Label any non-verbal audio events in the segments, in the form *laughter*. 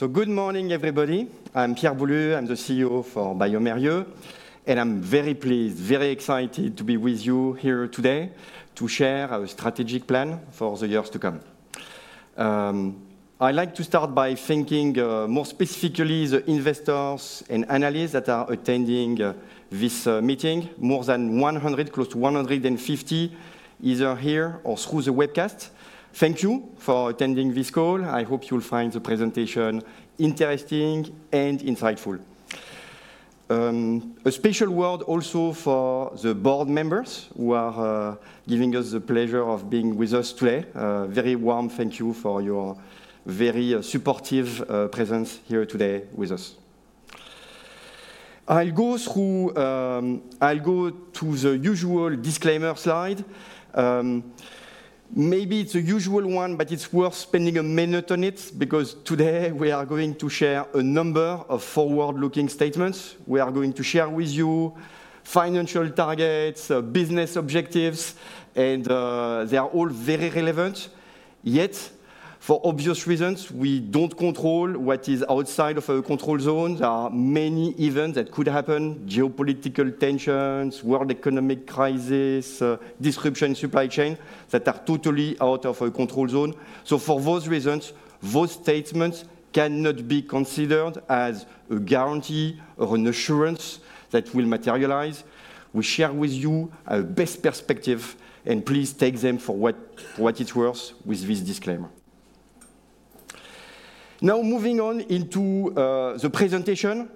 Good morning, everybody. I'm Pierre Boulud, I'm the CEO for bioMérieux, and I'm very pleased, very excited to be with you here today to share our strategic plan for the years to come. I'd like to start by thanking, more specifically the investors and analysts that are attending this meeting, more than 100, close to 150, either here or through the webcast. Thank you for attending this call. I hope you'll find the presentation interesting and insightful. A special word also for the board members who are, giving us the pleasure of being with us today. Very warm thank you for your very, supportive, presence here today with us. I'll go through, I'll go to the usual disclaimer slide. Maybe it's a usual one, but it's worth spending a minute on it because today we are going to share a number of forward-looking statements. We are going to share with you financial targets, business objectives, and they are all very relevant. Yet, for obvious reasons, we don't control what is outside of our control zone. There are many events that could happen: geopolitical tensions, world economic crisis, disruption in supply chain that are totally out of our control zone. So for those reasons, those statements cannot be considered as a guarantee or an assurance that will materialize. We share with you our best perspective, and please take them for what, for what it's worth with this disclaimer. Now moving on into the presentation.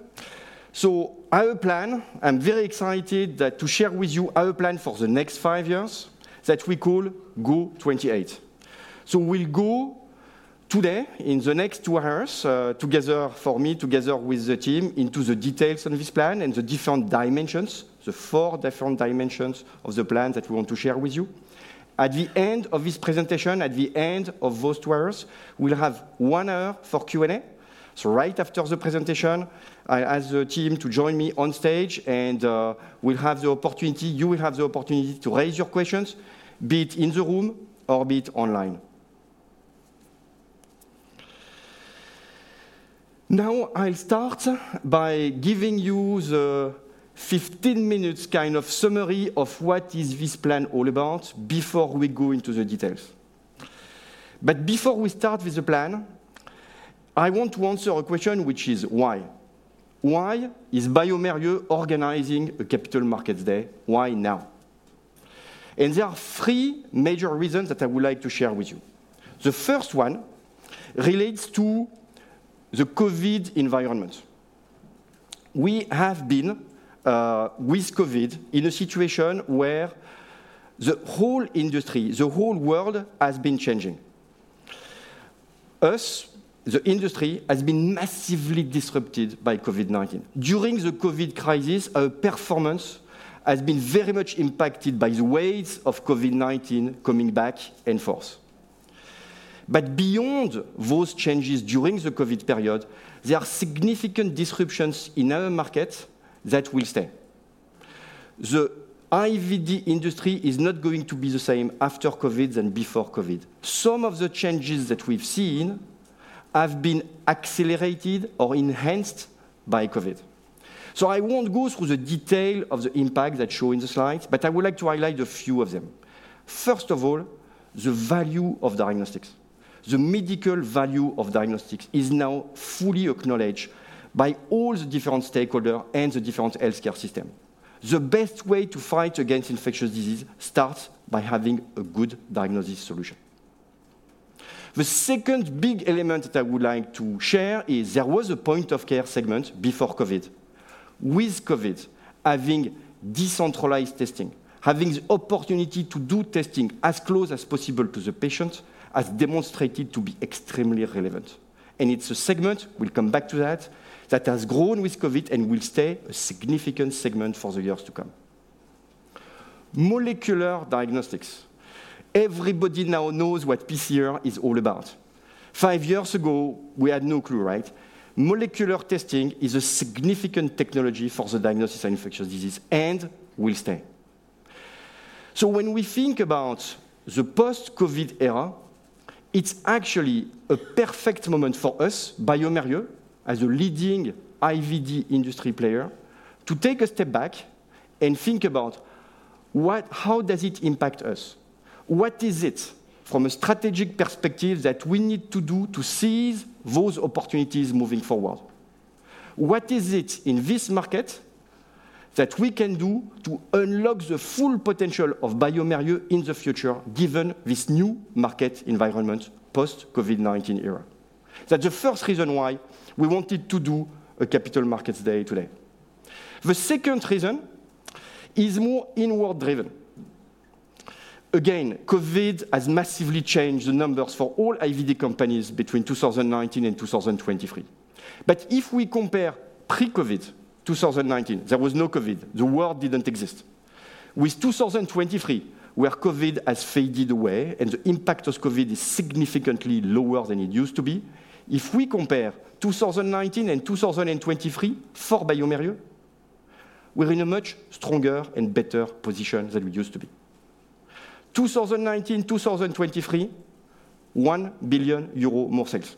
So our plan, I'm very excited to share with you our plan for the next five years that we call GO•28. So we'll go today, in the next two hours, together for me, together with the team, into the details on this plan and the different dimensions, the four different dimensions of the plan that we want to share with you. At the end of this presentation, at the end of those two hours, we'll have one hour for Q&A. So right after the presentation, I ask the team to join me on stage, and, we'll have the opportunity you will have the opportunity to raise your questions, be it in the room or be it online. Now I'll start by giving you the 15-minute kind of summary of what is this plan all about before we go into the details. But before we start with the plan, I want to answer a question which is why. Why is bioMérieux organizing a Capital Markets Day? Why now? There are three major reasons that I would like to share with you. The first one relates to the COVID environment. We have been, with COVID, in a situation where the whole industry, the whole world, has been changing. Us, the industry, has been massively disrupted by COVID-19. During the COVID crisis, our performance has been very much impacted by the waves of COVID-19 coming back in force. But beyond those changes during the COVID period, there are significant disruptions in our market that will stay. The IVD industry is not going to be the same after COVID than before COVID. Some of the changes that we've seen have been accelerated or enhanced by COVID. So I won't go through the detail of the impact that show in the slides, but I would like to highlight a few of them. First of all, the value of diagnostics. The medical value of diagnostics is now fully acknowledged by all the different stakeholders and the different healthcare systems. The best way to fight against infectious disease starts by having a good diagnosis solution. The second big element that I would like to share is there was a point-of-care segment before COVID. With COVID, having decentralized testing, having the opportunity to do testing as close as possible to the patient, has demonstrated to be extremely relevant. It's a segment—we'll come back to that—that has grown with COVID and will stay a significant segment for the years to come. Molecular diagnostics. Everybody now knows what PCR is all about. Five years ago, we had no clue, right? Molecular testing is a significant technology for the diagnosis of infectious disease and will stay. So when we think about the post-COVID era, it's actually a perfect moment for us, bioMérieux, as a leading IVD industry player, to take a step back and think about what, how does it impact us? What is it, from a strategic perspective, that we need to do to seize those opportunities moving forward? What is it in this market that we can do to unlock the full potential of bioMérieux in the future, given this new market environment post-COVID-19 era? That's the first reason why we wanted to do a Capital Markets Day today. The second reason is more inward-driven. Again, COVID has massively changed the numbers for all IVD companies between 2019 and 2023. But if we compare pre-COVID, 2019, there was no COVID, the world didn't exist, with 2023, where COVID has faded away and the impact of COVID is significantly lower than it used to be, if we compare 2019 and 2023 for bioMérieux, we're in a much stronger and better position than we used to be. 2019, 2023: 1 billion euro more sales,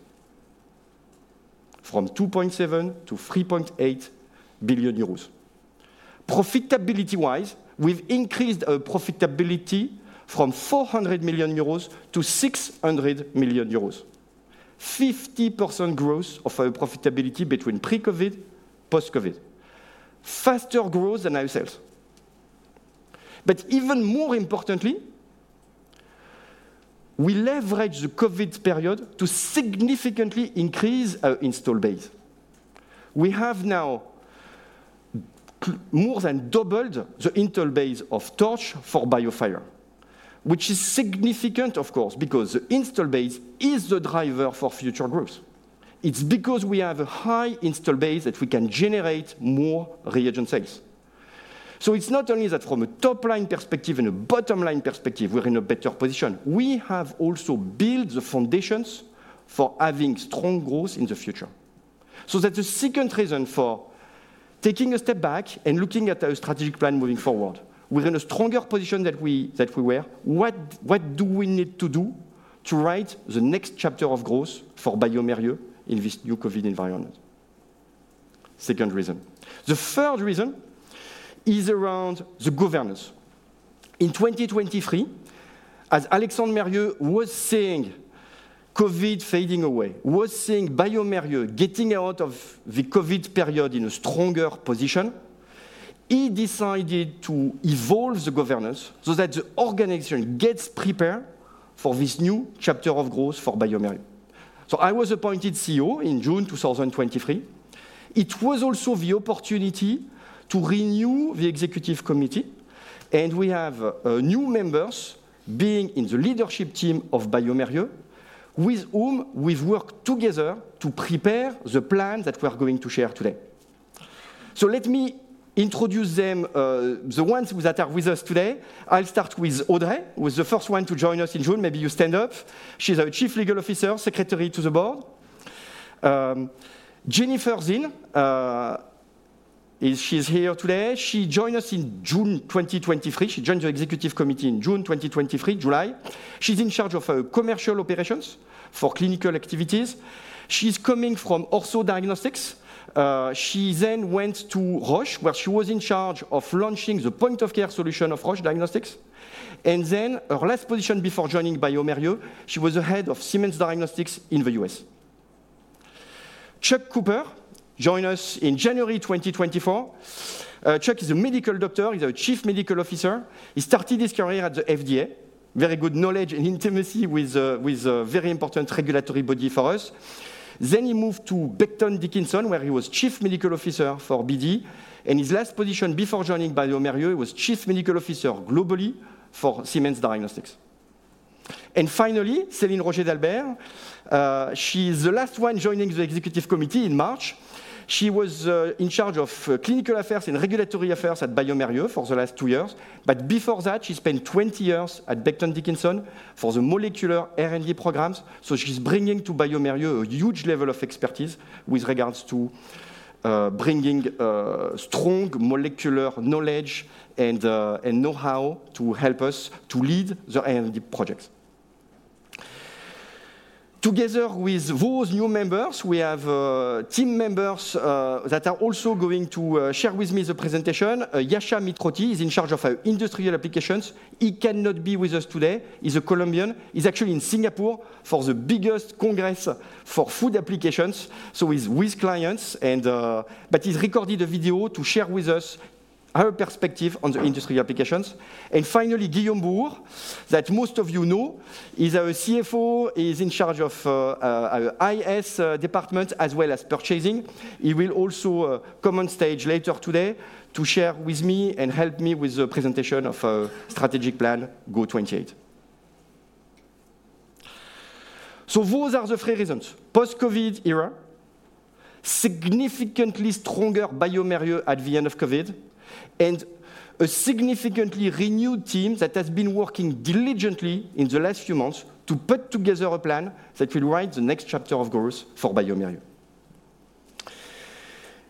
from 2.7 billion to 3.8 billion euros. Profitability-wise, we've increased our profitability from 400 million euros to 600 million euros. 50% growth of our profitability between pre-COVID and post-COVID. Faster growth than our sales. But even more importantly, we leveraged the COVID period to significantly increase our install base. We have now more than doubled the install base of TORCH for BIOFIRE, which is significant, of course, because the install base is the driver for future growth. It's because we have a high install base that we can generate more reagent sales. So it's not only that from a top-line perspective and a bottom-line perspective, we're in a better position. We have also built the foundations for having strong growth in the future. So that's the second reason for taking a step back and looking at our strategic plan moving forward. We're in a stronger position than we were. What do we need to do to write the next chapter of growth for bioMérieux in this new COVID environment? Second reason. The third reason is around the governance. In 2023, as Alexandre Mérieux was seeing COVID fading away, bioMérieux getting out of the COVID period in a stronger position, he decided to evolve the governance so that the organization gets prepared for this new chapter of growth for bioMérieux. So I was appointed CEO in June 2023. It was also the opportunity to renew the executive committee, and we have new members being in the leadership team of bioMérieux, with whom we've worked together to prepare the plan that we are going to share today. So let me introduce them, the ones who are with us today. I'll start with Audrey, who is the first one to join us in June. Maybe you stnd up. She's our Chief Legal Officer, Secretary to the Board. Jennifer Zinn. She's here today. She joined us in June 2023. She joined the executive committee in June 2023, July. She's in charge of our Commercial Operations for clinical activities. She's coming from Ortho Clinical Diagnostics. She then went to Roche, where she was in charge of launching the point-of-care solution of Roche Diagnostics. And then her last position before joining bioMérieux, she was the head of Siemens Diagnostics in the U.S. Chuck Cooper joined us in January 2024. Chuck is a medical doctor. He's our Chief Medical Officer. He started his career at the FDA. Very good knowledge and intimacy with a very important regulatory body for us. Then he moved to Becton Dickinson, where he was Chief Medical Officer for BD. And his last position before joining bioMérieux, he was chief medical officer globally for Siemens Diagnostics. And finally, Céline Roger-Dalbert. She's the last one joining the Executive Committee in March. She was in charge of Clinical Affairs and Regulatory Affairs at bioMérieux for the last two years. But before that, she spent 20 years at Becton Dickinson for the molecular R&D programs. So she's bringing to bioMérieux a huge level of expertise with regards to bringing strong molecular knowledge and know-how to help us to lead the R&D projects. Together with those new members, we have team members that are also going to share with me the presentation. Yasha Mitrotti is in charge of our industrial applications. He cannot be with us today. He's a Colombian. He's actually in Singapore for the biggest congress for food applications. So he's with clients and, but he's recording a video to share with us our perspective on the industrial applications. And finally, Guillaume Bouhours, that most of you know, is our CFO. He's in charge of our IS department as well as purchasing. He will also come on stage later today to share with me and help me with the presentation of our strategic plan, GO•28. So those are the three reasons: post-COVID era, significantly stronger bioMérieux at the end of COVID, and a significantly renewed team that has been working diligently in the last few months to put together a plan that will write the next chapter of growth for bioMérieux.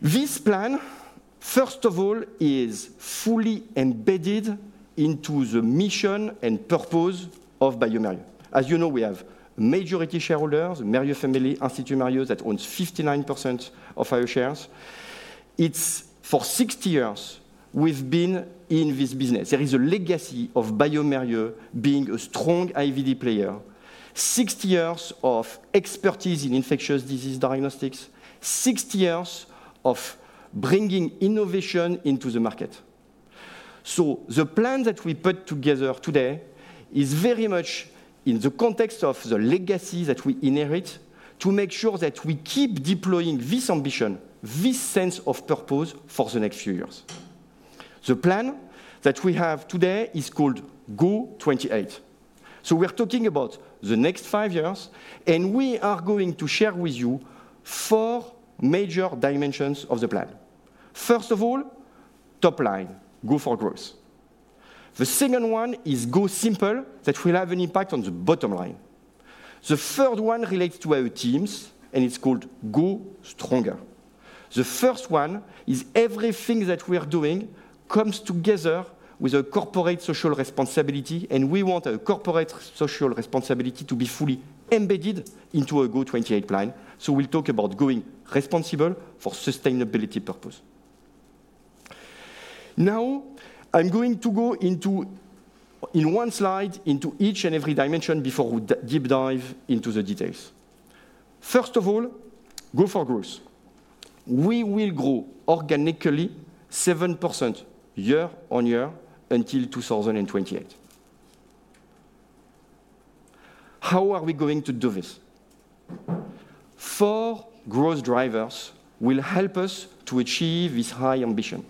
This plan, first of all, is fully embedded into the mission and purpose of bioMérieux. As you know, we have majority shareholders, Mérieux Family, Institut Mérieux, that owns 59% of our shares. It's for 60 years we've been in this business. There is a legacy of bioMérieux being a strong IVD player, 60 years of expertise in infectious disease diagnostics, 60 years of bringing innovation into the market. So the plan that we put together today is very much in the context of the legacy that we inherit to make sure that we keep deploying this ambition, this sense of purpose for the next few years. The plan that we have today is called GO•28. So we're talking about the next five years, and we are going to share with you four major dimensions of the plan. First of all, top line: Go for Growth. The second one is Go Simple, that will have an impact on the bottom line. The third one relates to our teams, and it's called Go Stronger. The first one is everything that we are doing comes together with our corporate social responsibility, and we want our corporate social responsibility to be fully embedded into our GO•28 plan. So we'll talk about going responsible for sustainability purpose. Now I'm going to go into in one slide into each and every dimension before we deep dive into the details. First of all, Go for Growth. We will grow organically 7% year-over-year until 2028. How are we going to do this? Four growth drivers will help us to achieve this high ambition.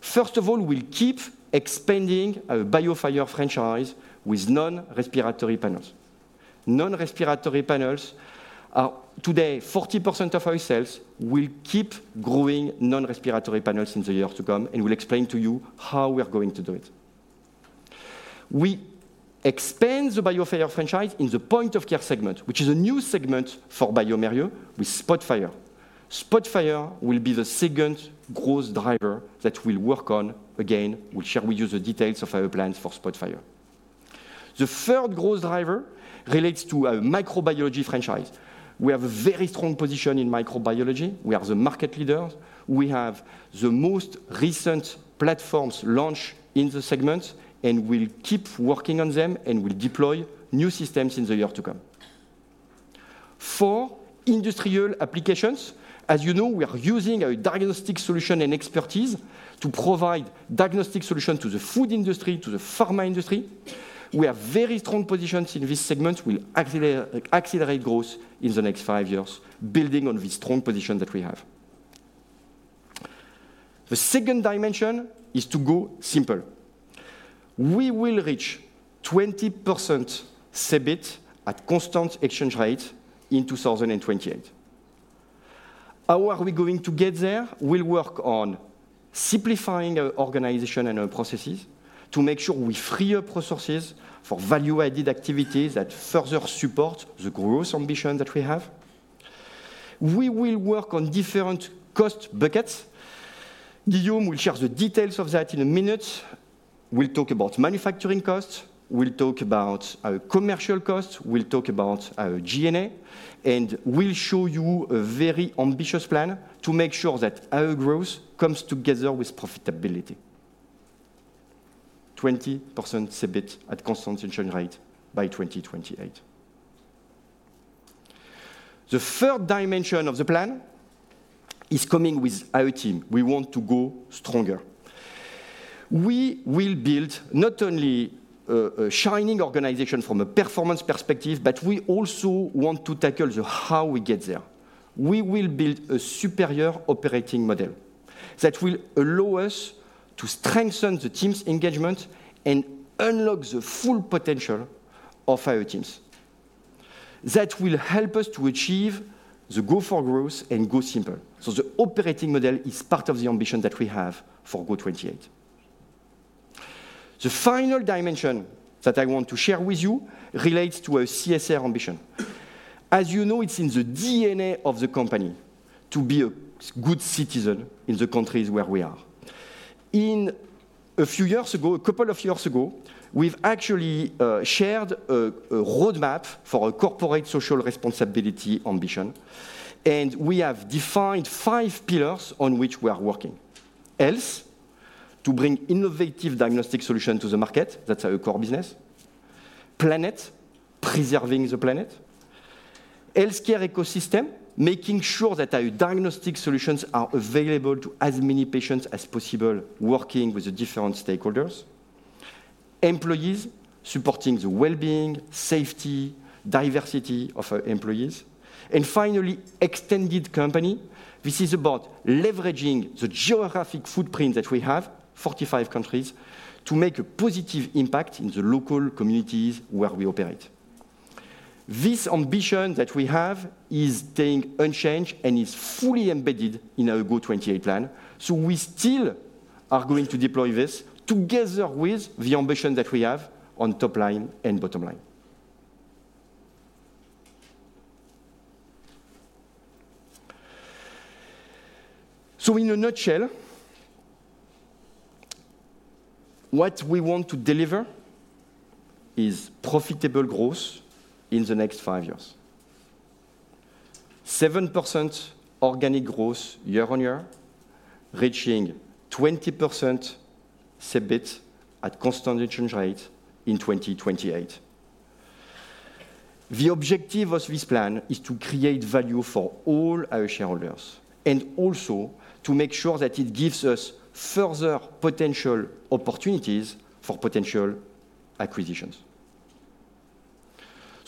First of all, we'll keep expanding our BIOFIRE franchise with non-respiratory panels. Non-respiratory panels are today 40% of our sales. We'll keep growing non-respiratory panels in the years to come, and we'll explain to you how we are going to do it. We expand the BIOFIRE franchise in the point-of-care segment, which is a new segment for bioMérieux with SPOTFIRE. SPOTFIRE will be the second growth driver that we'll work on. Again, we'll share with you the details of our plans for SPOTFIRE. The third growth driver relates to our microbiology franchise. We have a very strong position in microbiology. We are the market leaders. We have the most recent platforms launched in the segment, and we'll keep working on them and will deploy new systems in the years to come. For industrial applications, as you know, we are using our diagnostic solution and expertise to provide diagnostic solutions to the food industry, to the pharma industry. We have very strong positions in this segment. We'll accelerate growth in the next five years, building on this strong position that we have. The second dimension is to go simple. We will reach 20% CEBIT at constant exchange rate in 2028. How are we going to get there? We'll work on simplifying our organization and our processes to make sure we free up resources for value-added activities that further support the growth ambition that we have. We will work on different cost buckets. Guillaume will share the details of that in a minute. We'll talk about manufacturing costs. We'll talk about our commercial costs. We'll talk about our G&A. And we'll show you a very ambitious plan to make sure that our growth comes together with profitability: 20% CEBIT at constant exchange rate by 2028. The third dimension of the plan is coming with our team. We want to Go Stronger. We will build not only a shining organization from a performance perspective, but we also want to tackle the how we get there. We will build a superior operating model that will allow us to strengthen the team's engagement and unlock the full potential of our teams. That will help us to achieve the Go for Growth and Go Simple. So the operating model is part of the ambition that we have for GO•28. The final dimension that I want to share with you relates to our CSR ambition. As you know, it's in the DNA of the company to be a good citizen in the countries where we are. A couple of years ago, we've actually shared a roadmap for our corporate social responsibility ambition. We have defined five pillars on which we are working: Health, to bring innovative diagnostic solutions to the market. That's our core business. Planet: preserving the planet. Healthcare ecosystem: making sure that our diagnostic solutions are available to as many patients as possible, working with different stakeholders. Employees: supporting the well-being, safety, diversity of our employees. And finally, Extended Company: this is about leveraging the geographic footprint that we have, 45 countries, to make a positive impact in the local communities where we operate. This ambition that we have is staying unchanged and is fully embedded in our GO•28 plan. We still are going to deploy this together with the ambition that we have on top line and bottom line. In a nutshell, what we want to deliver is profitable growth in the next five years: 7% organic growth year-over-year, reaching 20% CEBIT at constant exchange rate in 2028. The objective of this plan is to create value for all our shareholders and also to make sure that it gives us further potential opportunities for potential acquisitions.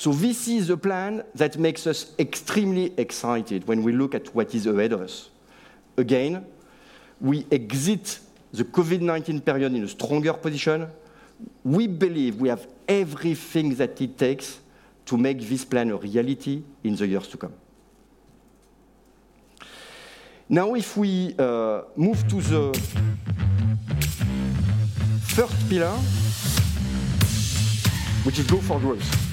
This is the plan that makes us extremely excited when we look at what is ahead of us. Again, we exit the COVID-19 period in a stronger position. We believe we have everything that it takes to make this plan a reality in the years to come. Now, if we move to the first pillar, which is Go for Growth.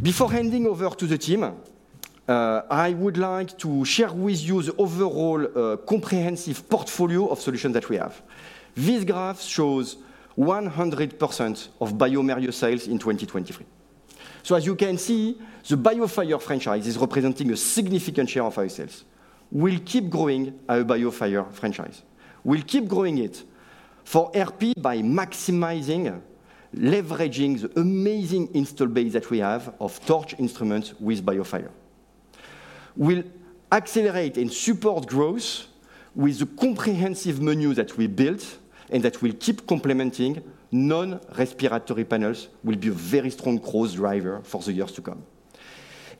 Before handing over to the team, I would like to share with you the overall comprehensive portfolio of solutions that we have. This graph shows 100% of bioMérieux sales in 2023. So as you can see, the BIOFIRE franchise is representing a significant share of our sales. We'll keep growing our BIOFIRE franchise. We'll keep growing it for RP by maximizing leveraging the amazing install base that we have of TORCH instruments with BIOFIRE. We'll accelerate and support growth with the comprehensive menu that we built and that we'll keep complementing. Non-respiratory panels will be a very strong growth driver for the years to come.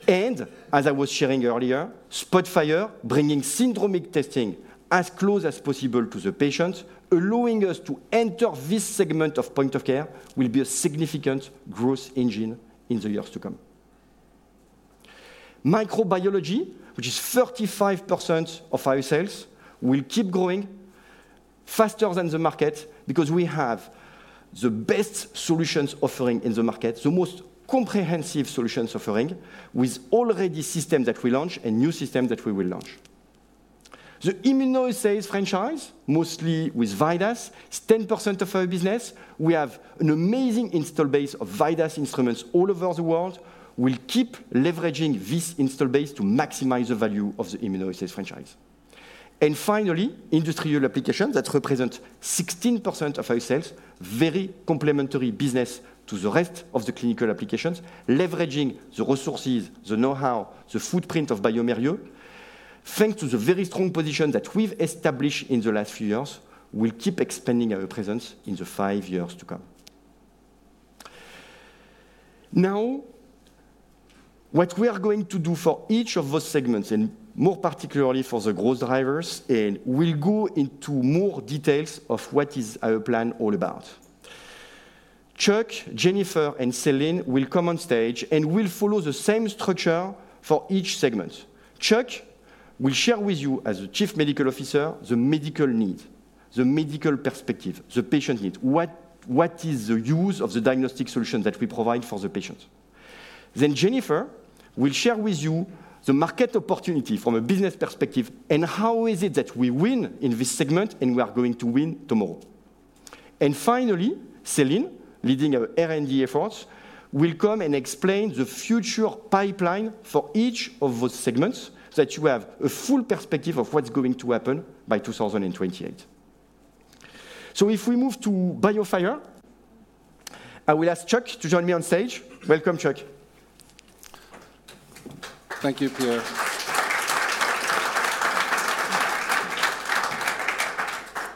As I was sharing earlier, SPOTFIRE bringing syndromic testing as close as possible to the patients, allowing us to enter this segment of point-of-care, will be a significant growth engine in the years to come. Microbiology, which is 35% of our sales, will keep growing faster than the market because we have the best solutions offering in the market, the most comprehensive solutions offering, with already systems that we launch and new systems that we will launch. The immunoassays franchise, mostly with VIDAS, is 10% of our business. We have an amazing installed base of VIDAS instruments all over the world. We'll keep leveraging this installed base to maximize the value of the immunoassays franchise. Finally, industrial applications that represent 16% of our sales, very complementary business to the rest of the clinical applications, leveraging the resources, the know-how, the footprint of bioMérieux, thanks to the very strong position that we've established in the last few years, will keep expanding our presence in the five years to come. Now, what we are going to do for each of those segments, and more particularly for the growth drivers, and we'll go into more details of what is our plan all about. Chuck, Jennifer, and Céline will come on stage and will follow the same structure for each segment. Chuck will share with you, as the Chief Medical Officer, the medical need, the medical perspective, the patient need: what is the use of the diagnostic solutions that we provide for the patients? Then Jennifer will share with you the market opportunity from a business perspective and how is it that we win in this segment and we are going to win tomorrow. Finally, Céline, leading our R&D efforts, will come and explain the future pipeline for each of those segments so that you have a full perspective of what's going to happen by 2028. So if we move to BIOFIRE, I will ask Chuck to join me on stage. Welcome, Chuck. Thank you, Pierre.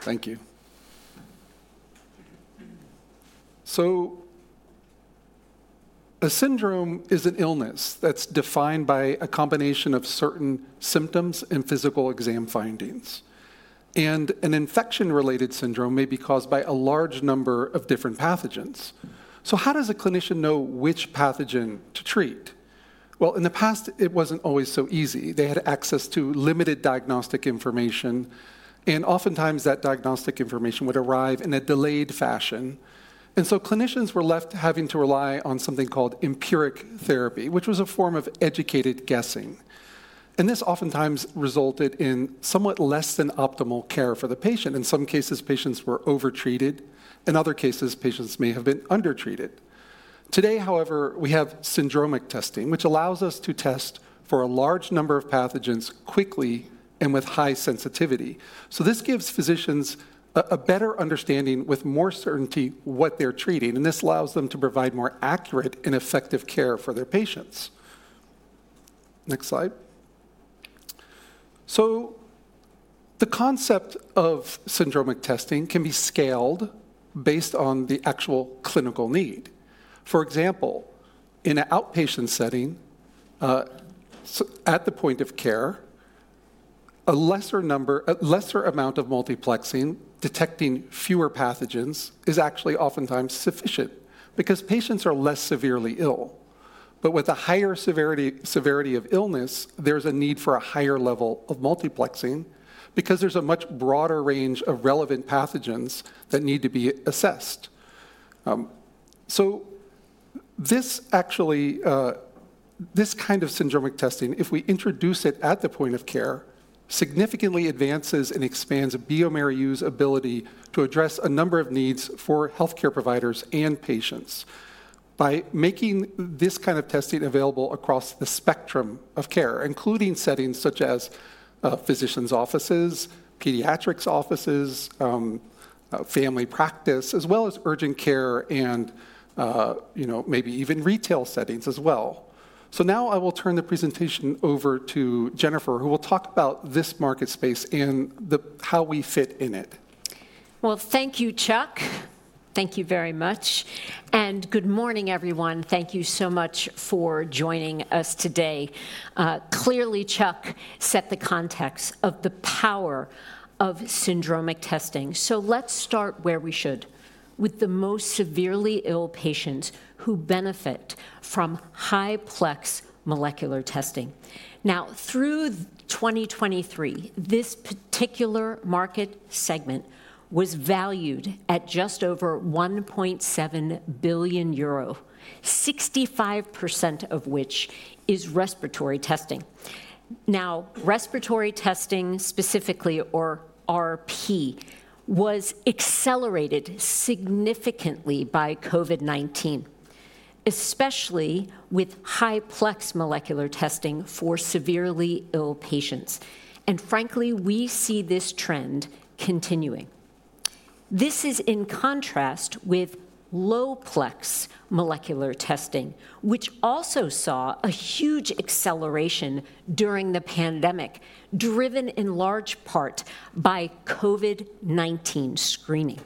Thank you. So a syndrome is an illness that's defined by a combination of certain symptoms and physical exam findings. And an infection-related syndrome may be caused by a large number of different pathogens. So how does a clinician know which pathogen to treat? Well, in the past, it wasn't always so easy. They had access to limited diagnostic information. And oftentimes, that diagnostic information would arrive in a delayed fashion. And so clinicians were left having to rely on something called empiric therapy, which was a form of educated guessing. And this oftentimes resulted in somewhat less than optimal care for the patient. In some cases, patients were overtreated. In other cases, patients may have been undertreated. Today, however, we have syndromic testing, which allows us to test for a large number of pathogens quickly and with high sensitivity. So this gives physicians a better understanding with more certainty of what they're treating. And this allows them to provide more accurate and effective care for their patients. Next slide. So the concept of syndromic testing can be scaled based on the actual clinical need. For example, in an outpatient setting, at the point of care, a lesser number, a lesser amount of multiplexing detecting fewer pathogens is actually oftentimes sufficient because patients are less severely ill. But with a higher severity, severity of illness, there's a need for a higher level of multiplexing because there's a much broader range of relevant pathogens that need to be assessed. This actually, this kind of syndromic testing, if we introduce it at the point of care, significantly advances and expands bioMérieux's ability to address a number of needs for health care providers and patients by making this kind of testing available across the spectrum of care, including settings such as physicians' offices, pediatrics offices, family practice, as well as urgent care and, you know, maybe even retail settings as well. Now I will turn the presentation over to Jennifer, who will talk about this market space and how we fit in it. Well, thank you, Chuck. Thank you very much. And good morning, everyone. Thank you so much for joining us today. Clearly, Chuck set the context of the power of syndromic testing. So let's start where we should, with the most severely ill patients who benefit from high-plex molecular testing. Now, through 2023, this particular market segment was valued at just over 1.7 billion euro, 65% of which is respiratory testing. Now, respiratory testing specifically, or RP, was accelerated significantly by COVID-19, especially with high-plex molecular testing for severely ill patients. And frankly, we see this trend continuing. This is in contrast with low-plex molecular testing, which also saw a huge acceleration during the pandemic, driven in large part by COVID-19 screening.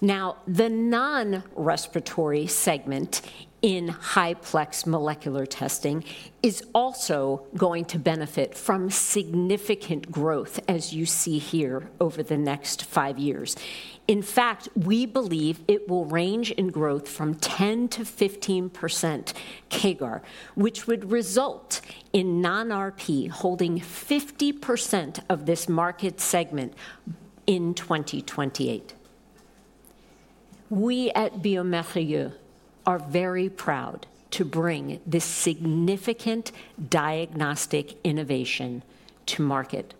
Now, the non-respiratory segment in high-plex molecular testing is also going to benefit from significant growth, as you see here, over the next five years. In fact, we believe it will range in growth from 10%-15% CAGR, which would result in non-RP holding 50% of this market segment in 2028. We at bioMérieux are very proud to bring this significant diagnostic innovation to market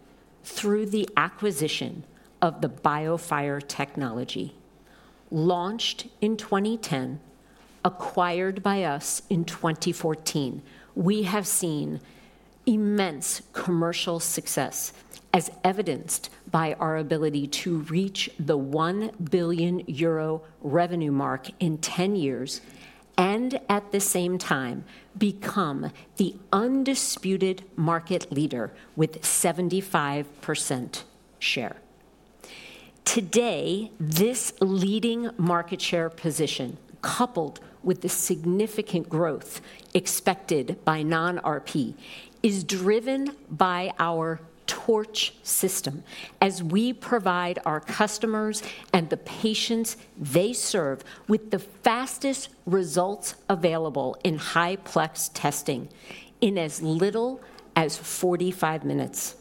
through the acquisition of the BIOFIRE technology, launched in 2010, acquired by us in 2014. We have seen immense commercial success, as evidenced by our ability to reach the 1 billion euro revenue mark in ten years and, at the same time, become the undisputed market leader with 75% share. Today, this leading market share position, coupled with the significant growth expected by non-RP, is driven by our TORCH system, as we provide our customers and the patients they serve with the fastest results available in high-plex testing in as little as 45 minutes.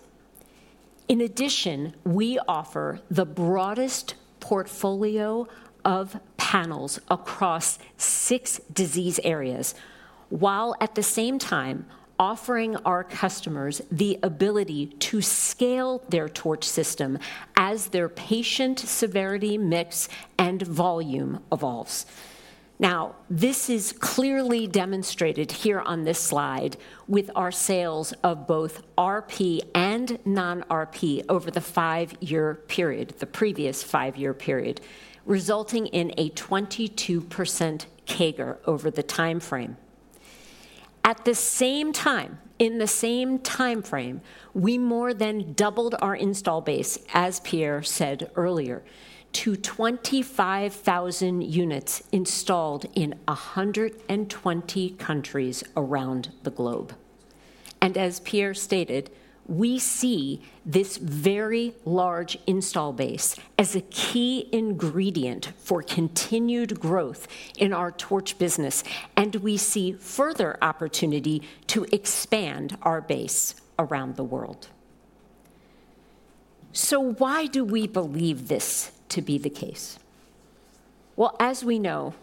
In addition, we offer the broadest portfolio of panels across six disease areas, while at the same time offering our customers the ability to scale their Torch system as their patient severity mix and volume evolves. Now, this is clearly demonstrated here on this slide with our sales of both RP and non-RP over the five-year period, the previous five-year period, resulting in a 22% CAGR over the time frame. At the same time, in the same time frame, we more than doubled our install base, as Pierre said earlier, to 25,000 units installed in 120 countries around the globe. And as Pierre stated, we see this very large install base as a key ingredient for continued growth in our TORCH business. And we see further opportunity to expand our base around the world. So why do we believe this to be the case? Well, as we know,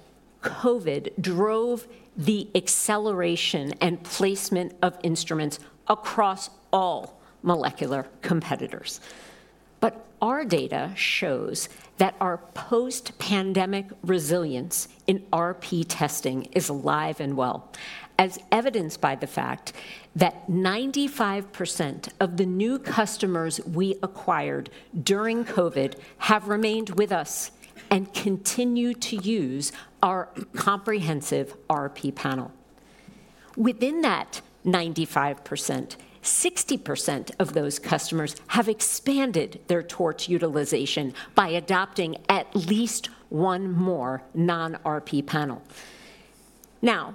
COVID drove the acceleration and placement of instruments across all molecular competitors. But our data shows that our post-pandemic resilience in RP testing is alive and well, as evidenced by the fact that 95% of the new customers we acquired during COVID have remained with us and continue to use our comprehensive RP panel. Within that 95%, 60% of those customers have expanded their torch utilization by adopting at least one more non-RP panel. Now,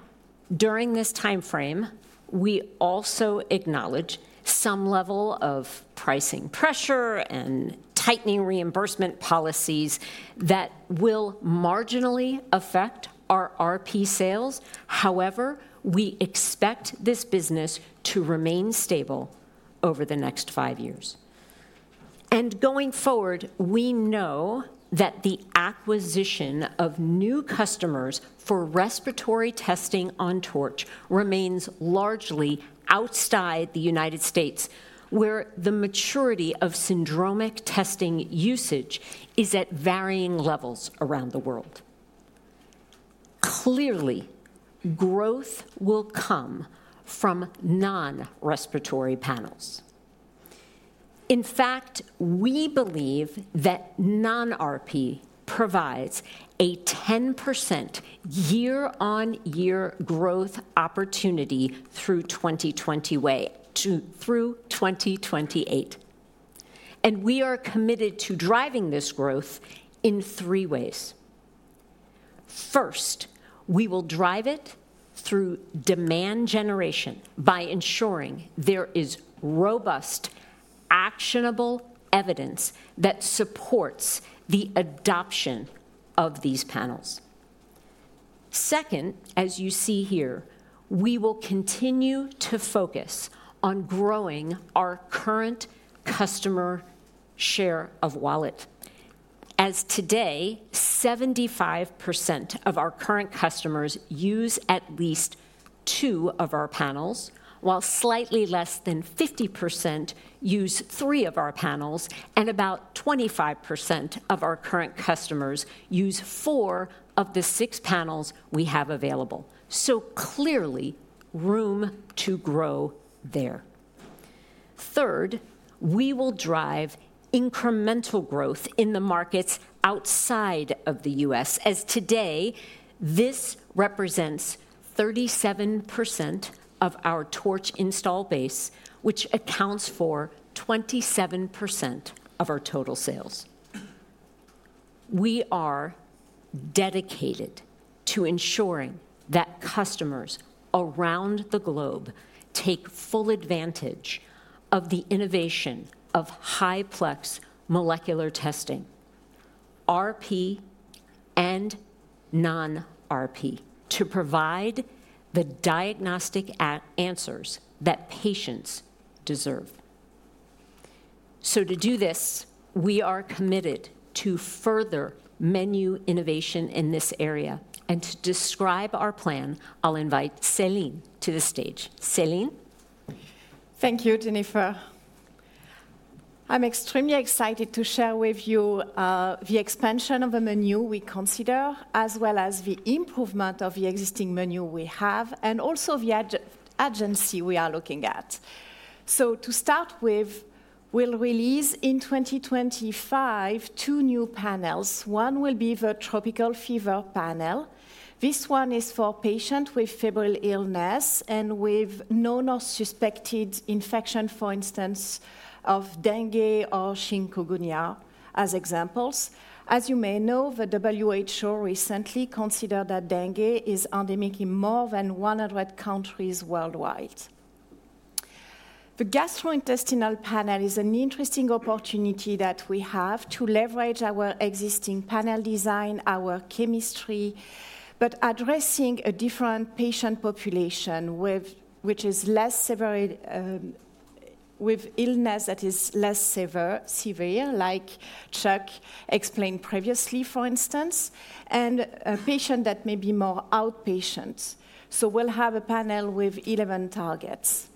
during this time frame, we also acknowledge some level of pricing pressure and tightening reimbursement policies that will marginally affect our RP sales. However, we expect this business to remain stable over the next five years. Going forward, we know that the acquisition of new customers for respiratory testing on TORCH remains largely outside the United States, where the maturity of syndromic testing usage is at varying levels around the world. Clearly, growth will come from non-respiratory panels. In fact, we believe that non-RP provides a 10% year-on-year growth opportunity through 2020 way -- to through 2028. We are committed to driving this growth in three ways. First, we will drive it through demand generation by ensuring there is robust, actionable evidence that supports the adoption of these panels. Second, as you see here, we will continue to focus on growing our current customer share of wallet. As today, 75% of our current customers use at least two of our panels, while slightly less than 50% use three of our panels, and about 25% of our current customers use four of the six panels we have available. So clearly, room to grow there. Third, we will drive incremental growth in the markets outside of the U.S. As today, this represents 37% of our TORCH install base, which accounts for 27% of our total sales. We are dedicated to ensuring that customers around the globe take full advantage of the innovation of high-plex molecular testing, RP and non-RP, to provide the diagnostic answers that patients deserve. So to do this, we are committed to further menu innovation in this area. And to describe our plan, I'll invite Céline to the stage. Céline? Thank you, Jennifer. I'm extremely excited to share with you the expansion of the menu we consider, as well as the improvement of the existing menu we have and also the agency we are looking at. To start with, we'll release in 2025 two new panels. One will be the Tropical Fever Panel. This one is for patients with febrile illness and with known or suspected infection, for instance, of dengue or chikungunya, as examples. As you may know, the WHO recently considered that dengue is endemic in more than 100 countries worldwide. The Gastrointestinal Panelis an interesting opportunity that we have to leverage our existing panel design, our chemistry, but addressing a different patient population, which is less severe, with illness that is less severe, severe, like Chuck explained previously, for instance, and a patient that may be more outpatient. So we'll have a panel with 11 targets.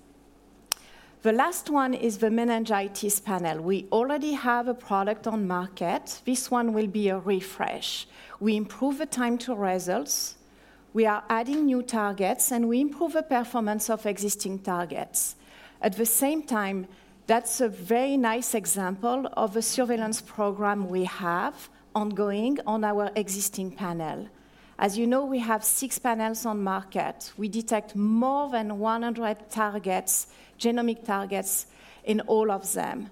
The last one is the Meningitis Panel. We already have a product on market. This one will be a refresh. We improve the time to results. We are adding new targets, and we improve the performance of existing targets. At the same time, that's a very nice example of a surveillance program we have ongoing on our existing panel. As you know, we have 6 panels on market. We detect more than 100 targets, genomic targets, in all of them,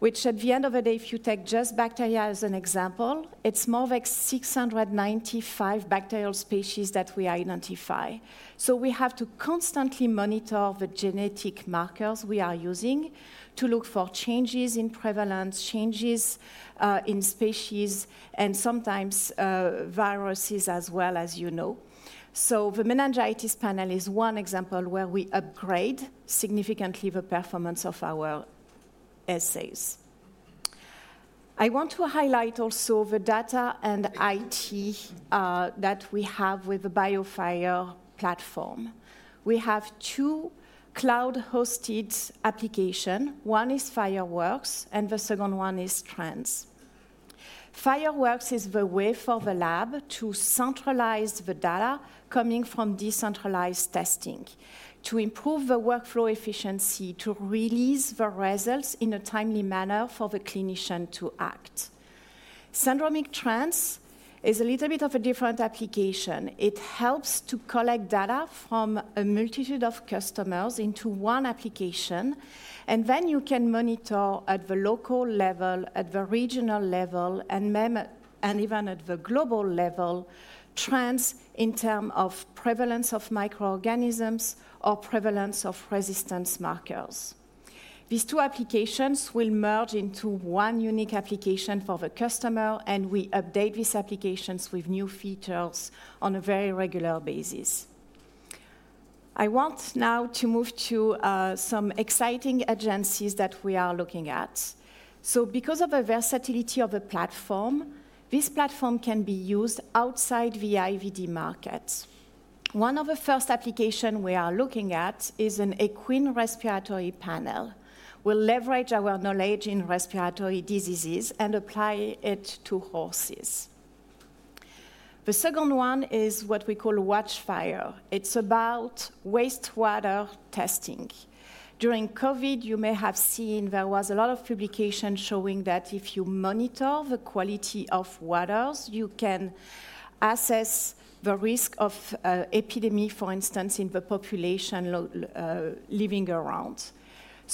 which, at the end of the day, if you take just bacteria as an example, it's more than 695 bacterial species that we identify. So we have to constantly monitor the genetic markers we are using to look for changes in prevalence, changes, in species, and sometimes, viruses as well, as you know. So the Meningitis Panel is one example where we upgrade significantly the performance of our assays. I want to highlight also the data and IT that we have with the BIOFIRE platform. We have two cloud-hosted applications. One is FIREWORKS, and the second one is Trends. Fireworks is the way for the lab to centralize the data coming from decentralized testing, to improve the workflow efficiency, to release the results in a timely manner for the clinician to act. Syndromic Trends is a little bit of a different application. It helps to collect data from a multitude of customers into one application. And then you can monitor at the local level, at the regional level, and even at the global level, Trends in terms of prevalence of microorganisms or prevalence of resistance markers. These two applications will merge into one unique application for the customer. We update these applications with new features on a very regular basis. I want now to move to some exciting areas that we are looking at. Because of the versatility of the platform, this platform can be used outside the IVD market. One of the first applications we are looking at is an equine respiratory panel. We'll leverage our knowledge in respiratory diseases and apply it to horses. The second one is what we call WATCHFIRE. It's about wastewater testing. During COVID, you may have seen there was a lot of publications showing that if you monitor the quality of waters, you can assess the risk of epidemic, for instance, in the population living around.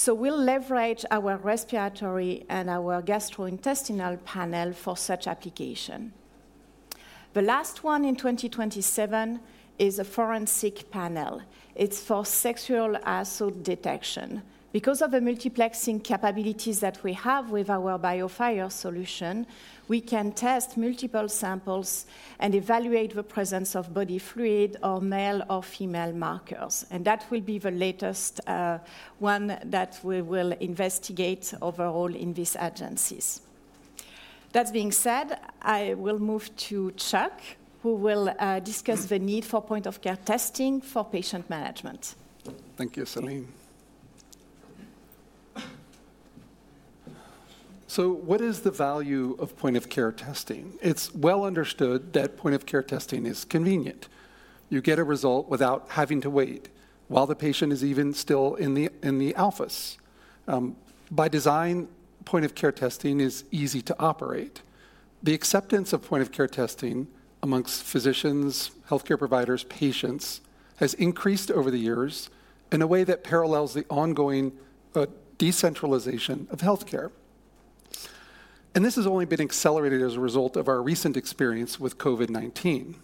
We'll leverage our respiratory and our Gastrointestinal Panel for such application. The last one in 2027 is a forensic panel. It's for sexual assault detection. Because of the multiplexing capabilities that we have with our BIOFIRE solution, we can test multiple samples and evaluate the presence of body fluid or male or female markers. That will be the latest, one that we will investigate overall in these agencies. That being said, I will move to Chuck, who will, discuss the need for point-of-care testing for patient management. Thank you, Céline. So what is the value of point-of-care testing? It's well understood that point-of-care testing is convenient. You get a result without having to wait while the patient is even still in the office. By design, point-of-care testing is easy to operate. The acceptance of point-of-care testing among physicians, health care providers, patients has increased over the years in a way that parallels the ongoing decentralization of health care. And this has only been accelerated as a result of our recent experience with COVID-19.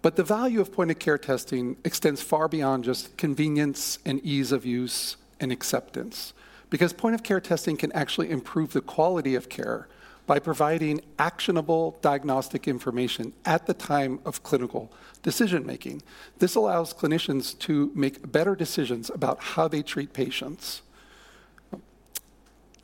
But the value of point-of-care testing extends far beyond just convenience and ease of use and acceptance, because point-of-care testing can actually improve the quality of care by providing actionable diagnostic information at the time of clinical decision making. This allows clinicians to make better decisions about how they treat patients.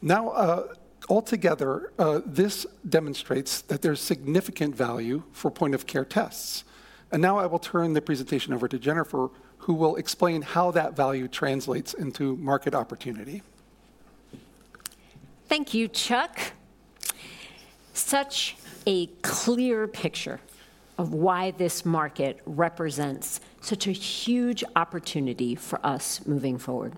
Now, altogether, this demonstrates that there's significant value for point-of-care tests. Now I will turn the presentation over to Jennifer, who will explain how that value translates into market opportunity. Thank you, Chuck. Such a clear picture of why this market represents such a huge opportunity for us moving forward.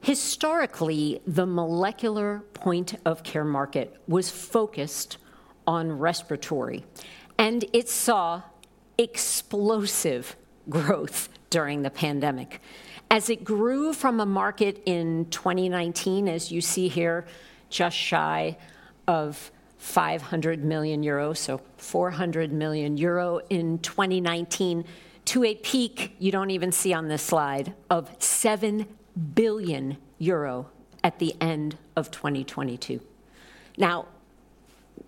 Historically, the molecular point-of-care market was focused on respiratory, and it saw explosive growth during the pandemic as it grew from a market in 2019, as you see here, just shy of 500 million euros, so 400 million euro in 2019, to a peak you don't even see on this slide of 7 billion euro at the end of 2022. Now,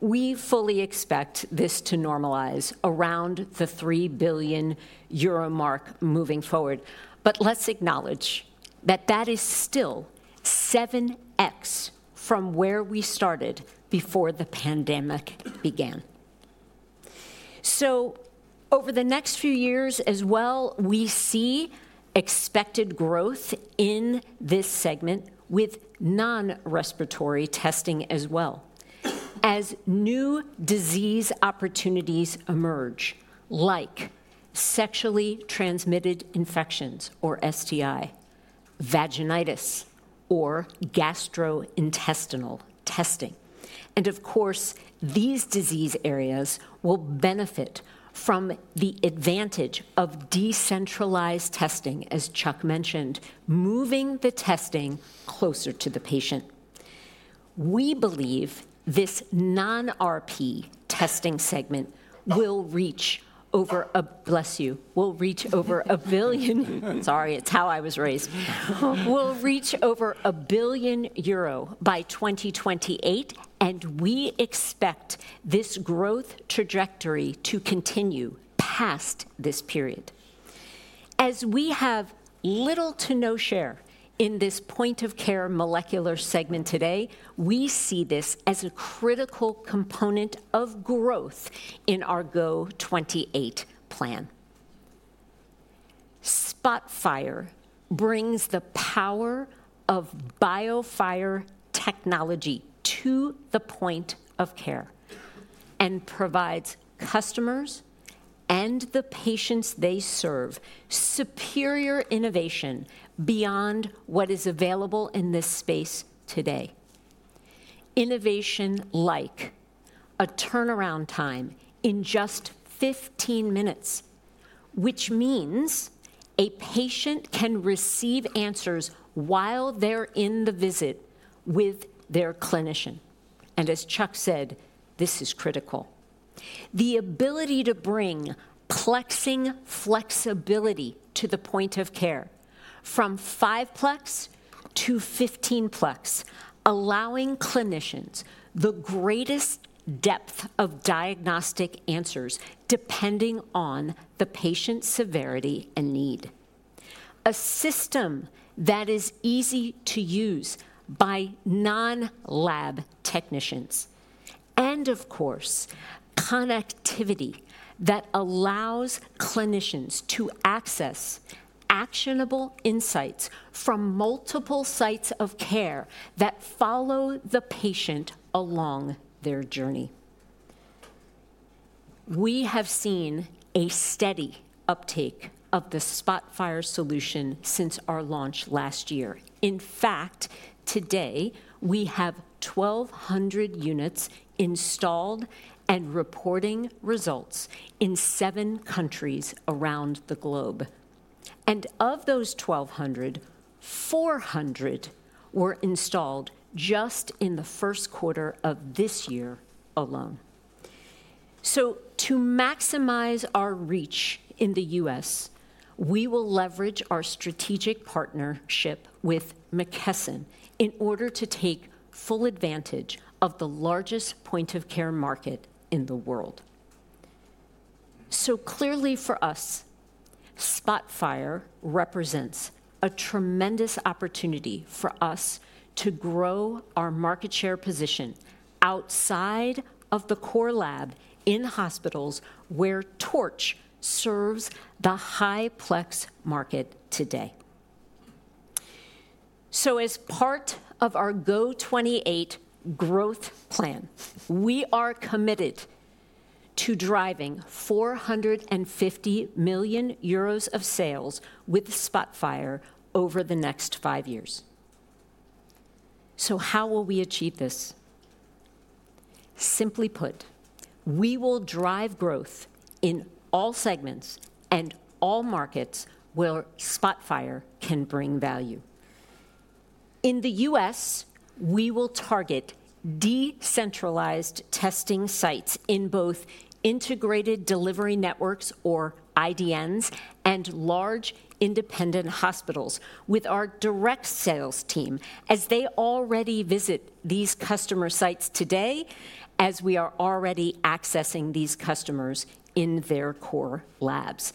we fully expect this to normalize around the 3 billion euro mark moving forward. But let's acknowledge that that is still 7x from where we started before the pandemic began. So over the next few years as well, we see expected growth in this segment with non-respiratory testing as well, as new disease opportunities emerge, like sexually transmitted infections or STI, vaginitis, or gastrointestinal testing. Of course, these disease areas will benefit from the advantage of decentralized testing, as Chuck mentioned, moving the testing closer to the patient. We believe this non-RP testing segment will reach over 1 billion. Sorry, it's how I was raised. It will reach over 1 billion euro by 2028. We expect this growth trajectory to continue past this period. As we have little to no share in this point-of-care molecular segment today, we see this as a critical component of growth in our GO•28 plan. SPOTFIRE brings the power of BIOFIRE technology to the point of care and provides customers and the patients they serve superior innovation beyond what is available in this space today. Innovation like a turnaround time in just 15 minutes, which means a patient can receive answers while they're in the visit with their clinician. As Chuck said, this is critical. The ability to bring plexing flexibility to the point of care from 5 plex to 15 plex, allowing clinicians the greatest depth of diagnostic answers depending on the patient's severity and need. A system that is easy to use by non-lab technicians. And of course, connectivity that allows clinicians to access actionable insights from multiple sites of care that follow the patient along their journey. We have seen a steady uptake of the SPOTFIRE solution since our launch last year. In fact, today, we have 1,200 units installed and reporting results in seven countries around the globe. Of those 1,200, 400 were installed just in the first quarter of this year alone. To maximize our reach in the U.S., we will leverage our strategic partnership with McKesson in order to take full advantage of the largest point-of-care market in the world. So clearly for us, SPOTFIRE represents a tremendous opportunity for us to grow our market share position outside of the core lab in hospitals where TORCH serves the high-plex market today. So as part of our GO•28 growth plan, we are committed to driving 450 million euros of sales with SPOTFIRE over the next five years. So how will we achieve this? Simply put, we will drive growth in all segments, and all markets where SPOTFIRE can bring value. In the U.S., we will target decentralized testing sites in both integrated delivery networks, or IDNs, and large independent hospitals with our direct sales team, as they already visit these customer sites today, as we are already accessing these customers in their core labs.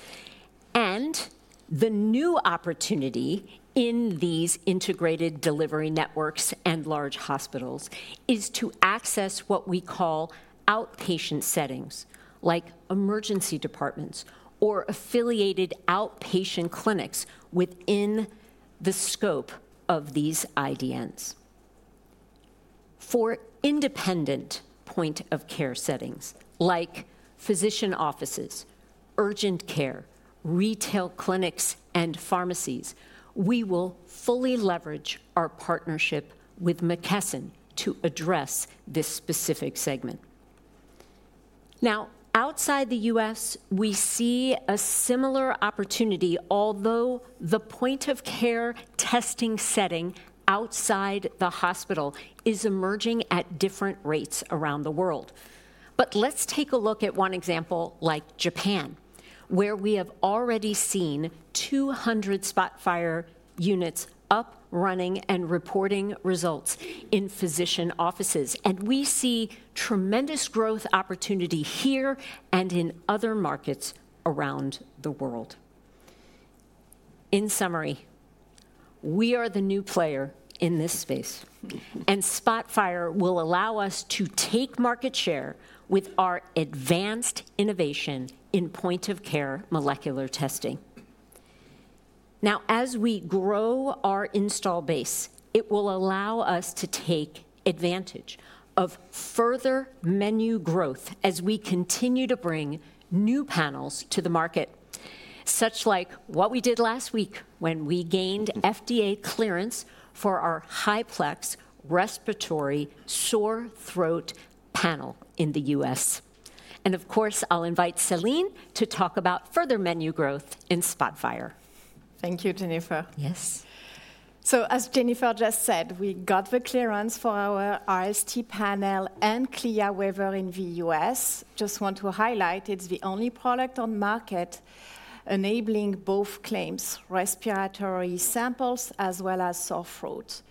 The new opportunity in these integrated delivery networks and large hospitals is to access what we call outpatient settings, like emergency departments or affiliated outpatient clinics within the scope of these IDNs. For independent point-of-care settings, like physician offices, urgent care, retail clinics, and pharmacies, we will fully leverage our partnership with McKesson to address this specific segment. Now, outside the U.S., we see a similar opportunity, although the point-of-care testing setting outside the hospital is emerging at different rates around the world. But let's take a look at one example like Japan, where we have already seen 200 SPOTFIRE units up running and reporting results in physician offices. And we see tremendous growth opportunity here and in other markets around the world. In summary, we are the new player in this space. SPOTFIRE will allow us to take market share with our advanced innovation in point-of-care molecular testing. Now, as we grow our install base, it will allow us to take advantage of further menu growth as we continue to bring new panels to the market, such like what we did last week when we gained FDA clearance for our high-plex Respiratory Sore Throat Panel in the U.S. And of course, I'll invite Céline to talk about further menu growth in SPOTFIRE. Thank you, Jennifer. Yes. So as Jennifer just said, we got the clearance for our RST panel and CLIA waiver in the U.S. Just want to highlight it's the only product on market enabling both claims, respiratory samples as well as sore throat.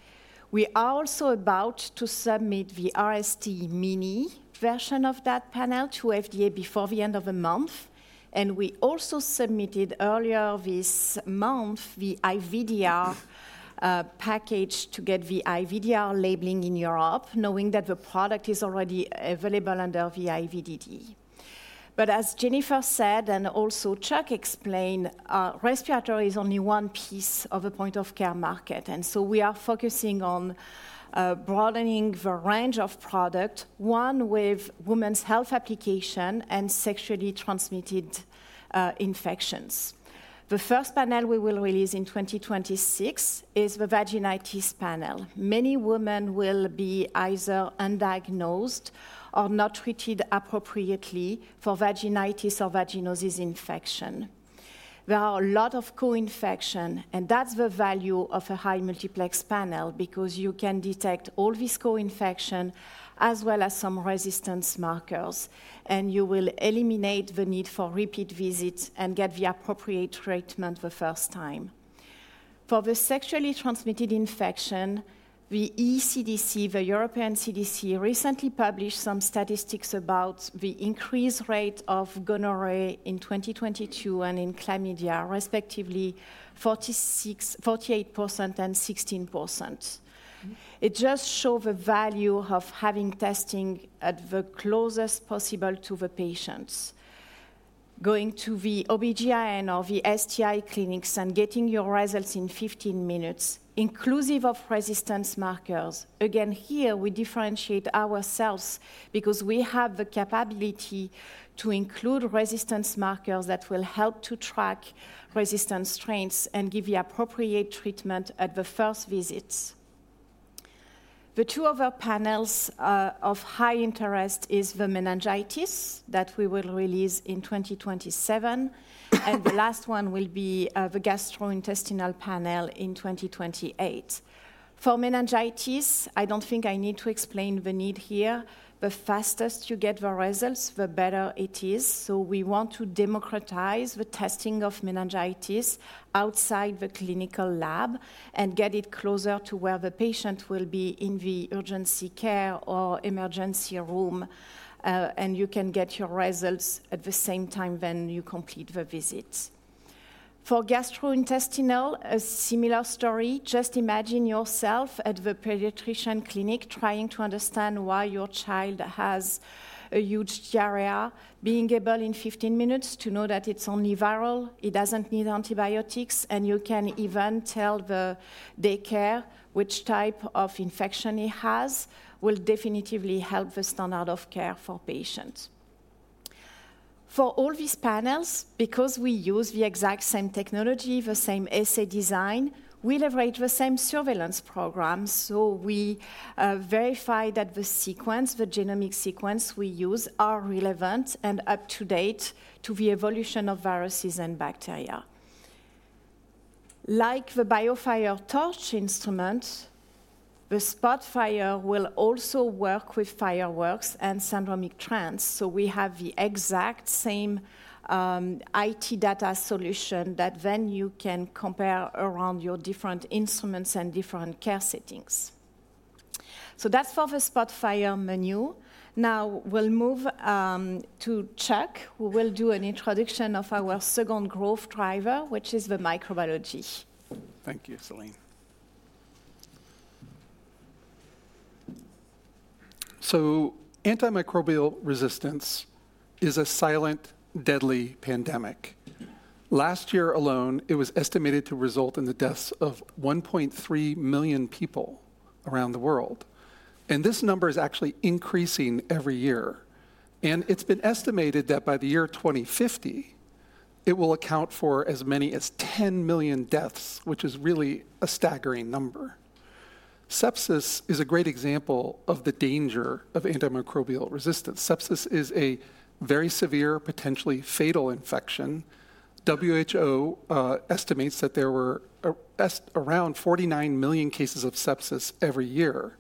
We are also about to submit the RST Mini version of that panel to FDA before the end of the month. And we also submitted earlier this month the IVDR package to get the IVDR labeling in Europe, knowing that the product is already available under the IVDD. But as Jennifer said and also Chuck explained, respiratory is only one piece of the point-of-care market. And so we are focusing on broadening the range of products, one with women's health application and sexually transmitted infections. The first panel we will release in 2026 is the Vaginitis Panel. Many women will be either undiagnosed or not treated appropriately for vaginitis or vaginosis infection. There are a lot of co-infection. That's the value of a high multiplex panel, because you can detect all this co-infection as well as some resistance markers. You will eliminate the need for repeat visits and get the appropriate treatment the first time. For the sexually transmitted infection, the ECDC, the European CDC, recently published some statistics about the increased rate of gonorrhea in 2022 and in chlamydia, respectively 46%, 48%, and 16%. It just shows the value of having testing as closest as possible to the patients, going to the OB-GYN or the STI clinics and getting your results in 15 minutes, inclusive of resistance markers. Again, here we differentiate ourselves because we have the capability to include resistance markers that will help to track resistance strains and give the appropriate treatment at the first visits. The two other panels of high interest are the meningitis that we will release in 2027. The last one will be the Gastrointestinal Panel in 2028. For meningitis, I don't think I need to explain the need here. The fastest you get the results, the better it is. So we want to democratize the testing of meningitis outside the clinical lab and get it closer to where the patient will be in the urgent care or emergency room. And you can get your results at the same time when you complete the visit. For gastrointestinal, a similar story. Just imagine yourself at the pediatrician clinic trying to understand why your child has a huge diarrhea, being able in 15 minutes to know that it's only viral, it doesn't need antibiotics, and you can even tell the daycare which type of infection he has, will definitively help the standard of care for patients. For all these panels, because we use the exact same technology, the same assay design, we leverage the same surveillance programs. So we verify that the sequence, the genomic sequence we use, is relevant and up to date to the evolution of viruses and bacteria. Like the BIOFIRE TORCH instrument, the BIOFIRE SPOTFIRE will also work with FIREWORKS and Syndromic Trends. So we have the exact same IT data solution that then you can compare around your different instruments and different care settings. So that's for the SPOTFIRE menu. Now, we'll move to Chuck, who will do an introduction of our second growth driver, which is the microbiology. Thank you, Céline. So antimicrobial resistance is a silent, deadly pandemic. Last year alone, it was estimated to result in the deaths of 1.3 million people around the world. And this number is actually increasing every year. And it's been estimated that by the year 2050, it will account for as many as 10 million deaths, which is really a staggering number. Sepsis is a great example of the danger of antimicrobial resistance. Sepsis is a very severe, potentially fatal infection. WHO estimates that there were around 49 million cases of sepsis every year.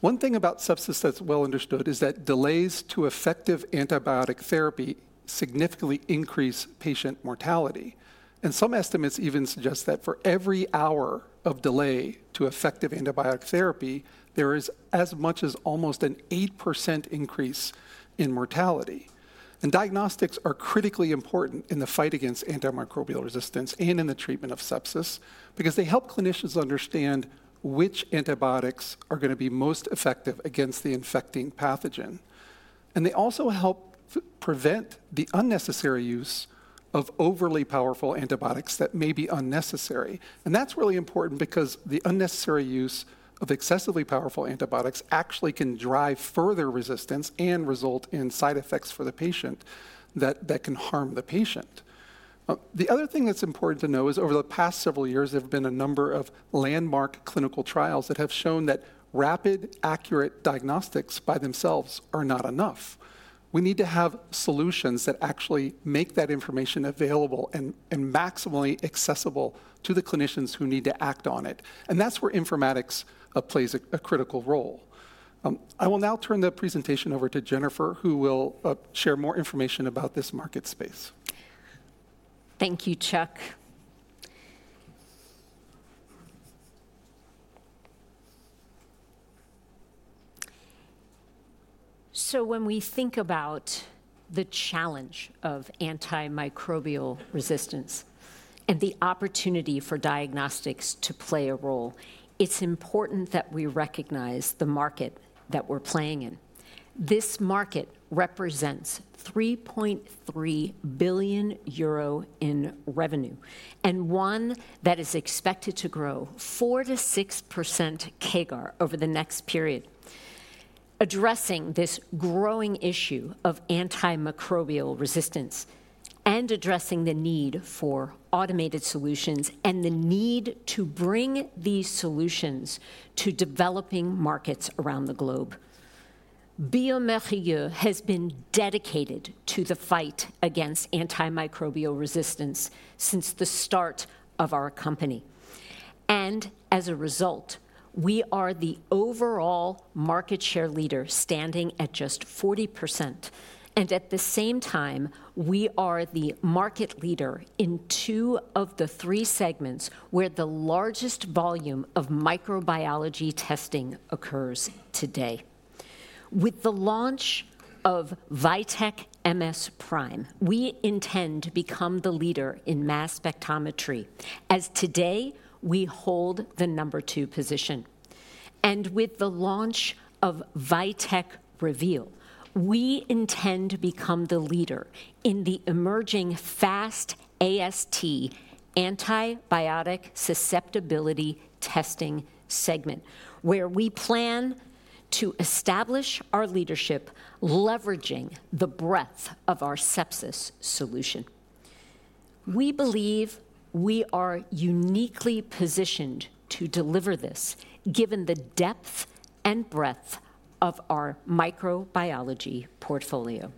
One thing about sepsis that's well understood is that delays to effective antibiotic therapy significantly increase patient mortality. And some estimates even suggest that for every hour of delay to effective antibiotic therapy, there is as much as almost an 8% increase in mortality. Diagnostics are critically important in the fight against antimicrobial resistance and in the treatment of sepsis, because they help clinicians understand which antibiotics are going to be most effective against the infecting pathogen. They also help prevent the unnecessary use of overly powerful antibiotics that may be unnecessary. That's really important, because the unnecessary use of excessively powerful antibiotics actually can drive further resistance and result in side effects for the patient that can harm the patient. The other thing that's important to know is, over the past several years, there have been a number of landmark clinical trials that have shown that rapid, accurate diagnostics by themselves are not enough. We need to have solutions that actually make that information available and maximally accessible to the clinicians who need to act on it. That's where informatics plays a critical role. I will now turn the presentation over to Jennifer, who will share more information about this market space. Thank you, Chuck. So when we think about the challenge of antimicrobial resistance and the opportunity for diagnostics to play a role, it's important that we recognize the market that we're playing in. This market represents 3.3 billion euro in revenue and one that is expected to grow 4%-6% CAGR over the next period. Addressing this growing issue of antimicrobial resistance and addressing the need for automated solutions and the need to bring these solutions to developing markets around the globe, bioMérieux has been dedicated to the fight against antimicrobial resistance since the start of our company. And as a result, we are the overall market share leader standing at just 40%. And at the same time, we are the market leader in two of the three segments where the largest volume of microbiology testing occurs today. With the launch of VITEK MS PRIME, we intend to become the leader in mass spectrometry, as today we hold the number two position. And with the launch of VITEK REVEAL, we intend to become the leader in the emerging fast AST antibiotic susceptibility testing segment, where we plan to establish our leadership leveraging the breadth of our sepsis solution. We believe we are uniquely positioned to deliver this, given the depth and breadth of our microbiology portfolio.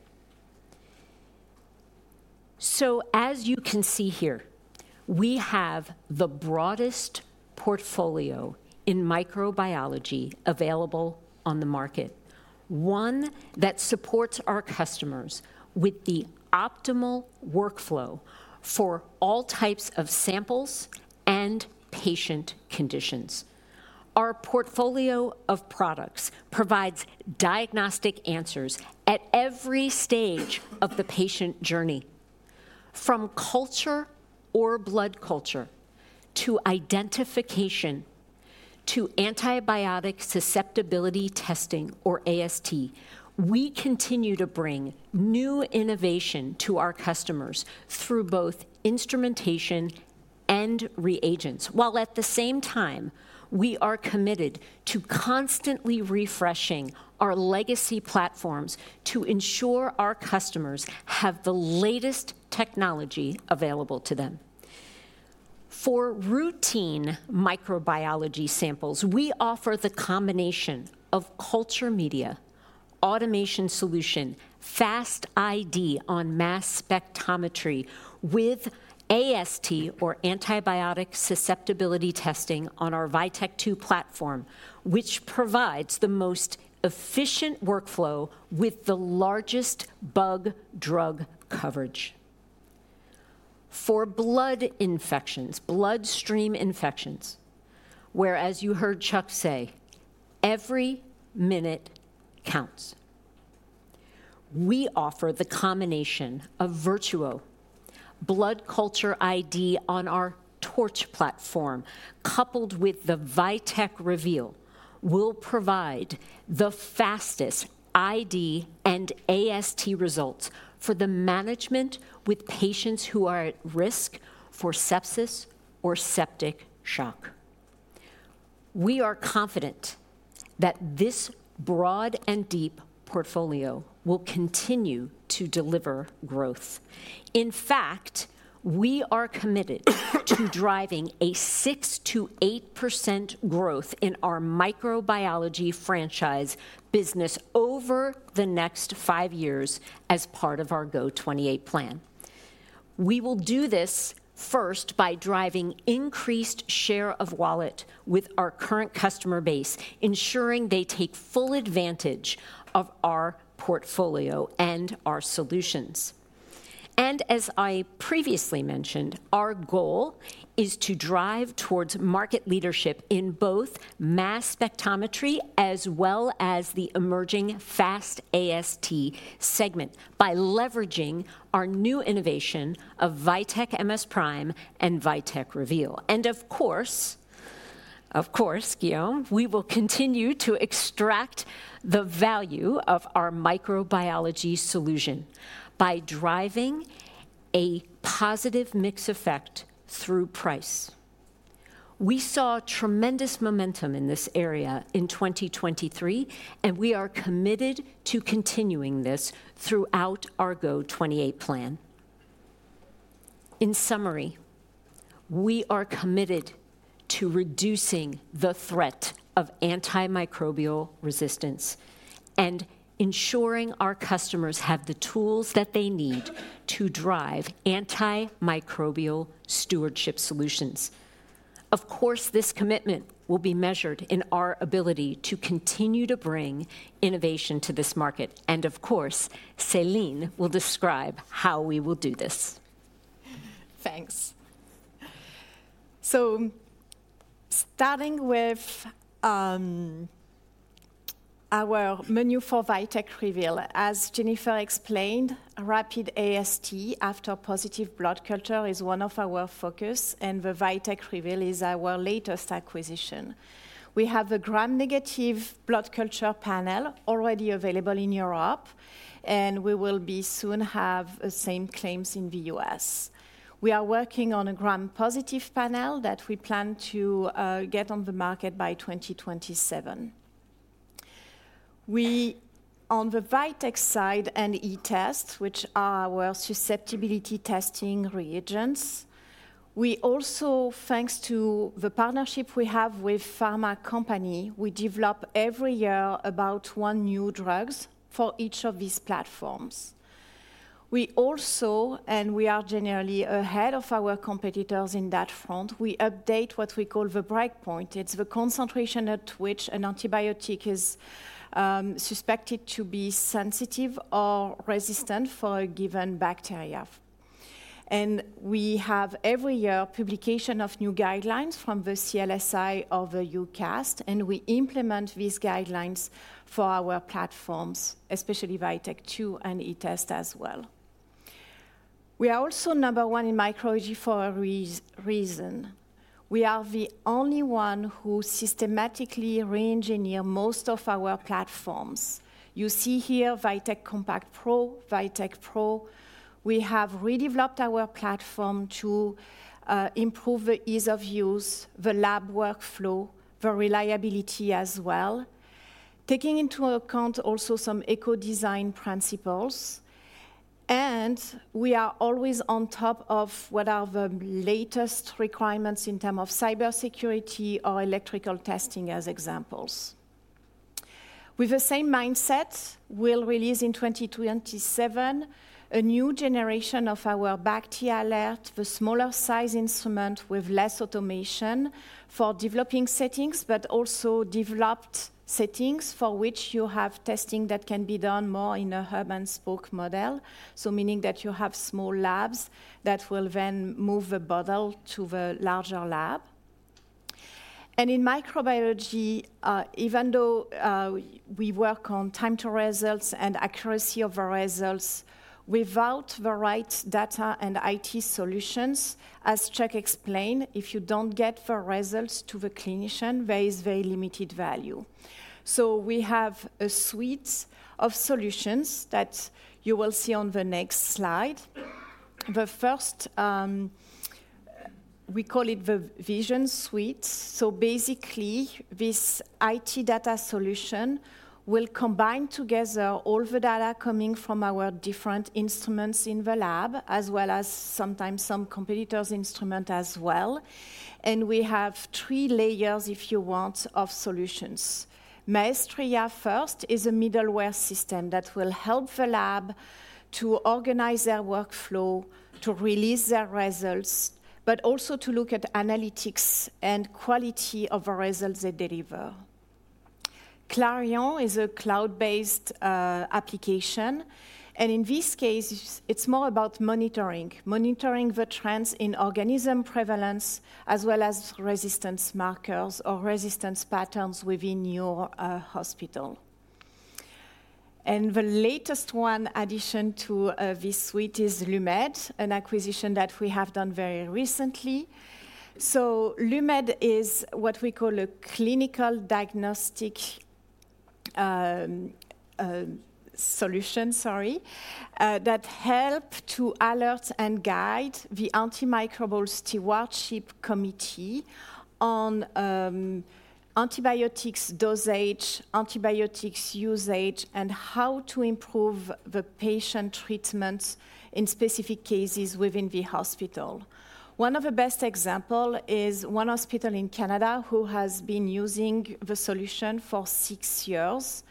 So as you can see here, we have the broadest portfolio in microbiology available on the market, one that supports our customers with the optimal workflow for all types of samples and patient conditions. Our portfolio of products provides diagnostic answers at every stage of the patient journey, from culture or blood culture to identification to antibiotic susceptibility testing or AST. We continue to bring new innovation to our customers through both instrumentation and reagents, while at the same time, we are committed to constantly refreshing our legacy platforms to ensure our customers have the latest technology available to them. For routine microbiology samples, we offer the combination of culture media, automation solution, fast ID on mass spectrometry with AST or antibiotic susceptibility testing on our VITEK 2 platform, which provides the most efficient workflow with the largest bug/drug coverage. For blood infections, bloodstream infections, whereas you heard Chuck say, every minute counts. We offer the combination of VIRTUO, blood culture ID on our TORCH platform, coupled with the VITEK REVEAL, will provide the fastest ID and AST results for the management with patients who are at risk for sepsis or septic shock. We are confident that this broad and deep portfolio will continue to deliver growth. In fact, we are committed to driving a 6%-8% growth in our microbiology franchise business over the next five years as part of our GO•28 plan. We will do this first by driving increased share of wallet with our current customer base, ensuring they take full advantage of our portfolio and our solutions. As I previously mentioned, our goal is to drive towards market leadership in both mass spectrometry as well as the emerging fast AST segment by leveraging our new innovation of VITEK MS PRIME and VITEK REVEAL. Of course, of course, Guillaume, we will continue to extract the value of our microbiology solution by driving a positive mix effect through price. We saw tremendous momentum in this area in 2023. We are committed to continuing this throughout our GO•28 plan. In summary, we are committed to reducing the threat of antimicrobial resistance and ensuring our customers have the tools that they need to drive antimicrobial stewardship solutions. Of course, this commitment will be measured in our ability to continue to bring innovation to this market. And of course, Céline will describe how we will do this. Thanks. So starting with our menu for VITEK REVEAL, as Jennifer explained, rapid AST after positive blood culture is one of our focuses. The VITEK REVEAL is our latest acquisition. We have the Gram-negative blood culture panel already available in Europe. We will soon have the same claims in the U.S. We are working on a Gram-positive panel that we plan to get on the market by 2027. On the VITEK side and ETESTs, which are our susceptibility testing reagents, we also, thanks to the partnership we have with pharma companies, develop every year about one new drug for each of these platforms. We also, and we are generally ahead of our competitors in that front, we update what we call the breakpoint. It's the concentration at which an antibiotic is suspected to be sensitive or resistant for a given bacteria. We have every year publication of new guidelines from the CLSI or the EUCAST. We implement these guidelines for our platforms, especially VITEK 2 and ETEST as well. We are also number one in microbiology for a reason. We are the only ones who systematically re-engineer most of our platforms. You see here VITEK COMPACT PRO, VITEK 2. We have redeveloped our platform to improve the ease of use, the lab workflow, the reliability as well, taking into account also some eco-design principles. We are always on top of what are the latest requirements in terms of cybersecurity or electrical testing as examples. With the same mindset, we'll release in 2027 a new generation of our BACT/ALERT, the smaller size instrument with less automation for developing settings, but also developed settings for which you have testing that can be done more in a hub-and-spoke model, so meaning that you have small labs that will then move the bottle to the larger lab. And in microbiology, even though we work on time to results and accuracy of the results, without the right data and IT solutions, as Chuck explained, if you don't get the results to the clinician, there is very limited value. So we have a suite of solutions that you will see on the next slide. The first, we call it the Vision Suite. So basically, this IT data solution will combine together all the data coming from our different instruments in the lab, as well as sometimes some competitors' instruments as well. And we have three layers, if you want, of solutions. MAESTRIA first is a middleware system that will help the lab to organize their workflow, to release their results, but also to look at analytics and quality of the results they deliver. CLARION is a cloud-based application. And in this case, it's more about monitoring, monitoring the trends in organism prevalence as well as resistance markers or resistance patterns within your hospital. And the latest one addition to this suite is LUMED, an acquisition that we have done very recently. So LUMED is what we call a clinical diagnostic solution, sorry, that helps to alert and guide the antimicrobial stewardship committee on antibiotics dosage, antibiotics usage, and how to improve the patient treatment in specific cases within the hospital. One of the best examples is one hospital in Canada who has been using the solution for six years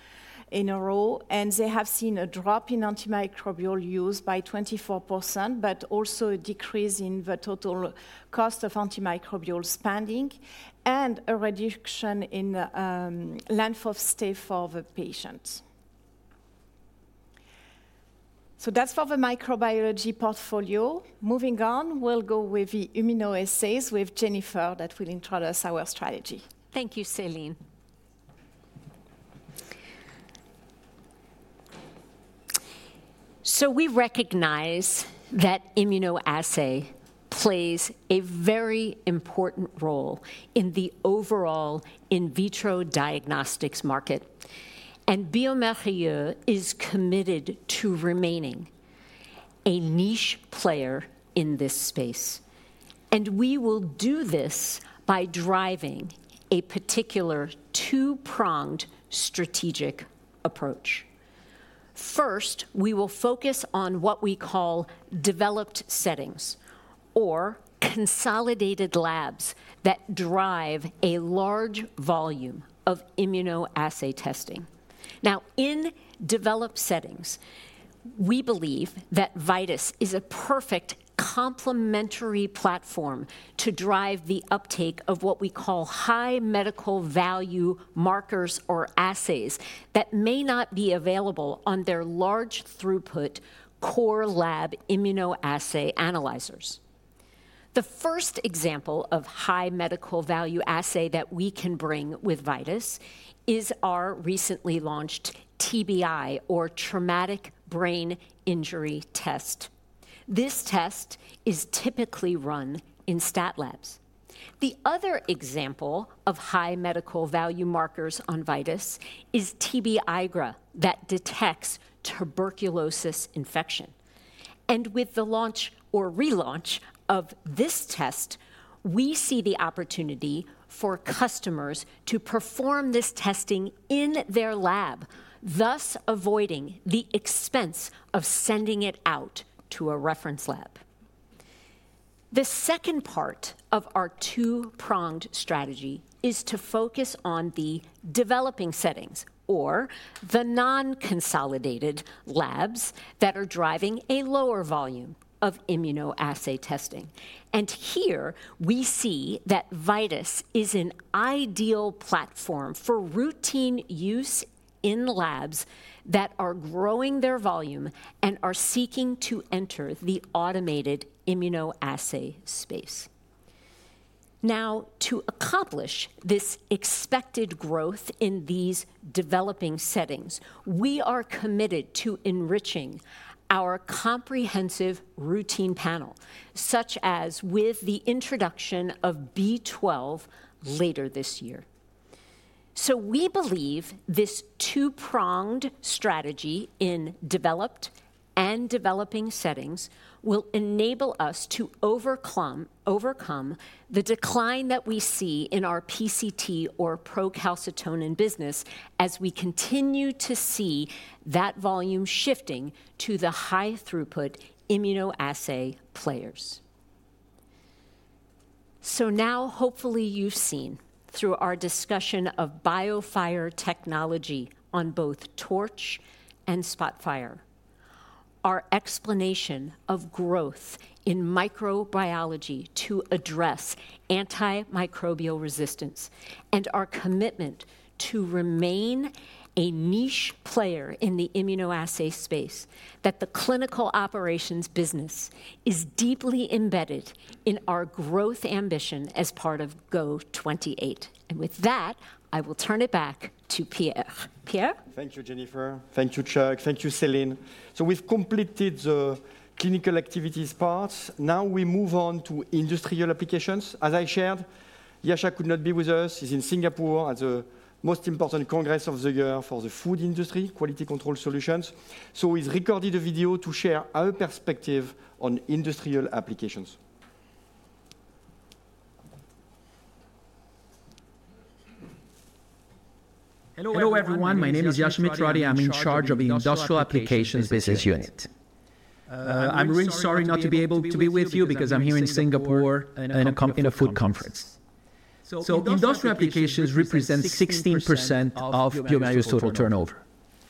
in a row. And they have seen a drop in antimicrobial use by 24%, but also a decrease in the total cost of antimicrobial spending and a reduction in length of stay for the patients. So that's for the microbiology portfolio. Moving on, we'll go with the immunoassays with Jennifer that will introduce our strategy. Thank you, Céline. So we recognize that immunoassay plays a very important role in the overall in vitro diagnostics market. And bioMérieux is committed to remaining a niche player in this space. We will do this by driving a particular two-pronged strategic approach. First, we will focus on what we call developed settings or consolidated labs that drive a large volume of immunoassay testing. Now, in developed settings, we believe that VIDAS is a perfect complementary platform to drive the uptake of what we call high medical value markers or assays that may not be available on their large throughput core lab immunoassay analyzers. The first example of high medical value assay that we can bring with VIDAS is our recently launched TBI or traumatic brain injury test. This test is typically run in stat labs. The other example of high medical value markers on VIDAS is TB-IGRA that detects tuberculosis infection. With the launch or relaunch of this test, we see the opportunity for customers to perform this testing in their lab, thus avoiding the expense of sending it out to a reference lab. The second part of our two-pronged strategy is to focus on the developing settings or the non-consolidated labs that are driving a lower volume of immunoassay testing. Here, we see that VIDAS is an ideal platform for routine use in labs that are growing their volume and are seeking to enter the automated immunoassay space. Now, to accomplish this expected growth in these developing settings, we are committed to enriching our comprehensive routine panel, such as with the introduction of B12 later this year. We believe this two-pronged strategy in developed and developing settings will enable us to overcome the decline that we see in our PCT or procalcitonin business as we continue to see that volume shifting to the high-throughput immunoassay players. Now, hopefully, you've seen through our discussion of BIOFIRE technology on both TORCH and SPOTFIRE, our explanation of growth in microbiology to address antimicrobial resistance and our commitment to remain a niche player in the immunoassay space, that the clinical operations business is deeply embedded in our growth ambition as part of GO•28. With that, I will turn it back to Pierre. Pierre? Thank you, Jennifer. Thank you, Chuck. Thank you, Céline. We've completed the clinical activities part. Now, we move on to industrial applications. As I shared, Yasha could not be with us. He's in Singapore at the most important congress of the year for the food industry, quality control solutions. He's recording the video to share our perspective on industrial applications. Hello, everyone. My name is Yasha Mitrotti. I'm in charge of the industrial applications business unit. I'm really sorry not to be able to be with you because I'm here in Singapore in a food conference. So industrial applications represent 16% of bioMérieux's total turnover.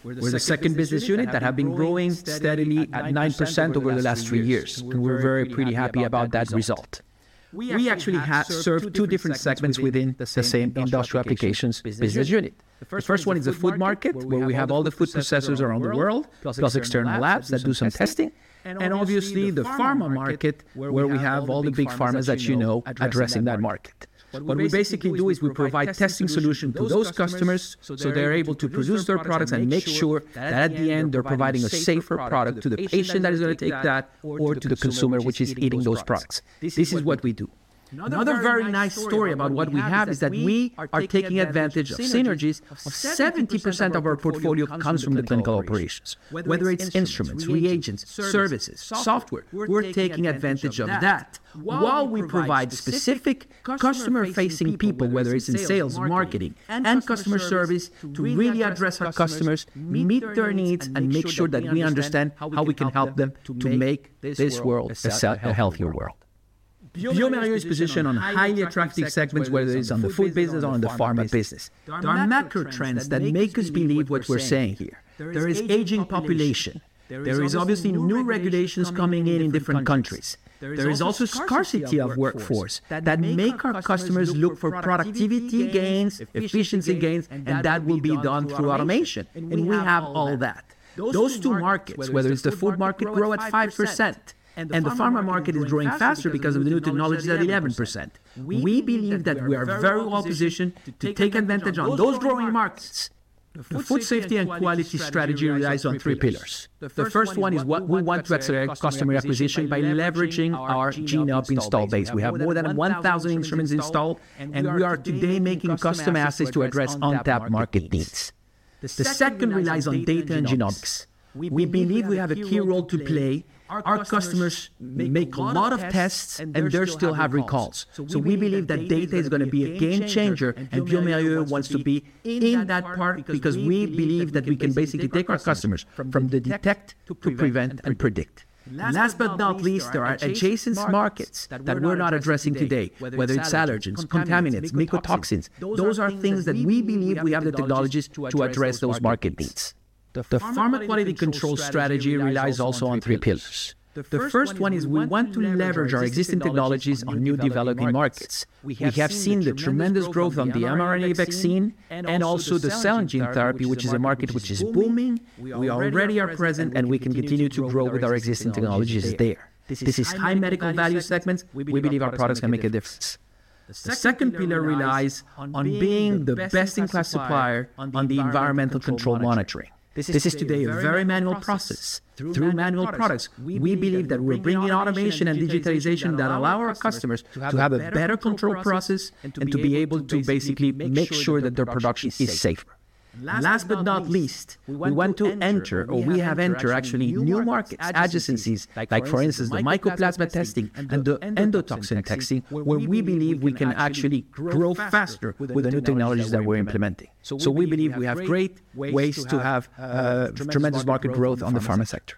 We're the second business unit that has been growing steadily at 9% over the last three years. And we're very pretty happy about that result. We actually serve two different segments within the same industrial applications business unit. The first one is the food market, where we have all the food processors around the world, plus external labs that do some testing. And obviously, the pharma market, where we have all the big pharmas that you know addressing that market. What we basically do is we provide testing solutions to those customers so they're able to produce their products and make sure that at the end, they're providing a safer product to the patient that is going to take that or to the consumer which is eating those products. This is what we do. Another very nice story about what we have is that we are taking advantage of synergies. 70% of our portfolio comes from the clinical operations, whether it's instruments, reagents, services, software. We're taking advantage of that while we provide specific customer-facing people, whether it's in sales, marketing, and customer service, to really address our customers, meet their needs, and make sure that we understand how we can help them to make this world a healthier world. bioMérieux is positioned on highly attractive segments, whether it's on the food business or in the pharma business. There are macro trends that make us believe what we're saying here. There is aging population. There is obviously new regulations coming in in different countries. There is also scarcity of workforce that makes our customers look for productivity gains, efficiency gains. That will be done through automation. We have all that. Those two markets, whether it's the food market, grow at 5%. The pharma market is growing faster because of the new technologies at 11%. We believe that we are very well positioned to take advantage of those growing markets. The food safety and quality strategy relies on three pillars. The first one is we want to accelerate customer acquisition by leveraging our GENE-UP install base. We have more than 1,000 instruments installed. We are today making custom assays to address untapped market needs. The second relies on data and GENE-UPs. We believe we have a key role to play. Our customers make a lot of tests, and they still have recalls. So we believe that data is going to be a game changer. And bioMérieux wants to be in that part because we believe that we can basically take our customers from the detect to prevent and predict. Last but not least, there are adjacent markets that we're not addressing today, whether it's allergens, contaminants, mycotoxins. Those are things that we believe we have the technologies to address those market needs. The pharma quality control strategy relies also on three pillars. The first one is we want to leverage our existing technologies on new developing markets. We have seen the tremendous growth on the mRNA vaccine and also the cell and gene therapy, which is a market which is booming. We already are present, and we can continue to grow with our existing technologies there. This is high medical value segments. We believe our products can make a difference. The second pillar relies on being the best-in-class supplier on the environmental control monitoring. This is today a very manual process through manual products. We believe that we're bringing automation and digitalization that allow our customers to have a better control process and to be able to basically make sure that their production is safer. Last but not least, we want to enter, or we have entered, actually, new markets, adjacencies, like, for instance, the mycoplasma testing and the endotoxin testing, where we believe we can actually grow faster with the new technologies that we're implementing. So we believe we have great ways to have tremendous market growth on the pharma sector.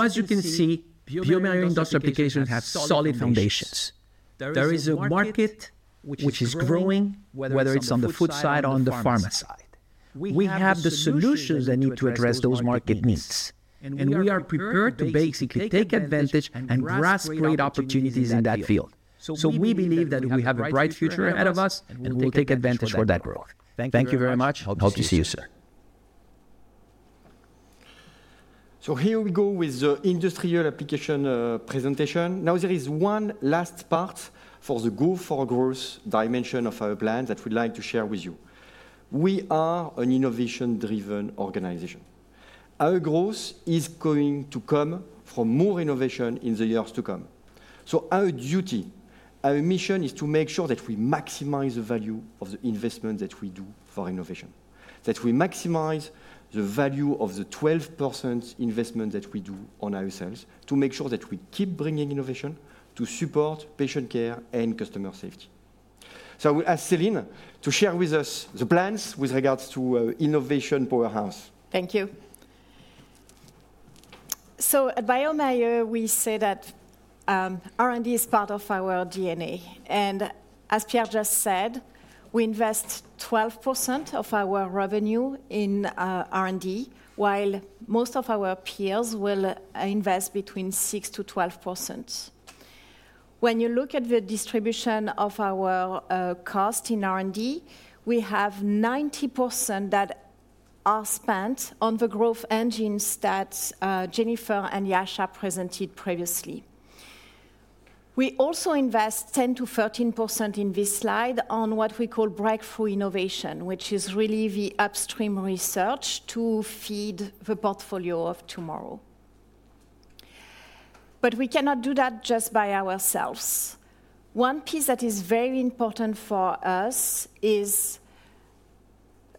As you can see, bioMérieux industrial applications have solid foundations. There is a market which is growing, whether it's on the food side or on the pharma side. We have the solutions that need to address those market needs. We are prepared to basically take advantage and grasp great opportunities in that field. We believe that we have a bright future ahead of us, and we'll take advantage for that growth. Thank you very much. Hope to see you, sir. So here we go with the industrial application presentation. Now, there is one last part for the growth dimension of our plan that we'd like to share with you. We are an innovation-driven organization. Our growth is going to come from more innovation in the years to come. So our duty, our mission, is to make sure that we maximize the value of the investment that we do for innovation, that we maximize the value of the 12% investment that we do on ourselves to make sure that we keep bringing innovation to support patient care and customer safety. So I will ask Céline to share with us the plans with regards to innovation powerhouse. Thank you. So at bioMérieux, we say that R&D is part of our DNA. And as Pierre just said, we invest 12% of our revenue in R&D, while most of our peers will invest between 6%-12%. When you look at the distribution of our cost in R&D, we have 90% that are spent on the growth engines that Jennifer and Yasha presented previously. We also invest 10%-13% in this slide on what we call breakthrough innovation, which is really the upstream research to feed the portfolio of tomorrow. But we cannot do that just by ourselves. One piece that is very important for us is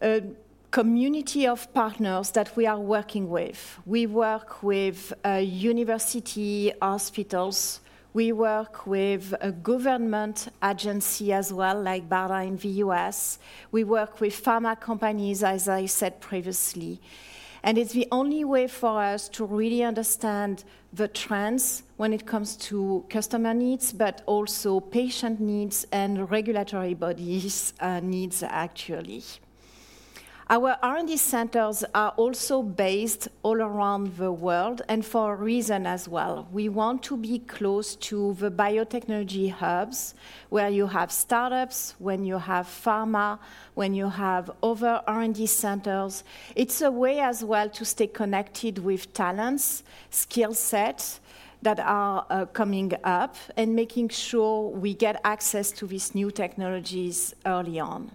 a community of partners that we are working with. We work with universities, hospitals. We work with a government agency as well, like BARDA in the U.S. We work with pharma companies, as I said previously. It's the only way for us to really understand the trends when it comes to customer needs, but also patient needs and regulatory bodies' needs, actually. Our R&D centers are also based all around the world and for a reason as well. We want to be close to the biotechnology hubs, where you have startups, when you have pharma, when you have other R&D centers. It's a way as well to stay connected with talents, skill sets that are coming up, and making sure we get access to these new technologies early on.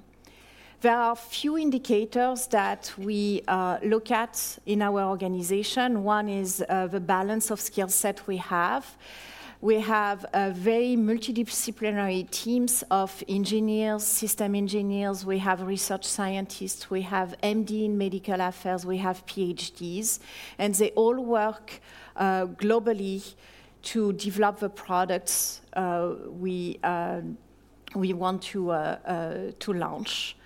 There are a few indicators that we look at in our organization. One is the balance of skill set we have. We have very multidisciplinary teams of engineers, system engineers. We have research scientists. We have MDs in medical affairs. We have PhDs. They all work globally to develop the products we want to launch.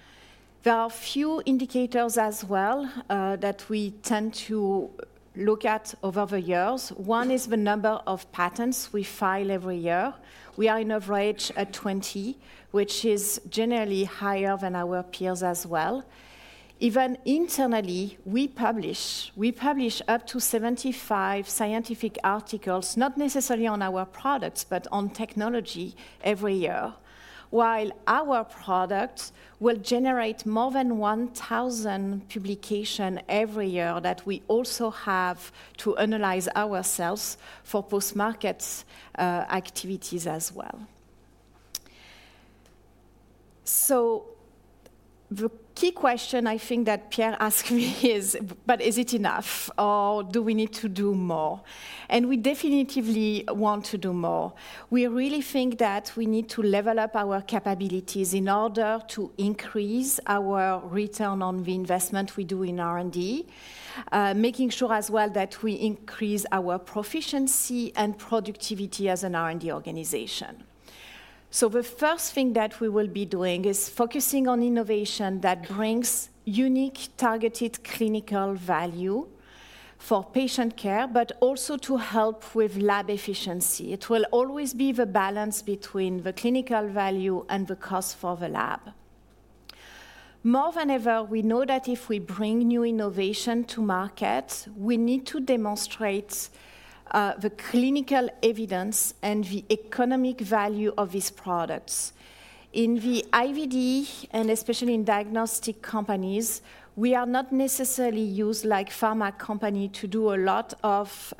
There are a few indicators as well that we tend to look at over the years. One is the number of patents we file every year. We are on average at 20, which is generally higher than our peers as well. Even internally, we publish up to 75 scientific articles, not necessarily on our products, but on technology every year, while our product will generate more than 1,000 publications every year that we also have to analyze ourselves for post-market activities as well. So the key question I think that Pierre asked me is, but is it enough, or do we need to do more? And we definitely want to do more. We really think that we need to level up our capabilities in order to increase our return on the investment we do in R&D, making sure as well that we increase our proficiency and productivity as an R&D organization. So the first thing that we will be doing is focusing on innovation that brings unique, targeted clinical value for patient care, but also to help with lab efficiency. It will always be the balance between the clinical value and the cost for the lab. More than ever, we know that if we bring new innovation to market, we need to demonstrate the clinical evidence and the economic value of these products. In the IVD, and especially in diagnostic companies, we are not necessarily used like pharma companies to do a lot of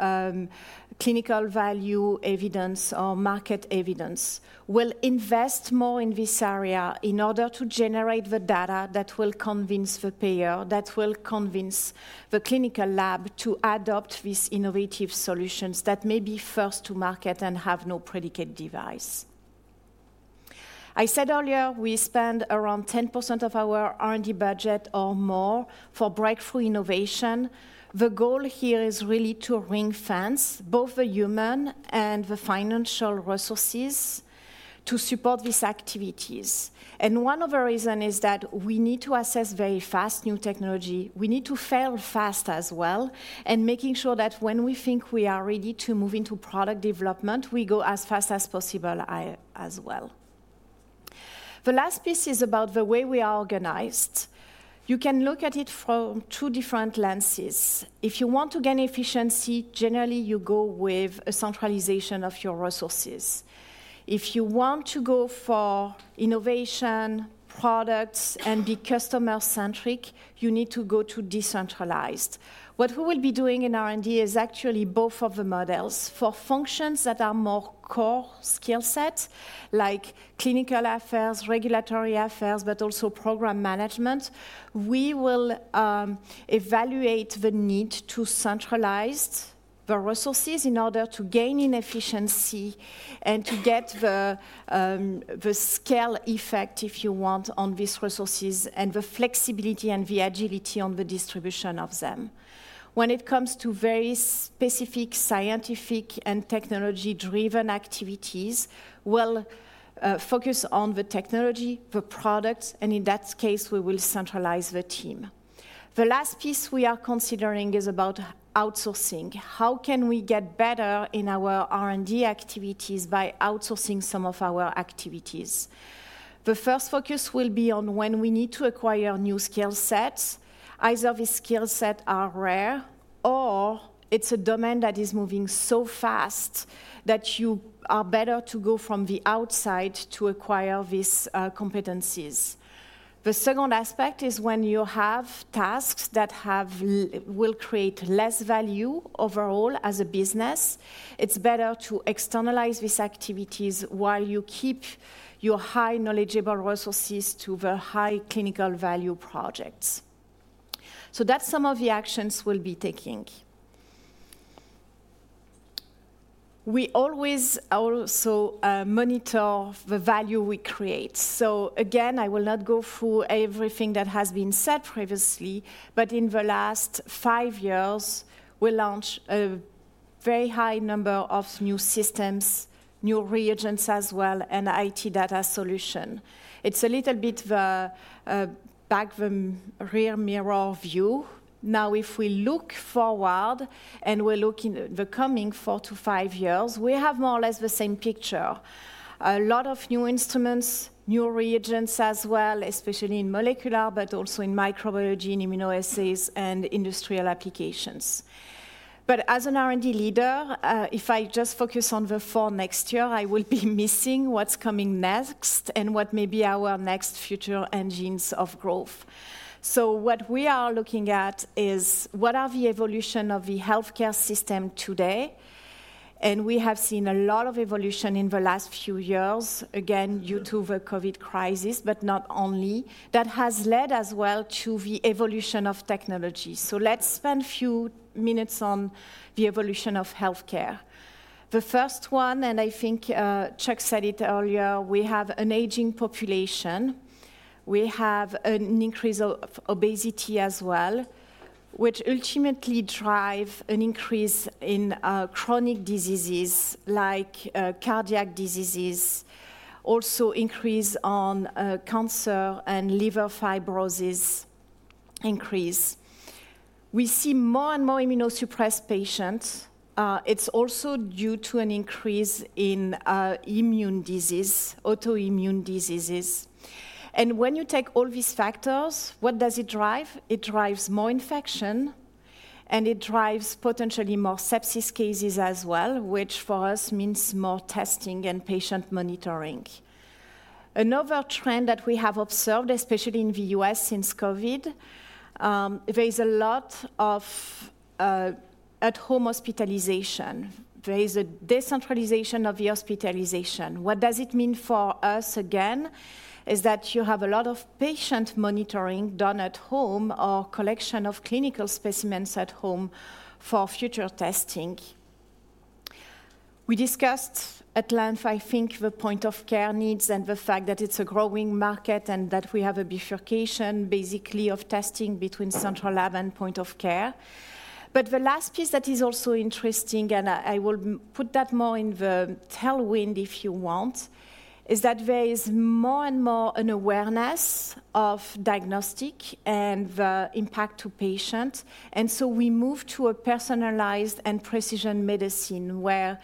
clinical value evidence or market evidence. We'll invest more in this area in order to generate the data that will convince the payer, that will convince the clinical lab to adopt these innovative solutions that may be first to market and have no predicate device. I said earlier we spend around 10% of our R&D budget or more for breakthrough innovation. The goal here is really to ring-fence both the human and the financial resources to support these activities. And one of the reasons is that we need to assess very fast new technology. We need to fail fast as well. And making sure that when we think we are ready to move into product development, we go as fast as possible as well. The last piece is about the way we are organized. You can look at it from two different lenses. If you want to gain efficiency, generally, you go with a centralization of your resources. If you want to go for innovation, products, and be customer-centric, you need to go to decentralized. What we will be doing in R&D is actually both of the models. For functions that are more core skill sets, like clinical affairs, regulatory affairs, but also program management, we will evaluate the need to centralize the resources in order to gain in efficiency and to get the scale effect, if you want, on these resources and the flexibility and the agility on the distribution of them. When it comes to very specific scientific and technology-driven activities, we'll focus on the technology, the products. And in that case, we will centralize the team. The last piece we are considering is about outsourcing. How can we get better in our R&D activities by outsourcing some of our activities? The first focus will be on when we need to acquire new skill sets, either these skill sets are rare or it's a domain that is moving so fast that you are better to go from the outside to acquire these competencies. The second aspect is when you have tasks that will create less value overall as a business, it's better to externalize these activities while you keep your highly knowledgeable resources to the high clinical value projects. So that's some of the actions we'll be taking. We always also monitor the value we create. So again, I will not go through everything that has been said previously. But in the last five years, we launched a very high number of new systems, new reagents as well, and IT data solutions. It's a little bit of a rearview mirror view. Now, if we look forward and we're looking at the coming four-five years, we have more or less the same picture: a lot of new instruments, new reagents as well, especially in molecular, but also in microbiology, in immunoassays, and industrial applications. But as an R&D leader, if I just focus on the four next year, I will be missing what's coming next and what may be our next future engines of growth. So what we are looking at is what are the evolution of the health care system today? And we have seen a lot of evolution in the last few years, again, due to the COVID crisis, but not only, that has led as well to the evolution of technology. So let's spend a few minutes on the evolution of health care. The first one, and I think Chuck said it earlier, we have an aging population. We have an increase of obesity as well, which ultimately drives an increase in chronic diseases like cardiac diseases, also an increase in cancer and liver fibrosis increase. We see more and more immunosuppressed patients. It's also due to an increase in immune diseases, autoimmune diseases. And when you take all these factors, what does it drive? It drives more infection. And it drives potentially more sepsis cases as well, which for us means more testing and patient monitoring. Another trend that we have observed, especially in the U.S. since COVID, there is a lot of at-home hospitalization. There is a decentralization of the hospitalization. What does it mean for us, again, is that you have a lot of patient monitoring done at home or collection of clinical specimens at home for future testing. We discussed at length, I think, the point of care needs and the fact that it's a growing market and that we have a bifurcation, basically, of testing between central lab and point of care. But the last piece that is also interesting, and I will put that more in the tailwind if you want, is that there is more and more an awareness of diagnostic and the impact to patient. And so we move to a personalized and precision medicine, where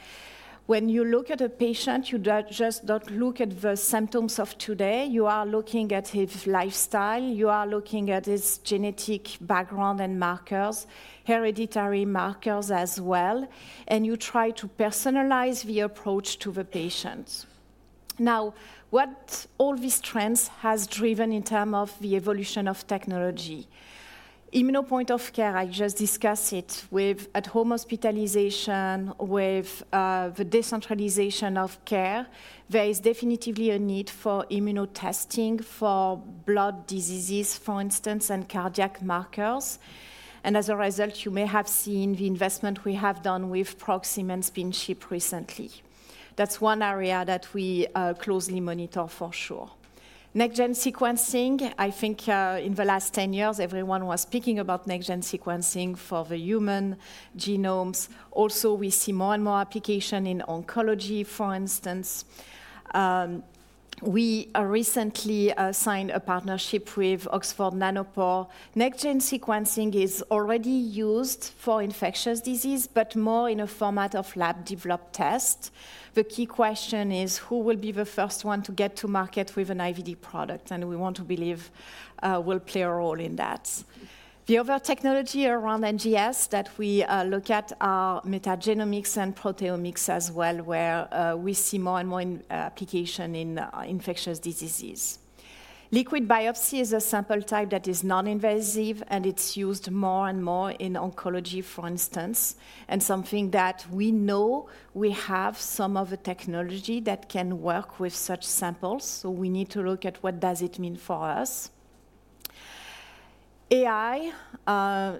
when you look at a patient, you just don't look at the symptoms of today. You are looking at his lifestyle. You are looking at his genetic background and markers, hereditary markers as well. And you try to personalize the approach to the patient. Now, what all these trends have driven in terms of the evolution of technology? Immuno point of care, I just discussed it. With at-home hospitalization, with the decentralization of care, there is definitely a need for immunotesting for blood diseases, for instance, and cardiac markers. And as a result, you may have seen the investment we have done with Proxim and SpinChip recently. That's one area that we closely monitor, for sure. Next-gen sequencing, I think in the last 10 years, everyone was speaking about next-gen sequencing for the human genomes. Also, we see more and more application in oncology, for instance. We recently signed a partnership with Oxford Nanopore. Next-gen sequencing is already used for infectious diseases, but more in a format of lab-developed tests. The key question is, who will be the first one to get to market with an IVD product? And we want to believe will play a role in that. The other technology around NGS that we look at are metagenomics and proteomics as well, where we see more and more application in infectious diseases. Liquid biopsy is a sample type that is non-invasive. It's used more and more in oncology, for instance, and something that we know we have some of the technology that can work with such samples. So we need to look at what does it mean for us. AI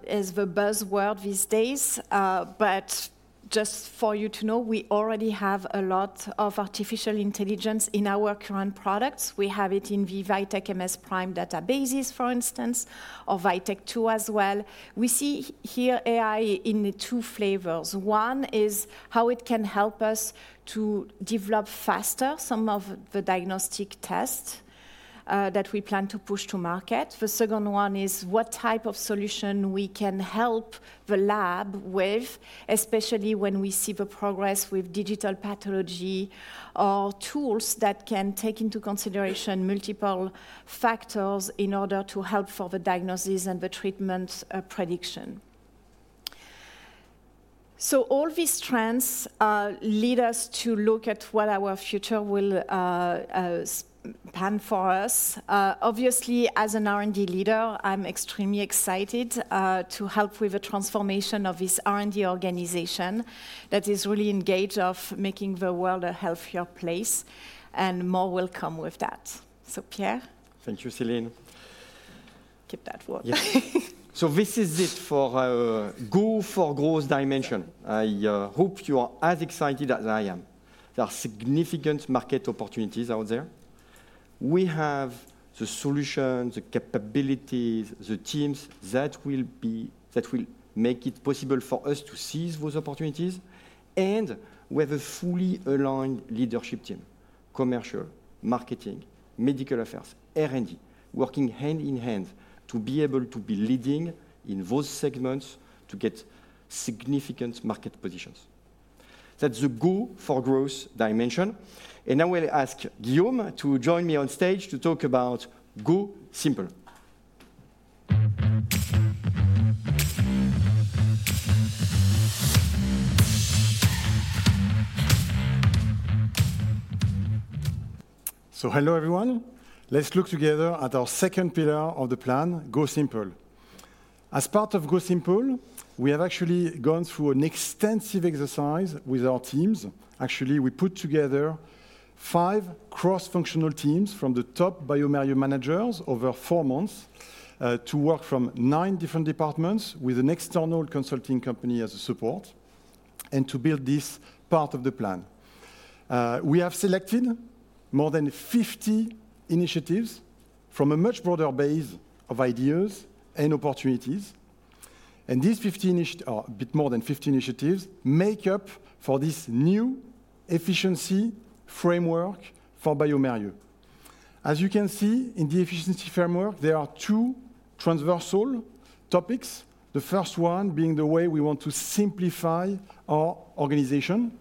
is the buzzword these days. But just for you to know, we already have a lot of artificial intelligence in our current products. We have it in the VITEK MS PRIME databases, for instance, or VITEK 2 as well. We see here AI in two flavors. One is how it can help us to develop faster some of the diagnostic tests that we plan to push to market. The second one is what type of solution we can help the lab with, especially when we see the progress with digital pathology or tools that can take into consideration multiple factors in order to help for the diagnosis and the treatment prediction. So all these trends lead us to look at what our future will plan for us. Obviously, as an R&D leader, I'm extremely excited to help with the transformation of this R&D organization that is really engaged in making the world a healthier place. More will come with that. So Pierre? Thank you, Céline. Keep that word. So this is it for Go for Growth dimension. I hope you are as excited as I am. There are significant market opportunities out there. We have the solutions, the capabilities, the teams that will make it possible for us to seize those opportunities. And we have a fully aligned leadership team: commercial, marketing, medical affairs, R&D, working hand in hand to be able to be leading in those segments to get significant market positions. That's the Go for Growth dimension. And now I will ask Guillaume to join me on stage to talk about Go Simple. So hello, everyone. Let's look together at our second pillar of the plan, Go Simple. As part of Go Simple, we have actually gone through an extensive exercise with our teams. Actually, we put together five cross-functional teams from the top bioMérieux managers over 4 months to work from nine different departments with an external consulting company as a support and to build this part of the plan. We have selected more than 50 initiatives from a much broader base of ideas and opportunities. These 50 initiatives are a bit more than 50 initiatives make up for this new efficiency framework for bioMérieux. As you can see in the efficiency framework, there are two transversal topics, the first one being the way we want to simplify our organization.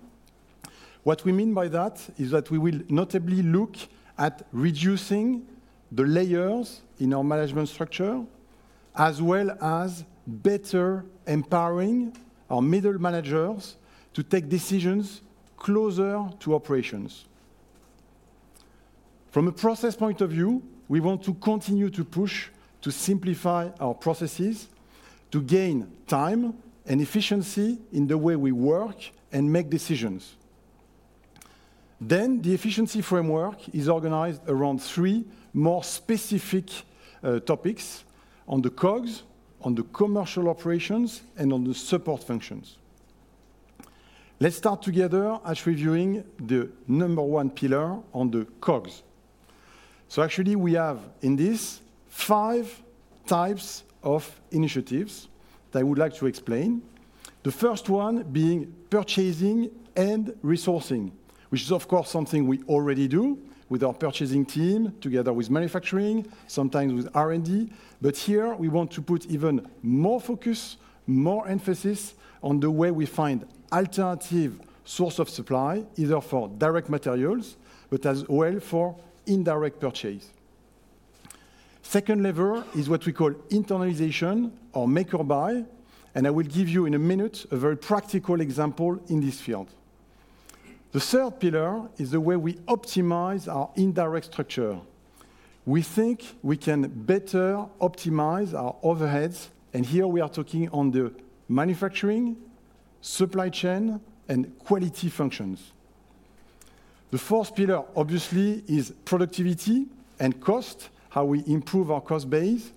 What we mean by that is that we will notably look at reducing the layers in our management structure as well as better empowering our middle managers to take decisions closer to operations. From a process point of view, we want to continue to push to simplify our processes to gain time and efficiency in the way we work and make decisions. Then the efficiency framework is organized around three more specific topics: on the COGS, on the commercial operations, and on the support functions. Let's start together at reviewing the number one pillar on the COGS. So actually, we have in this five types of initiatives that I would like to explain, the first one being purchasing and resourcing, which is, of course, something we already do with our purchasing team together with manufacturing, sometimes with R&D. But here, we want to put even more focus, more emphasis on the way we find alternative sources of supply, either for direct materials but as well for indirect purchase. The second lever is what we call internalization or make or buy. I will give you in a minute a very practical example in this field. The third pillar is the way we optimize our indirect structure. We think we can better optimize our overheads. Here we are talking on the manufacturing, supply chain, and quality functions. The fourth pillar, obviously, is productivity and cost, how we improve our cost base.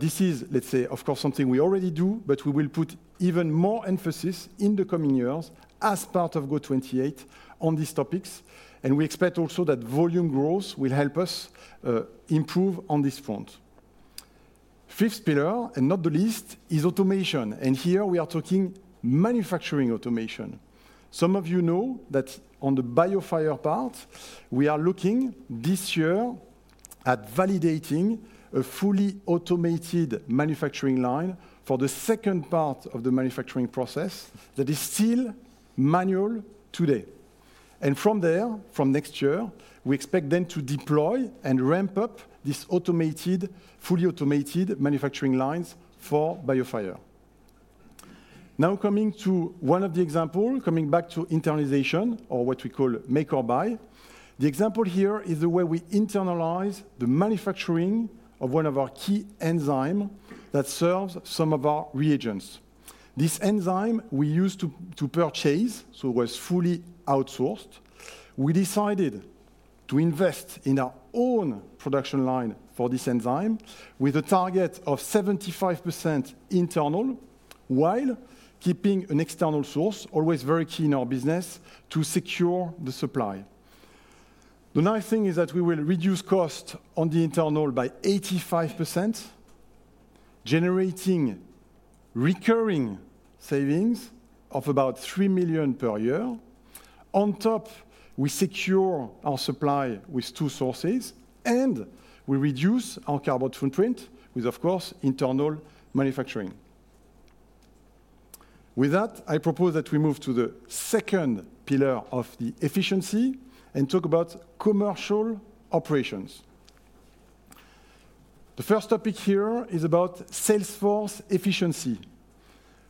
This is, let's say, of course, something we already do. But we will put even more emphasis in the coming years as part of GO•28 on these topics. We expect also that volume growth will help us improve on this front. The fifth pillar, and not the least, is automation. Here we are talking manufacturing automation. Some of you know that on the BIOFIRE part, we are looking this year at validating a fully automated manufacturing line for the second part of the manufacturing process that is still manual today. And from there, from next year, we expect then to deploy and ramp up these automated, fully automated manufacturing lines for BIOFIRE. Now coming to one of the examples, coming back to internalization or what we call make or buy, the example here is the way we internalize the manufacturing of one of our key enzymes that serves some of our reagents. This enzyme we used to purchase, so it was fully outsourced. We decided to invest in our own production line for this enzyme with a target of 75% internal while keeping an external source, always very key in our business, to secure the supply. The nice thing is that we will reduce cost on the internal by 85%, generating recurring savings of about 3 million per year. On top, we secure our supply with two sources. And we reduce our carbon footprint with, of course, internal manufacturing. With that, I propose that we move to the second pillar of the efficiency and talk about commercial operations. The first topic here is about Sales force efficiency.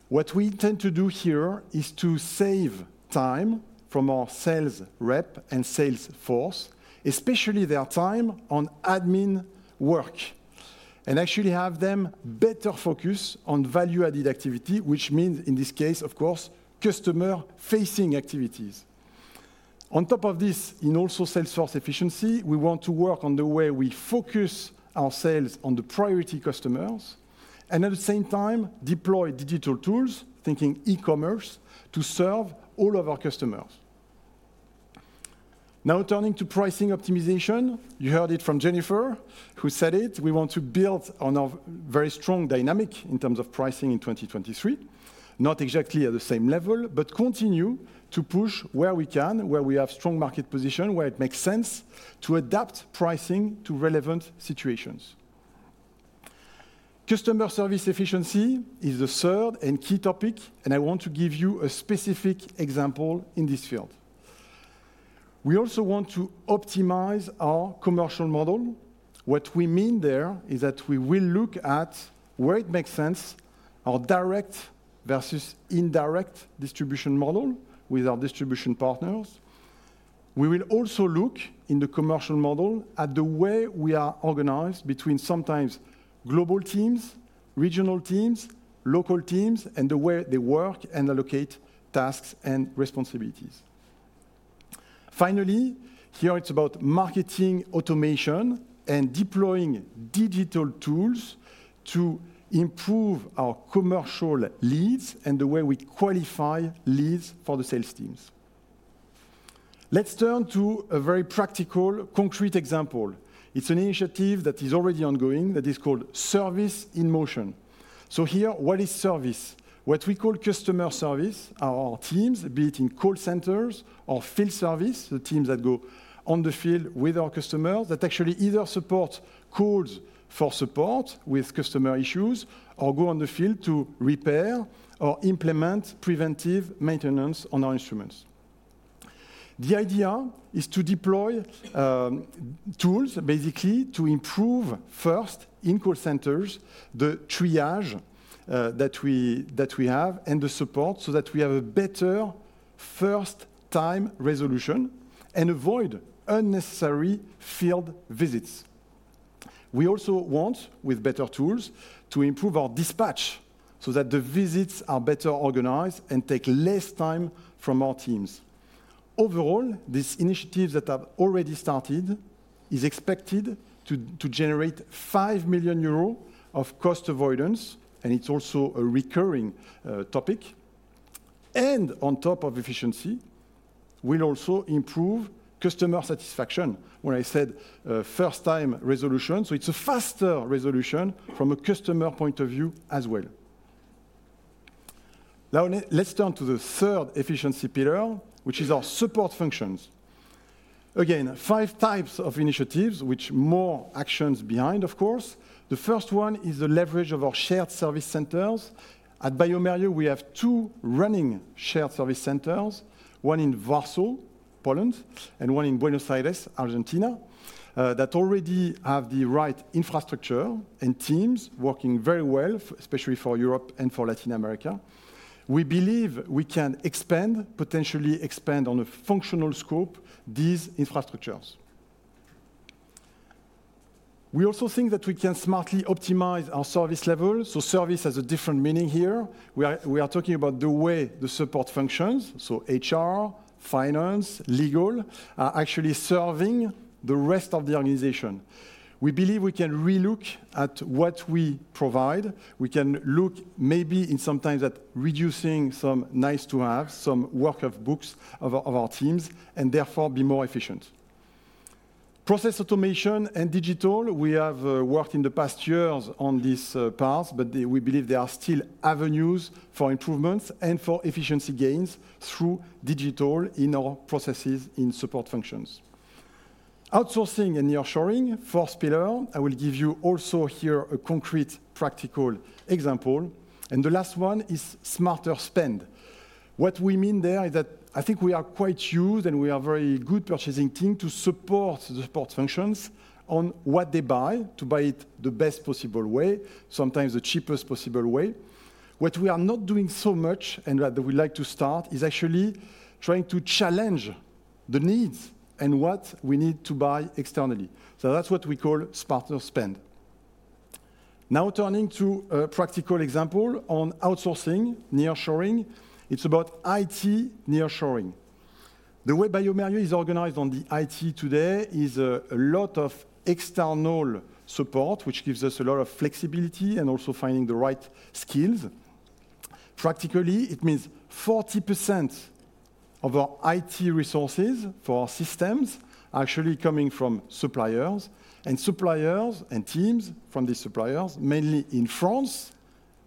What we tend to do here is to save time from our sales rep and sales force, especially their time on admin work, and actually have them better focus on value-added activity, which means, in this case, of course, customer-facing activities. On top of this, in also sales force efficiency, we want to work on the way we focus our sales on the priority customers and at the same time deploy digital tools, thinking e-commerce, to serve all of our customers. Now turning to pricing optimization, you heard it from Jennifer, who said it. We want to build on a very strong dynamic in terms of pricing in 2023, not exactly at the same level, but continue to push where we can, where we have strong market position, where it makes sense to adapt pricing to relevant situations. Customer service efficiency is the third and key topic. I want to give you a specific example in this field. We also want to optimize our commercial model. What we mean there is that we will look at where it makes sense, our direct versus indirect distribution model with our distribution partners. We will also look in the commercial model at the way we are organized between sometimes global teams, regional teams, local teams, and the way they work and allocate tasks and responsibilities. Finally, here, it's about marketing automation and deploying digital tools to improve our commercial leads and the way we qualify leads for the sales teams. Let's turn to a very practical, concrete example. It's an initiative that is already ongoing that is called Service in Motion. So here, what is service? What we call customer service, our teams, be it in call centers or field service, the teams that go on the field with our customers that actually either support calls for support with customer issues or go on the field to repair or implement preventive maintenance on our instruments. The idea is to deploy tools, basically to improve first in call centers, the triage that we have and the support so that we have a better first-time resolution and avoid unnecessary field visits. We also want, with better tools, to improve our dispatch so that the visits are better organized and take less time from our teams. Overall, this initiative that have already started is expected to generate 5 million euros of cost avoidance. It's also a recurring topic. On top of efficiency, we'll also improve customer satisfaction when I said first-time resolution. It's a faster resolution from a customer point of view as well. Now let's turn to the third efficiency pillar, which is our support functions. Again, five types of initiatives, with more actions behind, of course. The first one is the leverage of our shared service centers. At bioMérieux, we have two running shared service centers, one in Warsaw, Poland, and one in Buenos Aires, Argentina, that already have the right infrastructure and teams working very well, especially for Europe and for Latin America. We believe we can expand, potentially expand on a functional scope, these infrastructures. We also think that we can smartly optimize our service level. So service has a different meaning here. We are talking about the way the support functions, so HR, finance, legal, are actually serving the rest of the organization. We believe we can relook at what we provide. We can look maybe sometimes at reducing some nice-to-haves, some workbooks of our teams, and therefore be more efficient. Process automation and digital, we have worked in the past years on these parts. But we believe there are still avenues for improvements and for efficiency gains through digital in our processes, in support functions. Outsourcing and nearshoring, fourth pillar, I will give you also here a concrete practical example. The last one is smarter spend. What we mean there is that I think we are quite used and we are a very good purchasing team to support the support functions on what they buy, to buy it the best possible way, sometimes the cheapest possible way. What we are not doing so much and that we'd like to start is actually trying to challenge the needs and what we need to buy externally. So that's what we call smarter spend. Now turning to a practical example on outsourcing, nearshoring, it's about IT nearshoring. The way bioMérieux is organized on the IT today is a lot of external support, which gives us a lot of flexibility and also finding the right skills. Practically, it means 40% of our IT resources for our systems are actually coming from suppliers and suppliers and teams from these suppliers, mainly in France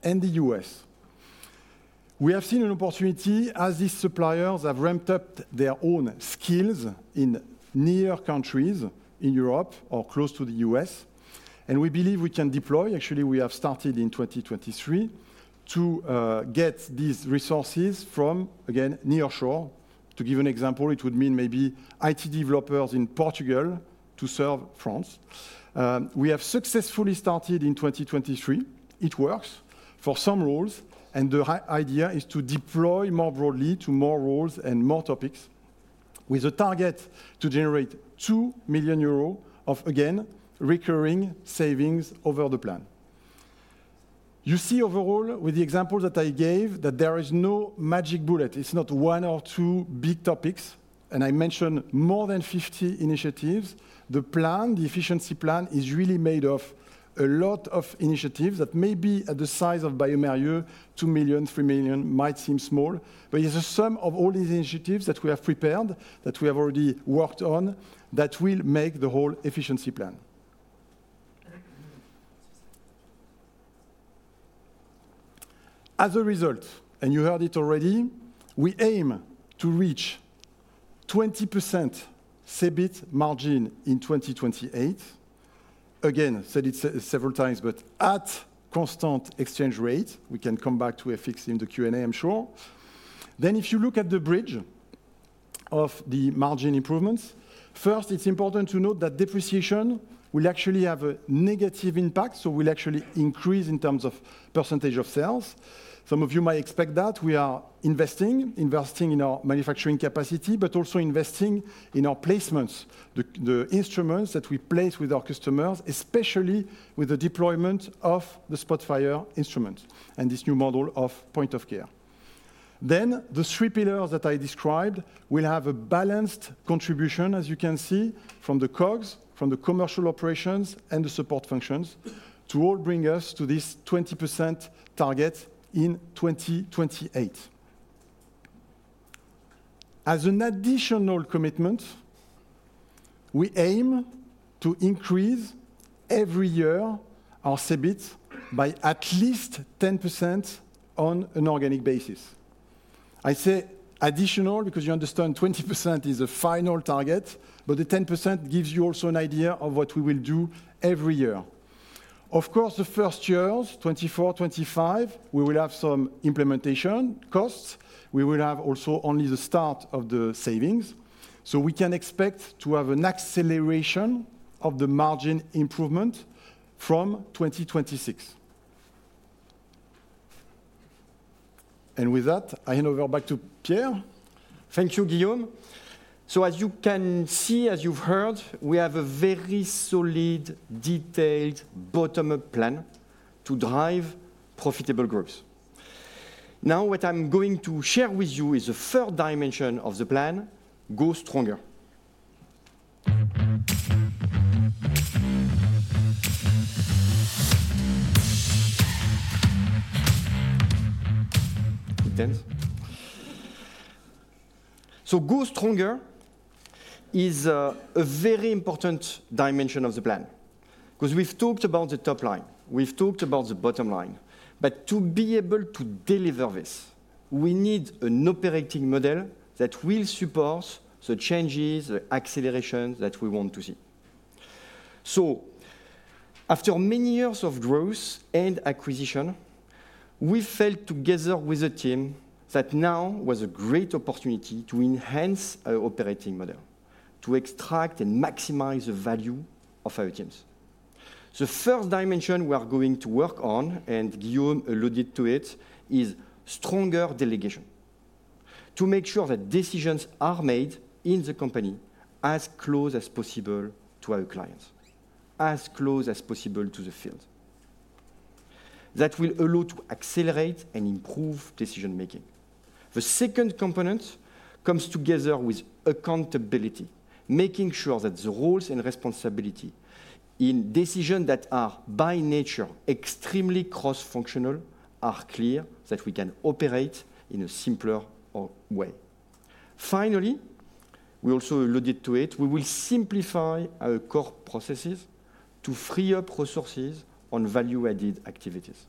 and the U.S. We have seen an opportunity as these suppliers have ramped up their own skills in near countries in Europe or close to the U.S. We believe we can deploy. Actually, we have started in 2023 to get these resources from, again, nearshore. To give an example, it would mean maybe IT developers in Portugal to serve France. We have successfully started in 2023. It works for some roles. The idea is to deploy more broadly to more roles and more topics with a target to generate 2 million euros of, again, recurring savings over the plan. You see overall with the examples that I gave that there is no magic bullet. It's not one or two big topics. I mentioned more than 50 initiatives. The plan, the efficiency plan, is really made of a lot of initiatives that may be at the size of bioMérieux, 2 million, 3 million, might seem small. But it's a sum of all these initiatives that we have prepared, that we have already worked on, that will make the whole efficiency plan. As a result, and you heard it already, we aim to reach 20% CEBIT margin in 2028. Again, said it several times, but at constant exchange rate. We can come back to FX in the Q&A, I'm sure. Then if you look at the bridge of the margin improvements, first, it's important to note that depreciation will actually have a negative impact. So we'll actually increase in terms of percentage of sales. Some of you might expect that. We are investing, investing in our manufacturing capacity, but also investing in our placements, the instruments that we place with our customers, especially with the deployment of the SPOTFIRE instrument and this new model of point of care. Then the three pillars that I described will have a balanced contribution, as you can see, from the COGS, from the commercial operations, and the support functions to all bring us to this 20% target in 2028. As an additional commitment, we aim to increase every year our CEBIT by at least 10% on an organic basis. I say additional because you understand 20% is a final target. But the 10% gives you also an idea of what we will do every year. Of course, the first years, 2024, 2025, we will have some implementation costs. We will have also only the start of the savings. We can expect to have an acceleration of the margin improvement from 2026. With that, I hand over back to Pierre. Thank you, Guillaume. As you can see, as you've heard, we have a very solid, detailed bottom-up plan to drive profitable growth. Now what I'm going to share with you is the third dimension of the plan: Go Stronger. Go Stronger is a very important dimension of the plan because we've talked about the top line. We've talked about the bottom line. But to be able to deliver this, we need an operating model that will support the changes, the accelerations that we want to see. After many years of growth and acquisition, we felt together with the team that now was a great opportunity to enhance our operating model, to extract and maximize the value of our teams. The first dimension we are going to work on, and Guillaume alluded to it, is stronger delegation to make sure that decisions are made in the company as close as possible to our clients, as close as possible to the field that will allow to accelerate and improve decision-making. The second component comes together with accountability, making sure that the roles and responsibilities in decisions that are by nature extremely cross-functional are clear, that we can operate in a simpler way. Finally, we also alluded to it, we will simplify our core processes to free up resources on value-added activities.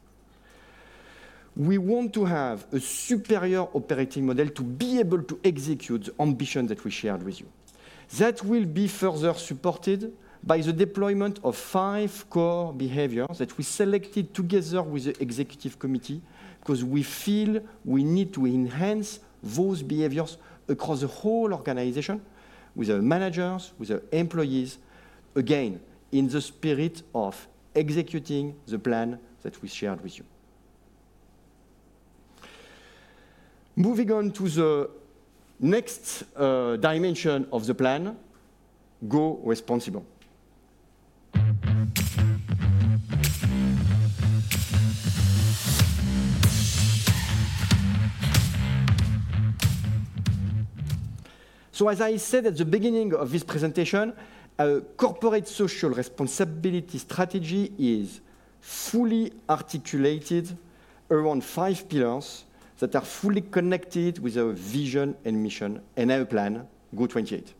We want to have a superior operating model to be able to execute the ambitions that we shared with you. That will be further supported by the deployment of five core behaviors that we selected together with the executive committee because we feel we need to enhance those behaviors across the whole organization with our managers, with our employees, again, in the spirit of executing the plan that we shared with you. Moving on to the next dimension of the plan: Go Responsible. So as I said at the beginning of this presentation, our corporate social responsibility strategy is fully articulated around five pillars that are fully connected with our vision and mission and our plan, GO•28.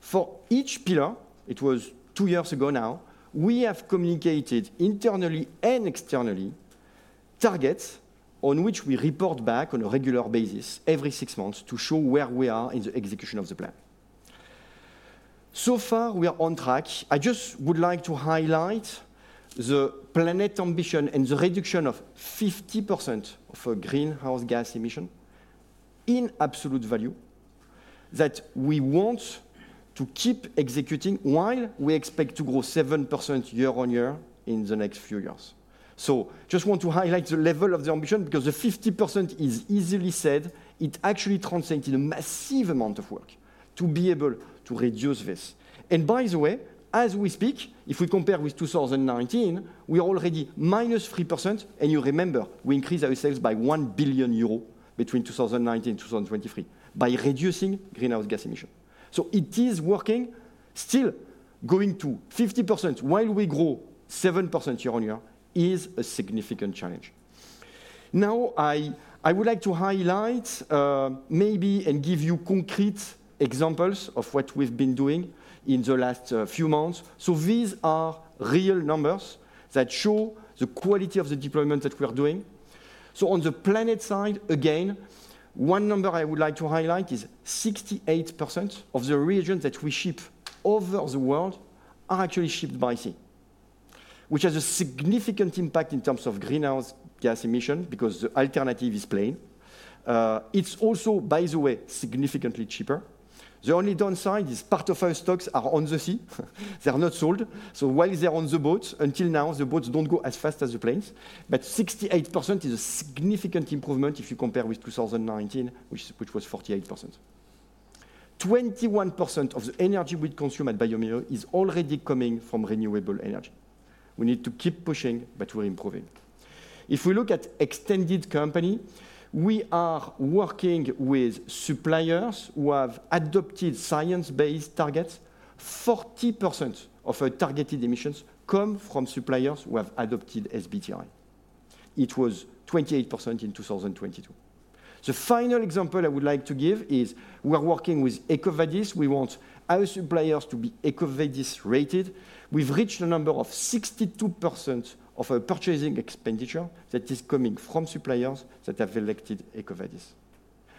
For each pillar, it was two years ago now, we have communicated internally and externally targets on which we report back on a regular basis, every six months, to show where we are in the execution of the plan. So far, we are on track. I just would like to highlight the Planet Ambition and the reduction of 50% of greenhouse gas emissions in absolute value that we want to keep executing while we expect to grow 7% year-over-year in the next few years. I just want to highlight the level of the ambition because the 50% is easily said. It actually entails a massive amount of work to be able to reduce this. By the way, as we speak, if we compare with 2019, we are already -3%. You remember, we increased by 1 billion euro between 2019 and 2023 while reducing greenhouse gas emissions. It is working. Still, going to 50% while we grow 7% year-over-year is a significant challenge. Now I would like to highlight maybe and give you concrete examples of what we've been doing in the last few months. So these are real numbers that show the quality of the deployment that we are doing. So on the planet side, again, one number I would like to highlight is 68% of the reagents that we ship over the world are actually shipped by sea, which has a significant impact in terms of greenhouse gas emissions because the alternative is plane. It's also, by the way, significantly cheaper. The only downside is part of our stocks are on the sea. They are not sold. So while they are on the boats, until now, the boats don't go as fast as the planes. But 68% is a significant improvement if you compare with 2019, which was 48%. 21% of the energy we consume at bioMérieux is already coming from renewable energy. We need to keep pushing, but we're improving. If we look at extended company, we are working with suppliers who have adopted science-based targets. 40% of our targeted emissions come from suppliers who have adopted SBTi. It was 28% in 2022. The final example I would like to give is we are working with EcoVadis. We want our suppliers to be EcoVadis-rated. We've reached a number of 62% of our purchasing expenditure that is coming from suppliers that have elected EcoVadis.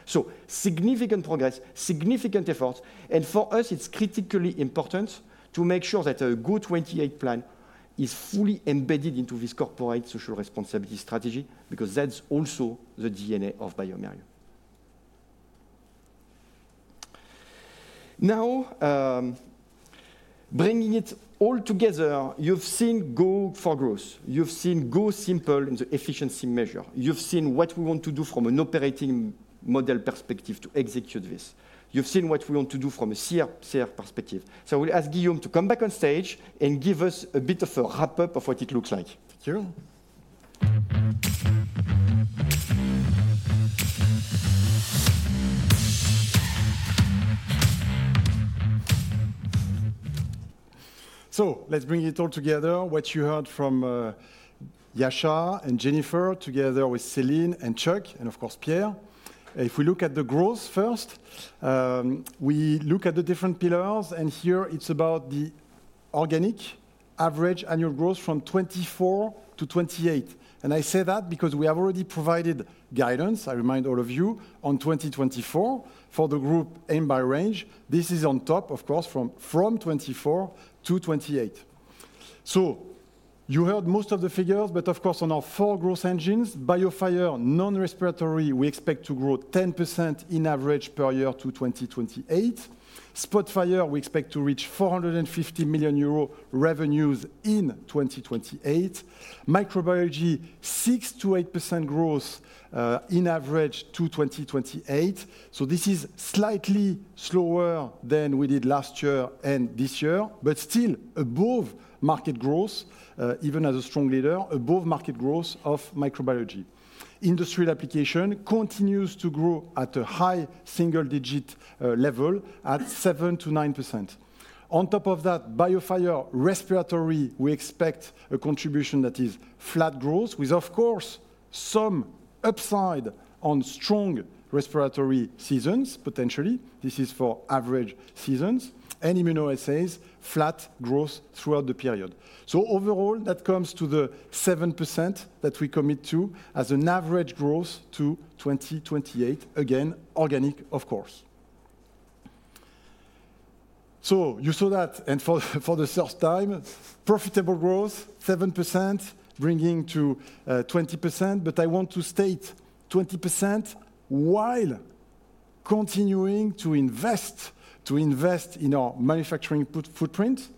So significant progress, significant efforts. For us, it's critically important to make sure that our GO•28 plan is fully embedded into this corporate social responsibility strategy because that's also the DNA of bioMérieux. Now bringing it all together, you've seen Go for Growth. You've seen Go Simple in the efficiency measure. You've seen what we want to do from an operating model perspective to execute this. You've seen what we want to do from a CR perspective. I will ask Guillaume to come back on stage and give us a bit of a wrap-up of what it looks like. Thank you. So let's bring it all together, what you heard from Yasha and Jennifer together with Céline and Chuck and, of course, Pierre. If we look at the growth first, we look at the different pillars. And here, it's about the organic average annual growth from 2024 to 2028. And I say that because we have already provided guidance, I remind all of you, on 2024 for the group aimed by range. This is on top, of course, from 2024 to 2028. So you heard most of the figures. But of course, on our four growth engines, BIOFIRE, non-respiratory, we expect to grow 10% in average per year to 2028. SPOTFIRE, we expect to reach 450 million euro revenues in 2028. Microbiology, 6%-8% growth in average to 2028. So this is slightly slower than we did last year and this year, but still above market growth, even as a strong leader, above market growth of microbiology. Industrial application continues to grow at a high single-digit level at 7%-9%. On top of that, BIOFIRE, respiratory, we expect a contribution that is flat growth with, of course, some upside on strong respiratory seasons, potentially. This is for average seasons and immunoassays, flat growth throughout the period. So overall, that comes to the 7% that we commit to as an average growth to 2028, again, organic, of course. So you saw that. And for the first time, profitable growth, 7% bringing to 20%. But I want to state 20% while continuing to invest, to invest in our manufacturing footprint,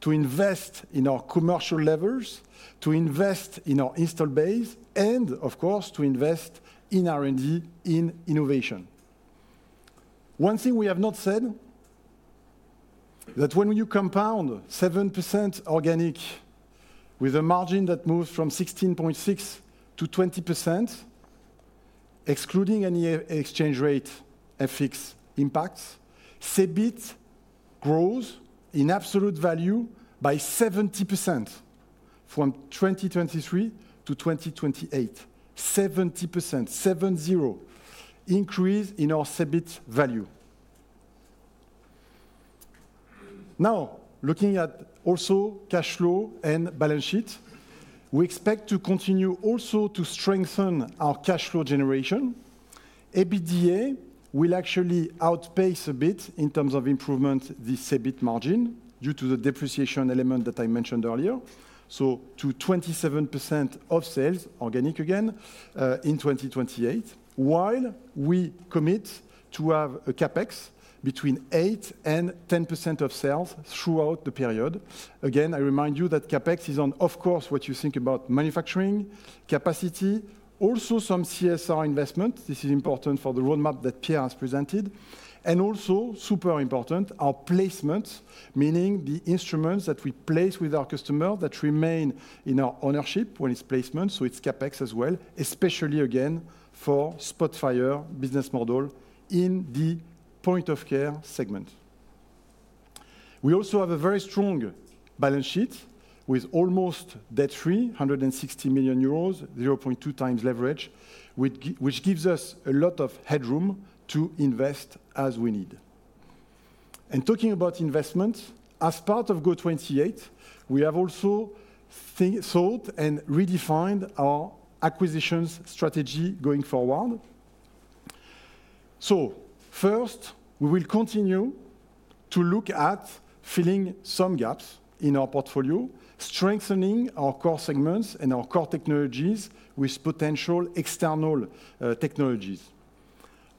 to invest in our commercial levels, to invest in our installed base, and, of course, to invest in R&D, in innovation. One thing we have not said is that when you compound 7% organic with a margin that moves from 16.6%-20%, excluding any exchange rate FX impacts, CEBIT grows in absolute value by 70% from 2023 to 2028, 70%, 7-0 increase in our CEBIT value. Now looking at also cash flow and balance sheet, we expect to continue also to strengthen our cash flow generation. EBITDA will actually outpace a bit in terms of improvement the CEBIT margin due to the depreciation element that I mentioned earlier, so to 27% of sales, organic again, in 2028, while we commit to have a CapEx between 8%-10% of sales throughout the period. Again, I remind you that CapEx is on, of course, what you think about manufacturing capacity, also some CSR investments. This is important for the roadmap that Pierre has presented. Also super important, our placements, meaning the instruments that we place with our customer that remain in our ownership when it's placement. So it's CapEx as well, especially, again, for SPOTFIRE business model in the point-of-care segment. We also have a very strong balance sheet with almost debt-free, 160 million euros, 0.2x leverage, which gives us a lot of headroom to invest as we need. Talking about investments, as part of GO•28, we have also thought and redefined our acquisitions strategy going forward. So first, we will continue to look at filling some gaps in our portfolio, strengthening our core segments and our core technologies with potential external technologies.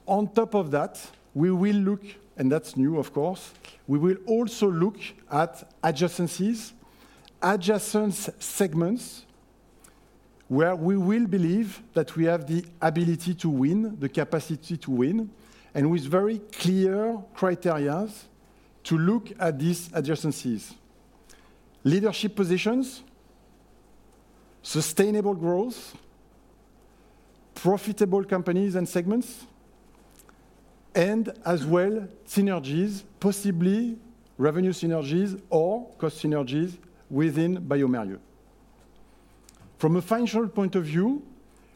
On top of that, we will look and that's new, of course, we will also look at adjacencies, adjacent segments where we will believe that we have the ability to win, the capacity to win, and with very clear criteria to look at these adjacencies: leadership positions, sustainable growth, profitable companies and segments, and as well synergies, possibly revenue synergies or cost synergies within bioMérieux. From a financial point of view,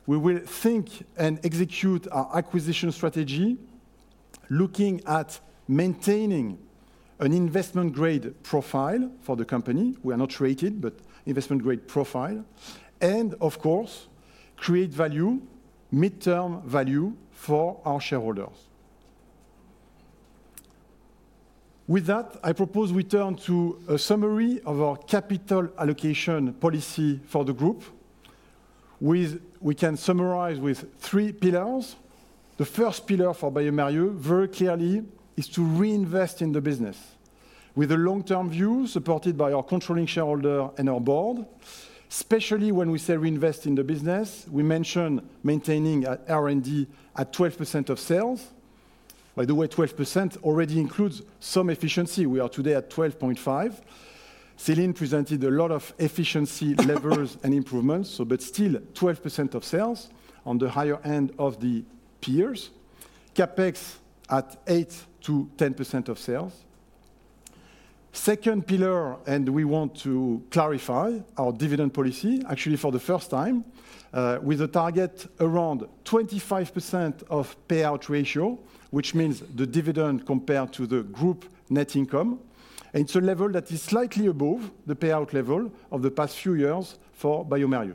we will think and execute our acquisition strategy looking at maintaining an investment-grade profile for the company. We are not rated, but investment-grade profile, and, of course, create value, mid-term value for our shareholders. With that, I propose we turn to a summary of our capital allocation policy for the group. We can summarize with three pillars. The first pillar for bioMérieux, very clearly, is to reinvest in the business with a long-term view supported by our controlling shareholder and our board. Especially when we say reinvest in the business, we mention maintaining R&D at 12% of sales. By the way, 12% already includes some efficiency. We are today at 12.5%. Céline presented a lot of efficiency levers and improvements, but still 12% of sales on the higher end of the peers, CapEx at 8%-10% of sales. Second pillar, and we want to clarify our dividend policy, actually for the first time, with a target around 25% of payout ratio, which means the dividend compared to the group net income. And it's a level that is slightly above the payout level of the past few years for bioMérieux.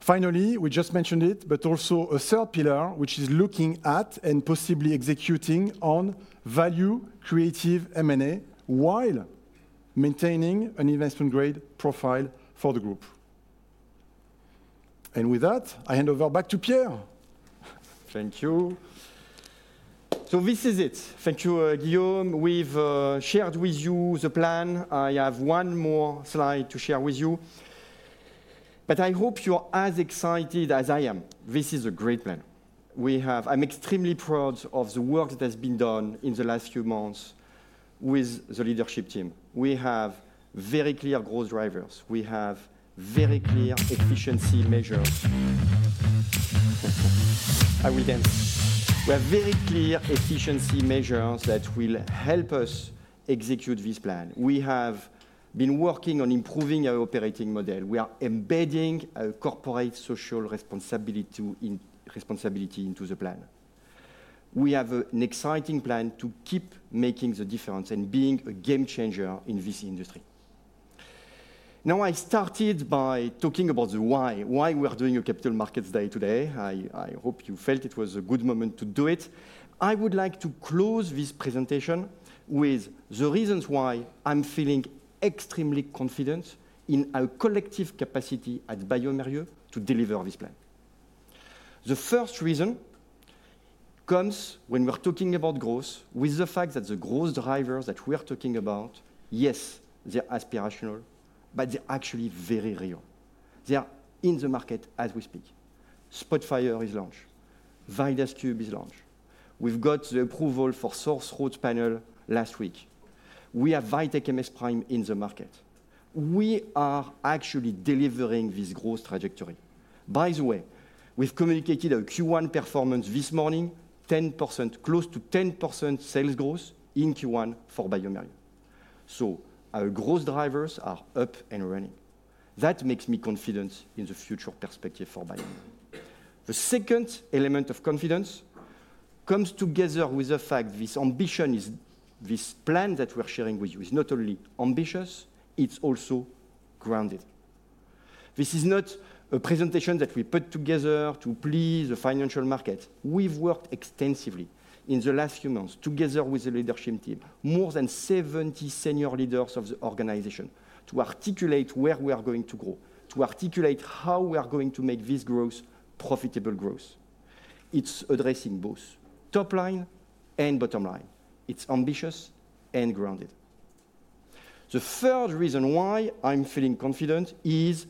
Finally, we just mentioned it, but also a third pillar, which is looking at and possibly executing on value creative M&A while maintaining an investment-grade profile for the group. With that, I hand over back to Pierre. Thank you. So this is it. Thank you, Guillaume. We've shared with you the plan. I have one more slide to share with you. But I hope you are as excited as I am. This is a great plan. I'm extremely proud of the work that has been done in the last few months with the leadership team. We have very clear growth drivers. We have very clear efficiency measures. I will dance-- We have very clear efficiency measures that will help us execute this plan. We have been working on improving our operating model. We are embedding our corporate social responsibility into the plan. We have an exciting plan to keep making the difference and being a game changer in this industry. Now I started by talking about the why, why we are doing a Capital Markets Day today. I hope you felt it was a good moment to do it. I would like to close this presentation with the reasons why I'm feeling extremely confident in our collective capacity at bioMérieux to deliver this plan. The first reason comes when we're talking about growth with the fact that the growth drivers that we are talking about, yes, they are aspirational, but they are actually very real. They are in the market as we speak. SPOTFIRE is launched. VIDAS KUBE is launched. We've got the approval for Sore Throat Panel last week. We have VITEK MS PRIME in the market. We are actually delivering this growth trajectory. By the way, we've communicated our Q1 performance this morning, close to 10% sales growth in Q1 for bioMérieux. So our growth drivers are up and running. That makes me confident in the future perspective for bioMérieux. The second element of confidence comes together with the fact this ambition, this plan that we are sharing with you, is not only ambitious, it's also grounded. This is not a presentation that we put together to please the financial market. We've worked extensively in the last few months together with the leadership team, more than 70 senior leaders of the organization, to articulate where we are going to grow, to articulate how we are going to make this growth profitable growth. It's addressing both top line and bottom line. It's ambitious and grounded. The third reason why I'm feeling confident is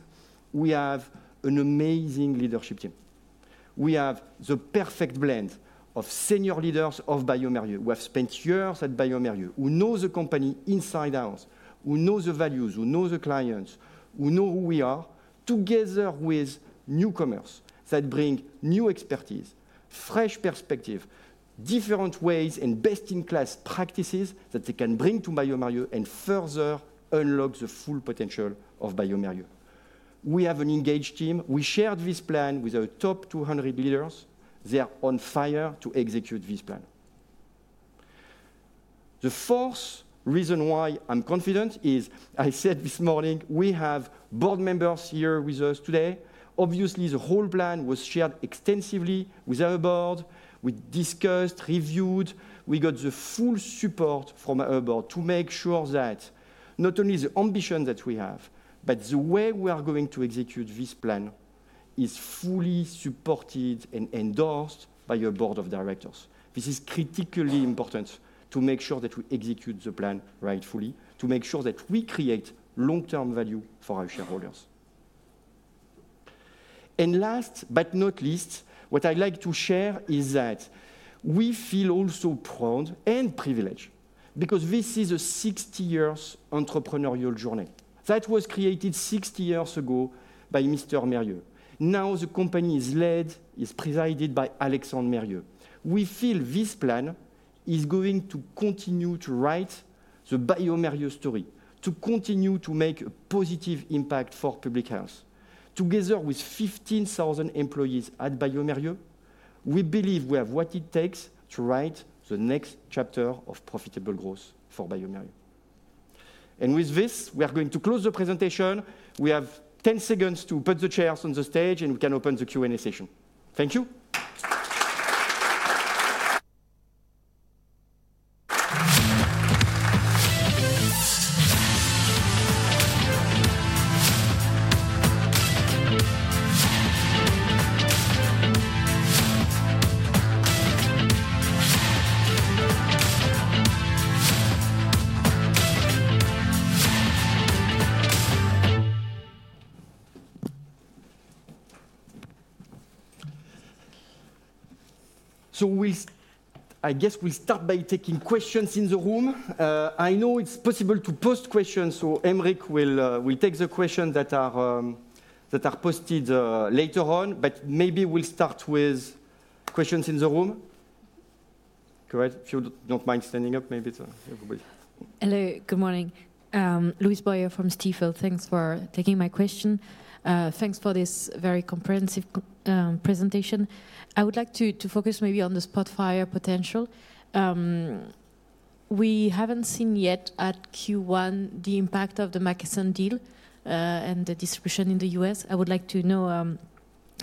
we have an amazing leadership team. We have the perfect blend of senior leaders of bioMérieux who have spent years at bioMérieux, who know the company inside out, who know the values, who know the clients, who know who we are together with newcomers that bring new expertise, fresh perspective, different ways, and best-in-class practices that they can bring to bioMérieux and further unlock the full potential of bioMérieux. We have an engaged team. We shared this plan with our top 200 leaders. They are on fire to execute this plan. The fourth reason why I'm confident is, I said this morning, we have board members here with us today. Obviously, the whole plan was shared extensively with our board. We discussed, reviewed. We got the full support from our board to make sure that not only the ambition that we have, but the way we are going to execute this plan is fully supported and endorsed by our board of directors. This is critically important to make sure that we execute the plan rightfully, to make sure that we create long-term value for our shareholders. And last but not least, what I'd like to share is that we feel also proud and privileged because this is a 60-year entrepreneurial journey that was created 60 years ago by Mr. Mérieux. Now the company is led, is presided by Alexandre Mérieux. We feel this plan is going to continue to write the bioMérieux story, to continue to make a positive impact for public health. Together with 15,000 employees at bioMérieux, we believe we have what it takes to write the next chapter of profitable growth for bioMérieux. And with this, we are going to close the presentation. We have 10 seconds to put the chairs on the stage, and we can open the Q&A session. Thank you. So I guess we'll start by taking questions in the room. I know it's possible to post questions. So Aymeric will take the questions that are posted later on. But maybe we'll start with questions in the room. Correct? If you don't mind standing up, maybe to everybody. Hello. Good morning. Louise Boyer from Stifel. Thanks for taking my question. Thanks for this very comprehensive presentation. I would like to focus maybe on the SPOTFIRE potential. We haven't seen yet at Q1 the impact of the McKesson deal and the distribution in the U.S. I would like to know,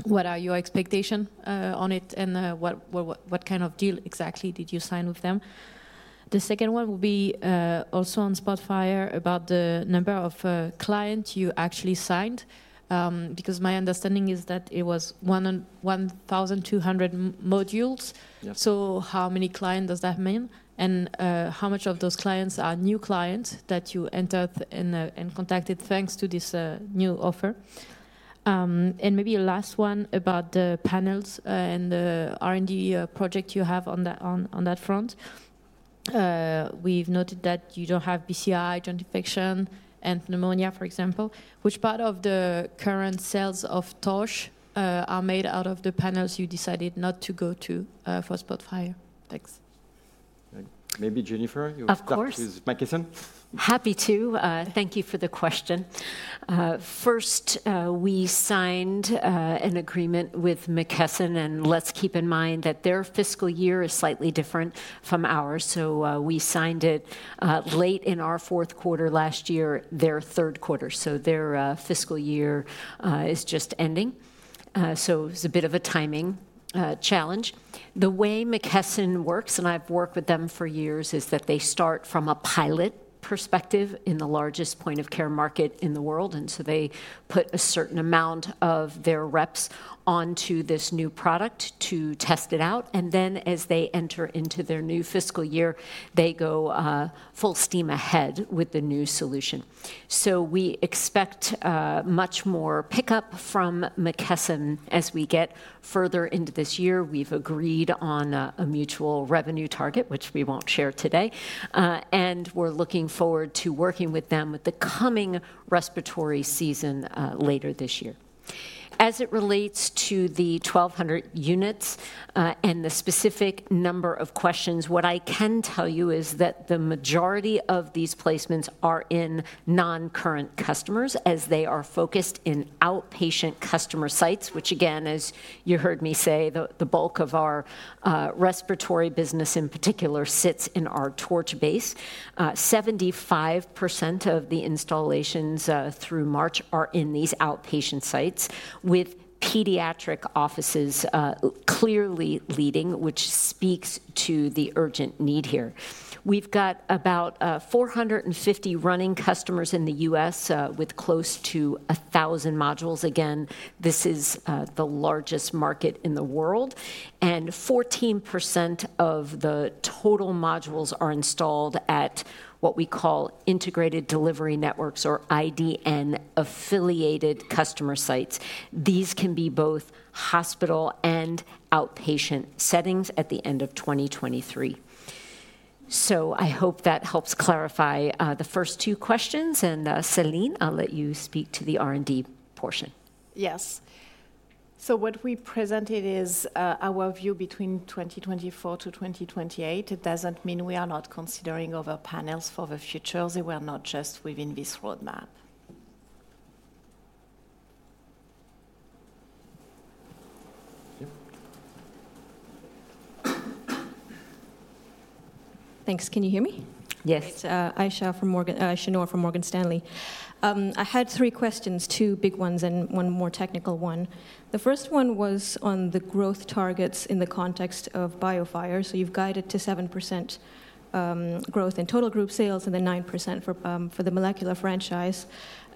what are your expectations on it, and what kind of deal exactly did you sign with them? The second one will be also on SPOTFIRE about the number of clients you actually signed because my understanding is that it was 1,200 modules. So how many clients does that mean? And how much of those clients are new clients that you entered and contacted thanks to this new offer? And maybe a last one about the panels and the R&D project you have on that front. We've noted that you don't have BCID, joint infection, and pneumonia, for example. Which part of the current sales of TORCH are made out of the panels you decided not to go to for SPOTFIRE? Thanks. Maybe Jennifer, you want to talk to McKesson? Of course. Happy to. Thank you for the question. First, we signed an agreement with McKesson. Let's keep in mind that their fiscal year is slightly different from ours. We signed it late in our fourth quarter last year, their third quarter. Their fiscal year is just ending. It's a bit of a timing challenge. The way McKesson works, and I've worked with them for years, is that they start from a pilot perspective in the largest point-of-care market in the world. They put a certain amount of their reps onto this new product to test it out. Then as they enter into their new fiscal year, they go full steam ahead with the new solution. We expect much more pickup from McKesson as we get further into this year. We've agreed on a mutual revenue target, which we won't share today. We're looking forward to working with them with the coming respiratory season later this year. As it relates to the 1,200 units and the specific number of questions, what I can tell you is that the majority of these placements are in non-current customers as they are focused in outpatient customer sites, which, again, as you heard me say, the bulk of our respiratory business in particular sits in our TORCH base. 75% of the installations through March are in these outpatient sites with pediatric offices clearly leading, which speaks to the urgent need here. We've got about 450 running customers in the U.S. with close to 1,000 modules. Again, this is the largest market in the world. 14% of the total modules are installed at what we call integrated delivery networks or IDN-affiliated customer sites. These can be both hospital and outpatient settings at the end of 2023. I hope that helps clarify the first two questions. Céline, I'll let you speak to the R&D portion. Yes. So what we presented is our view between 2024-2028. It doesn't mean we are not considering other panels for the future. They were not just within this roadmap. Thanks. Can you hear me? Yes. It's Aisyah Noor from Morgan Stanley. I had three questions, two big ones and one more technical one. The first one was on the growth targets in the context of BIOFIRE. So you've guided to 7% growth in total group sales and then 9% for the molecular franchise.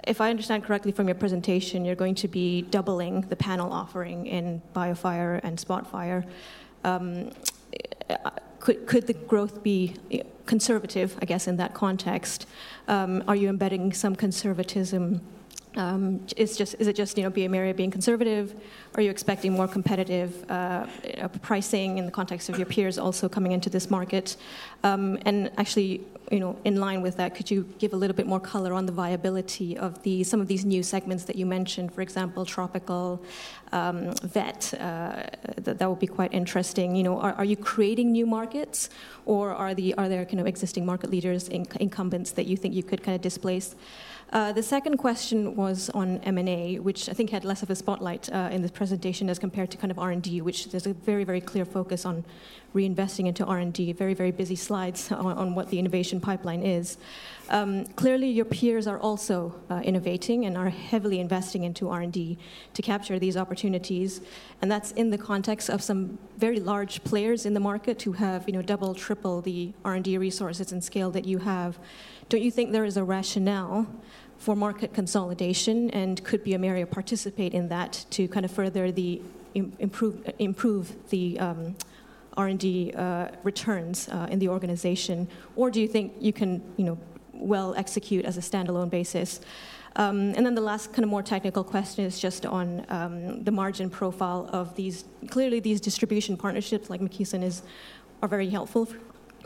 If I understand correctly from your presentation, you're going to be doubling the panel offering in BIOFIRE and SPOTFIRE. Could the growth be conservative, I guess, in that context? Are you embedding some conservatism? Is it just bioMérieux being conservative? Are you expecting more competitive pricing in the context of your peers also coming into this market? And actually, in line with that, could you give a little bit more color on the viability of some of these new segments that you mentioned, for example, tropical, vet? That would be quite interesting. Are you creating new markets, or are there existing market leaders, incumbents that you think you could kind of displace? The second question was on M&A, which I think had less of a spotlight in this presentation as compared to kind of R&D, which there's a very, very clear focus on reinvesting into R&D, very, very busy slides on what the innovation pipeline is. Clearly, your peers are also innovating and are heavily investing into R&D to capture these opportunities. And that's in the context of some very large players in the market who have double, triple the R&D resources and scale that you have. Don't you think there is a rationale for market consolidation? And could bioMérieux participate in that to kind of further improve the R&D returns in the organization? Or do you think you can well execute as a standalone basis? Then the last kind of more technical question is just on the margin profile of these. Clearly, these distribution partnerships, like McKesson, are very helpful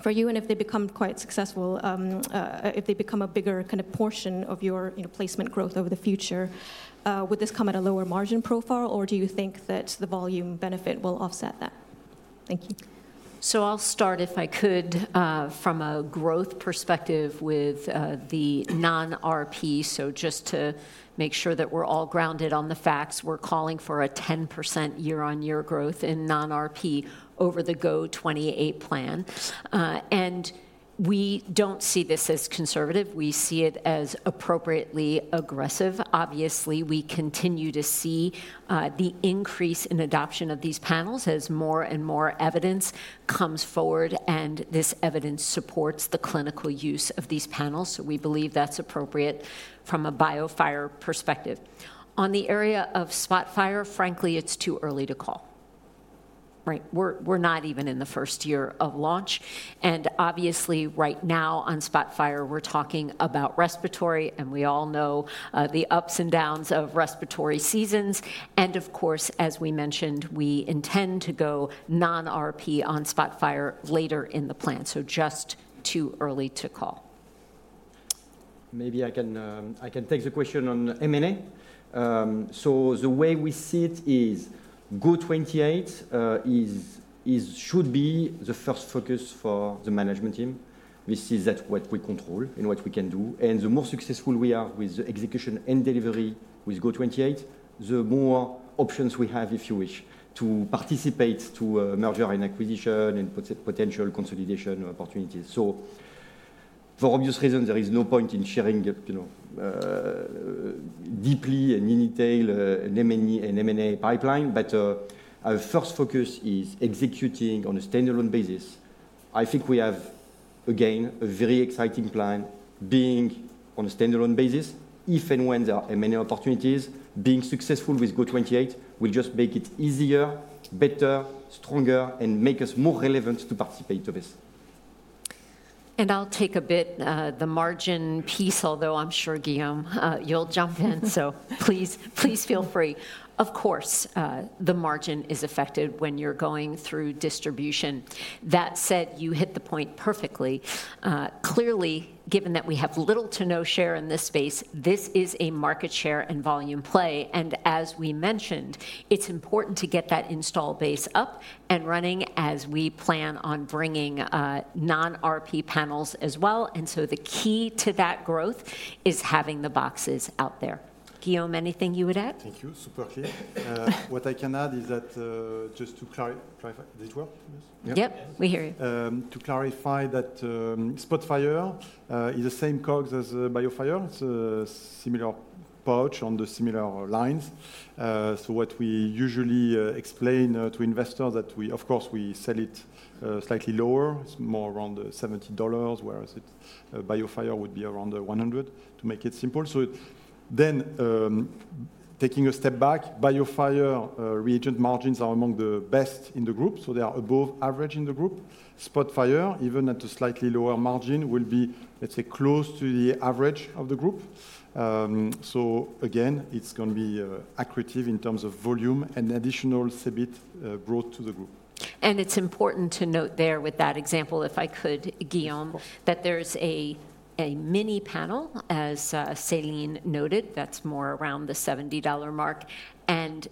for you. And if they become quite successful, if they become a bigger kind of portion of your placement growth over the future, would this come at a lower margin profile? Or do you think that the volume benefit will offset that? Thank you. So I'll start, if I could, from a growth perspective with the non-RP. So just to make sure that we're all grounded on the facts, we're calling for 10% year-on-year growth in non-RP over the GO•28 plan. And we don't see this as conservative. We see it as appropriately aggressive. Obviously, we continue to see the increase in adoption of these panels as more and more evidence comes forward. And this evidence supports the clinical use of these panels. So we believe that's appropriate from a BIOFIRE perspective. On the area of SPOTFIRE, frankly, it's too early to call. We're not even in the first year of launch. And obviously, right now on SPOTFIRE, we're talking about respiratory. And we all know the ups and downs of respiratory seasons. And of course, as we mentioned, we intend to go non-RP on SPOTFIRE later in the plan. Just too early to call. Maybe I can take the question on M&A. So the way we see it is GO•28 should be the first focus for the management team. This is what we control and what we can do. And the more successful we are with the execution and delivery with GO•28, the more options we have, if you wish, to participate to merger and acquisition and potential consolidation opportunities. So for obvious reasons, there is no point in sharing deeply and in detail an M&A pipeline. But our first focus is executing on a standalone basis. I think we have, again, a very exciting plan being on a standalone basis. If and when there are M&A opportunities, being successful with GO•28 will just make it easier, better, stronger, and make us more relevant to participate in this. And I'll take a bit the margin piece, although I'm sure, Guillaume, you'll jump in. So please feel free. Of course, the margin is affected when you're going through distribution. That said, you hit the point perfectly. Clearly, given that we have little to no share in this space, this is a market share and volume play. And as we mentioned, it's important to get that install base up and running as we plan on bringing non-RP panels as well. And so the key to that growth is having the boxes out there. Guillaume, anything you would add? Thank you. Super clear. What I can add is that just to clarify, did it work? Yes? Yep. We hear you. To clarify that SPOTFIRE is the same COGS as BIOFIRE. It's a similar pouch on the similar lines. So what we usually explain to investors is that, of course, we sell it slightly lower. It's more around $70, whereas BIOFIRE would be around $100, to make it simple. So then taking a step back, BIOFIRE reagent margins are among the best in the group. So they are above average in the group. SPOTFIRE, even at a slightly lower margin, will be, let's say, close to the average of the group. So again, it's going to be accretive in terms of volume and additional CEBIT growth to the group. It's important to note there with that example, if I could, Guillaume, that there's a mini panel, as Céline noted. That's more around the $70 mark.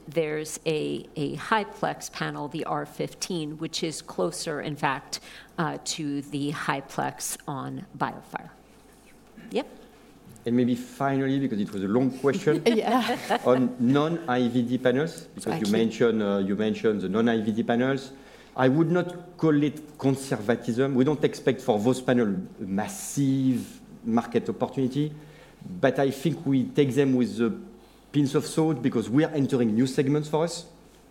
There's a high-plex panel, the R15, which is closer, in fact, to the high-plex on BIOFIRE. Yep? And maybe finally, because it was a long question, on non-RP panels, because you mentioned the non-RP panels, I would not call it conservatism. We don't expect for those panels a massive market opportunity. But I think we take them with a pinch of salt because we are entering new segments for us.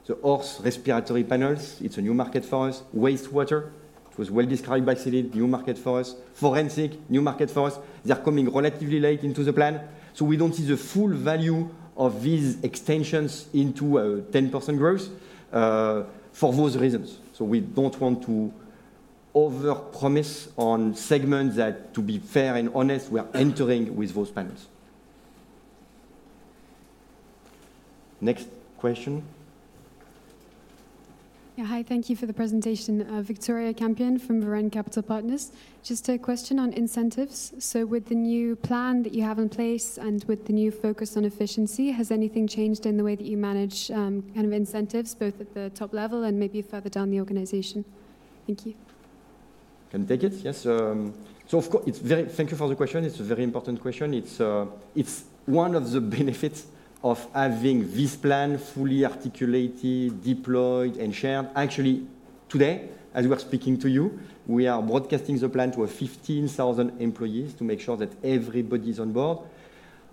The non-RP respiratory panels, it's a new market for us. Wastewater, it was well described by Céline, new market for us. Forensic, new market for us. They're coming relatively late into the plan. So we don't see the full value of these extensions into 10% growth for those reasons. So we don't want to overpromise on segments that, to be fair and honest, we are entering with those panels. Next question. Yeah. Hi. Thank you for the presentation. Victoria Campion from Varenne Capital Partners. Just a question on incentives. So with the new plan that you have in place and with the new focus on efficiency, has anything changed in the way that you manage kind of incentives, both at the top level and maybe further down the organization? Thank you. Can I take it? Yes. So of course, thank you for the question. It's a very important question. It's one of the benefits of having this plan fully articulated, deployed, and shared. Actually, today, as we are speaking to you, we are broadcasting the plan to 15,000 employees to make sure that everybody is on board.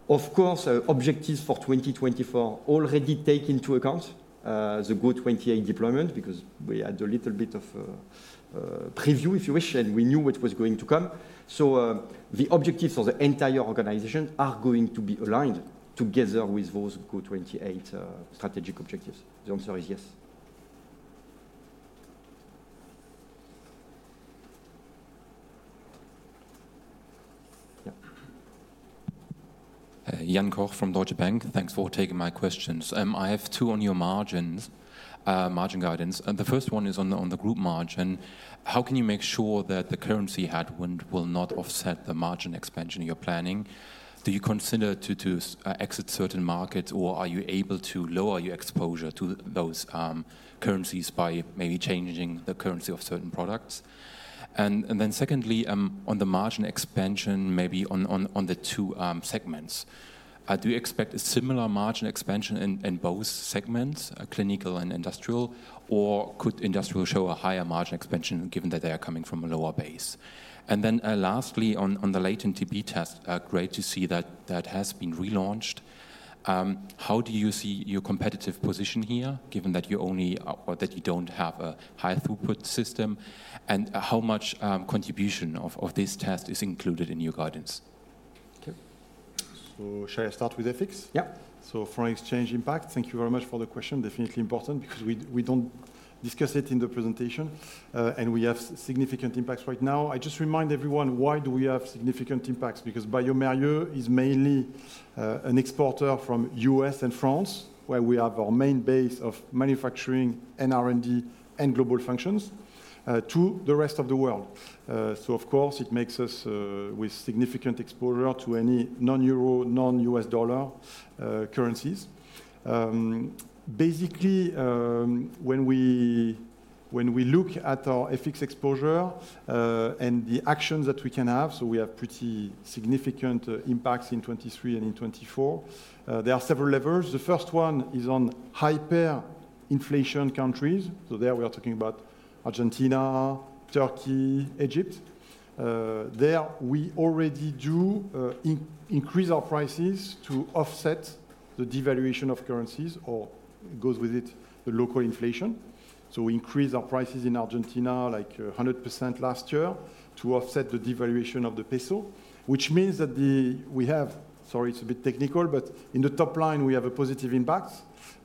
Of course, objectives for 2024 already take into account the GO•28 deployment because we had a little bit of preview, if you wish. And we knew what was going to come. So the objectives of the entire organization are going to be aligned together with those GO•28 strategic objectives. The answer is yes. Yeah. Jan Koch from Deutsche Bank. Thanks for taking my questions. I have two on your margins, margin guidance. The first one is on the group margin. How can you make sure that the currency headwind will not offset the margin expansion you're planning? Do you consider to exit certain markets, or are you able to lower your exposure to those currencies by maybe changing the currency of certain products? And then secondly, on the margin expansion, maybe on the two segments, do you expect a similar margin expansion in both segments, clinical and industrial? Or could industrial show a higher margin expansion given that they are coming from a lower base? And then lastly, on the latent TB test, great to see that that has been relaunched. How do you see your competitive position here, given that you only or that you don't have a high throughput system? How much contribution of this test is included in your guidance? Shall I start with ethics? Yep. So for exchange impact, thank you very much for the question. Definitely important because we don't discuss it in the presentation. We have significant impacts right now. I just remind everyone, why do we have significant impacts? Because bioMérieux is mainly an exporter from the U.S. and France, where we have our main base of manufacturing and R&D and global functions, to the rest of the world. So of course, it makes us with significant exposure to any non-Euro, non-U.S. dollar currencies. Basically, when we look at our FX exposure and the actions that we can have, so we have pretty significant impacts in 2023 and in 2024, there are several levers. The first one is on hyperinflation countries. So there we are talking about Argentina, Turkey, Egypt. There we already do increase our prices to offset the devaluation of currencies, or goes with it the local inflation. So we increase our prices in Argentina like 100% last year to offset the devaluation of the peso, which means that we have, sorry, it's a bit technical. But in the top line, we have a positive impact.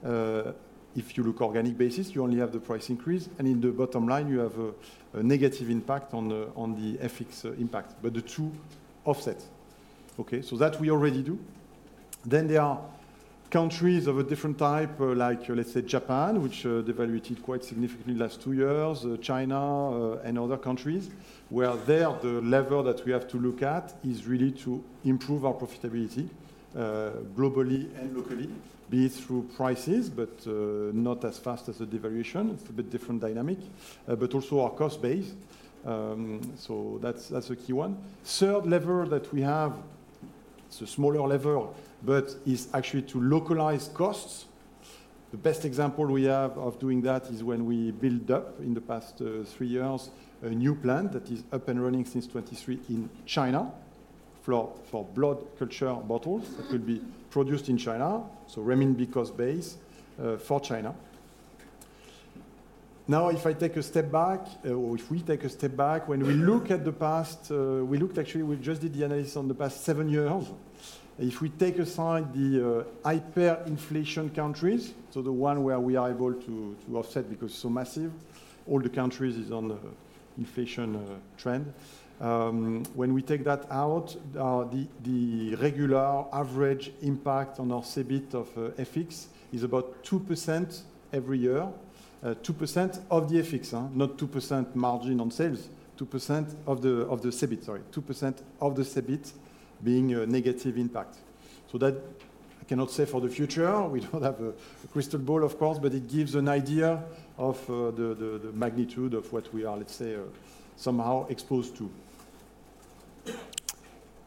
If you look at an organic basis, you only have the price increase. And in the bottom line, you have a negative impact on the FX impact. But the two offset. So that we already do. Then there are countries of a different type, like let's say Japan, which devalued quite significantly last two years, China, and other countries, where there the lever that we have to look at is really to improve our profitability globally and locally, be it through prices, but not as fast as the devaluation. It's a bit different dynamic. But also our cost base. So that's a key one. The third lever that we have, it's a smaller lever, but is actually to localize costs. The best example we have of doing that is when we built up in the past three years a new plant that is up and running since 2023 in China for blood culture bottles that will be produced in China. So RMB cost base for China. Now, if I take a step back, or if we take a step back, when we look at the past we looked, actually, we just did the analysis on the past seven years. If we take aside the hyperinflation countries, so the one where we are able to offset because it's so massive, all the countries are on an inflation trend. When we take that out, the regular average impact on our CEBIT of FX is about 2% every year. 2% of the EBIT, not 2% margin on sales. 2% of the CEBIT, sorry. 2% of the CEBIT being a negative impact. So that I cannot say for the future. We don't have a crystal ball, of course. But it gives an idea of the magnitude of what we are, let's say, somehow exposed to.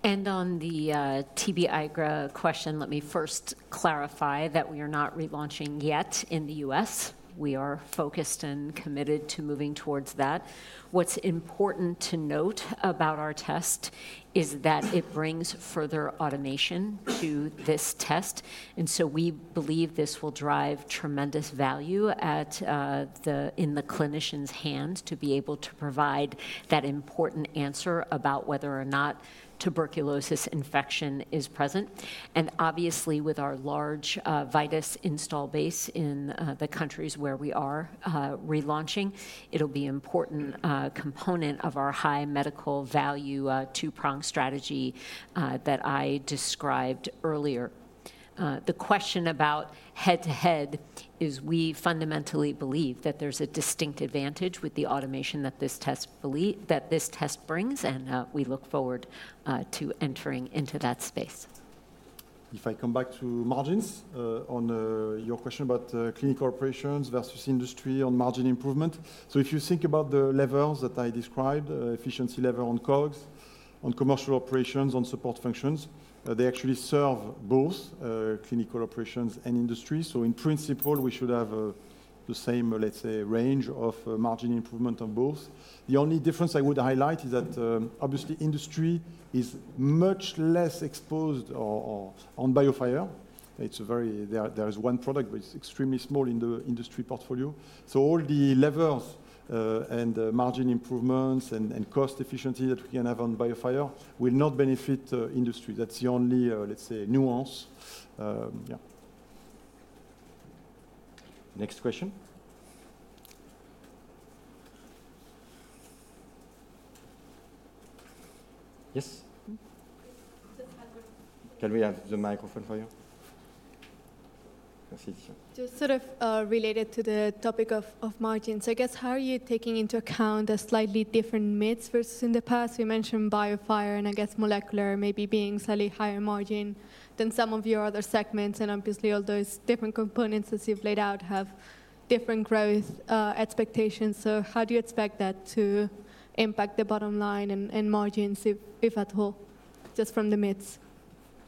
On the TB-IGRA question, let me first clarify that we are not relaunching yet in the U.S. We are focused and committed to moving towards that. What's important to note about our test is that it brings further automation to this test. And so we believe this will drive tremendous value in the clinician's hands to be able to provide that important answer about whether or not tuberculosis infection is present. And obviously, with our large VIDAS install base in the countries where we are relaunching, it'll be an important component of our high medical value two-pronged strategy that I described earlier. The question about head-to-head is we fundamentally believe that there's a distinct advantage with the automation that this test brings. And we look forward to entering into that space. If I come back to margins, on your question about clinical operations versus industry on margin improvement, so if you think about the levers that I described, efficiency lever on COGS, on commercial operations, on support functions, they actually serve both clinical operations and industry. So in principle, we should have the same, let's say, range of margin improvement on both. The only difference I would highlight is that, obviously, industry is much less exposed on BIOFIRE. There is one product, but it's extremely small in the industry portfolio. So all the levers and margin improvements and cost efficiency that we can have on BIOFIRE will not benefit industry. That's the only, let's say, nuance. Yeah. Next question. Yes? Can we have the microphone for you? Just sort of related to the topic of margins. I guess how are you taking into account slightly different mix versus in the past? We mentioned BIOFIRE and, I guess, molecular maybe being slightly higher margin than some of your other segments. And obviously, all those different components that you've laid out have different growth expectations. So how do you expect that to impact the bottom line and margins, if at all, just from the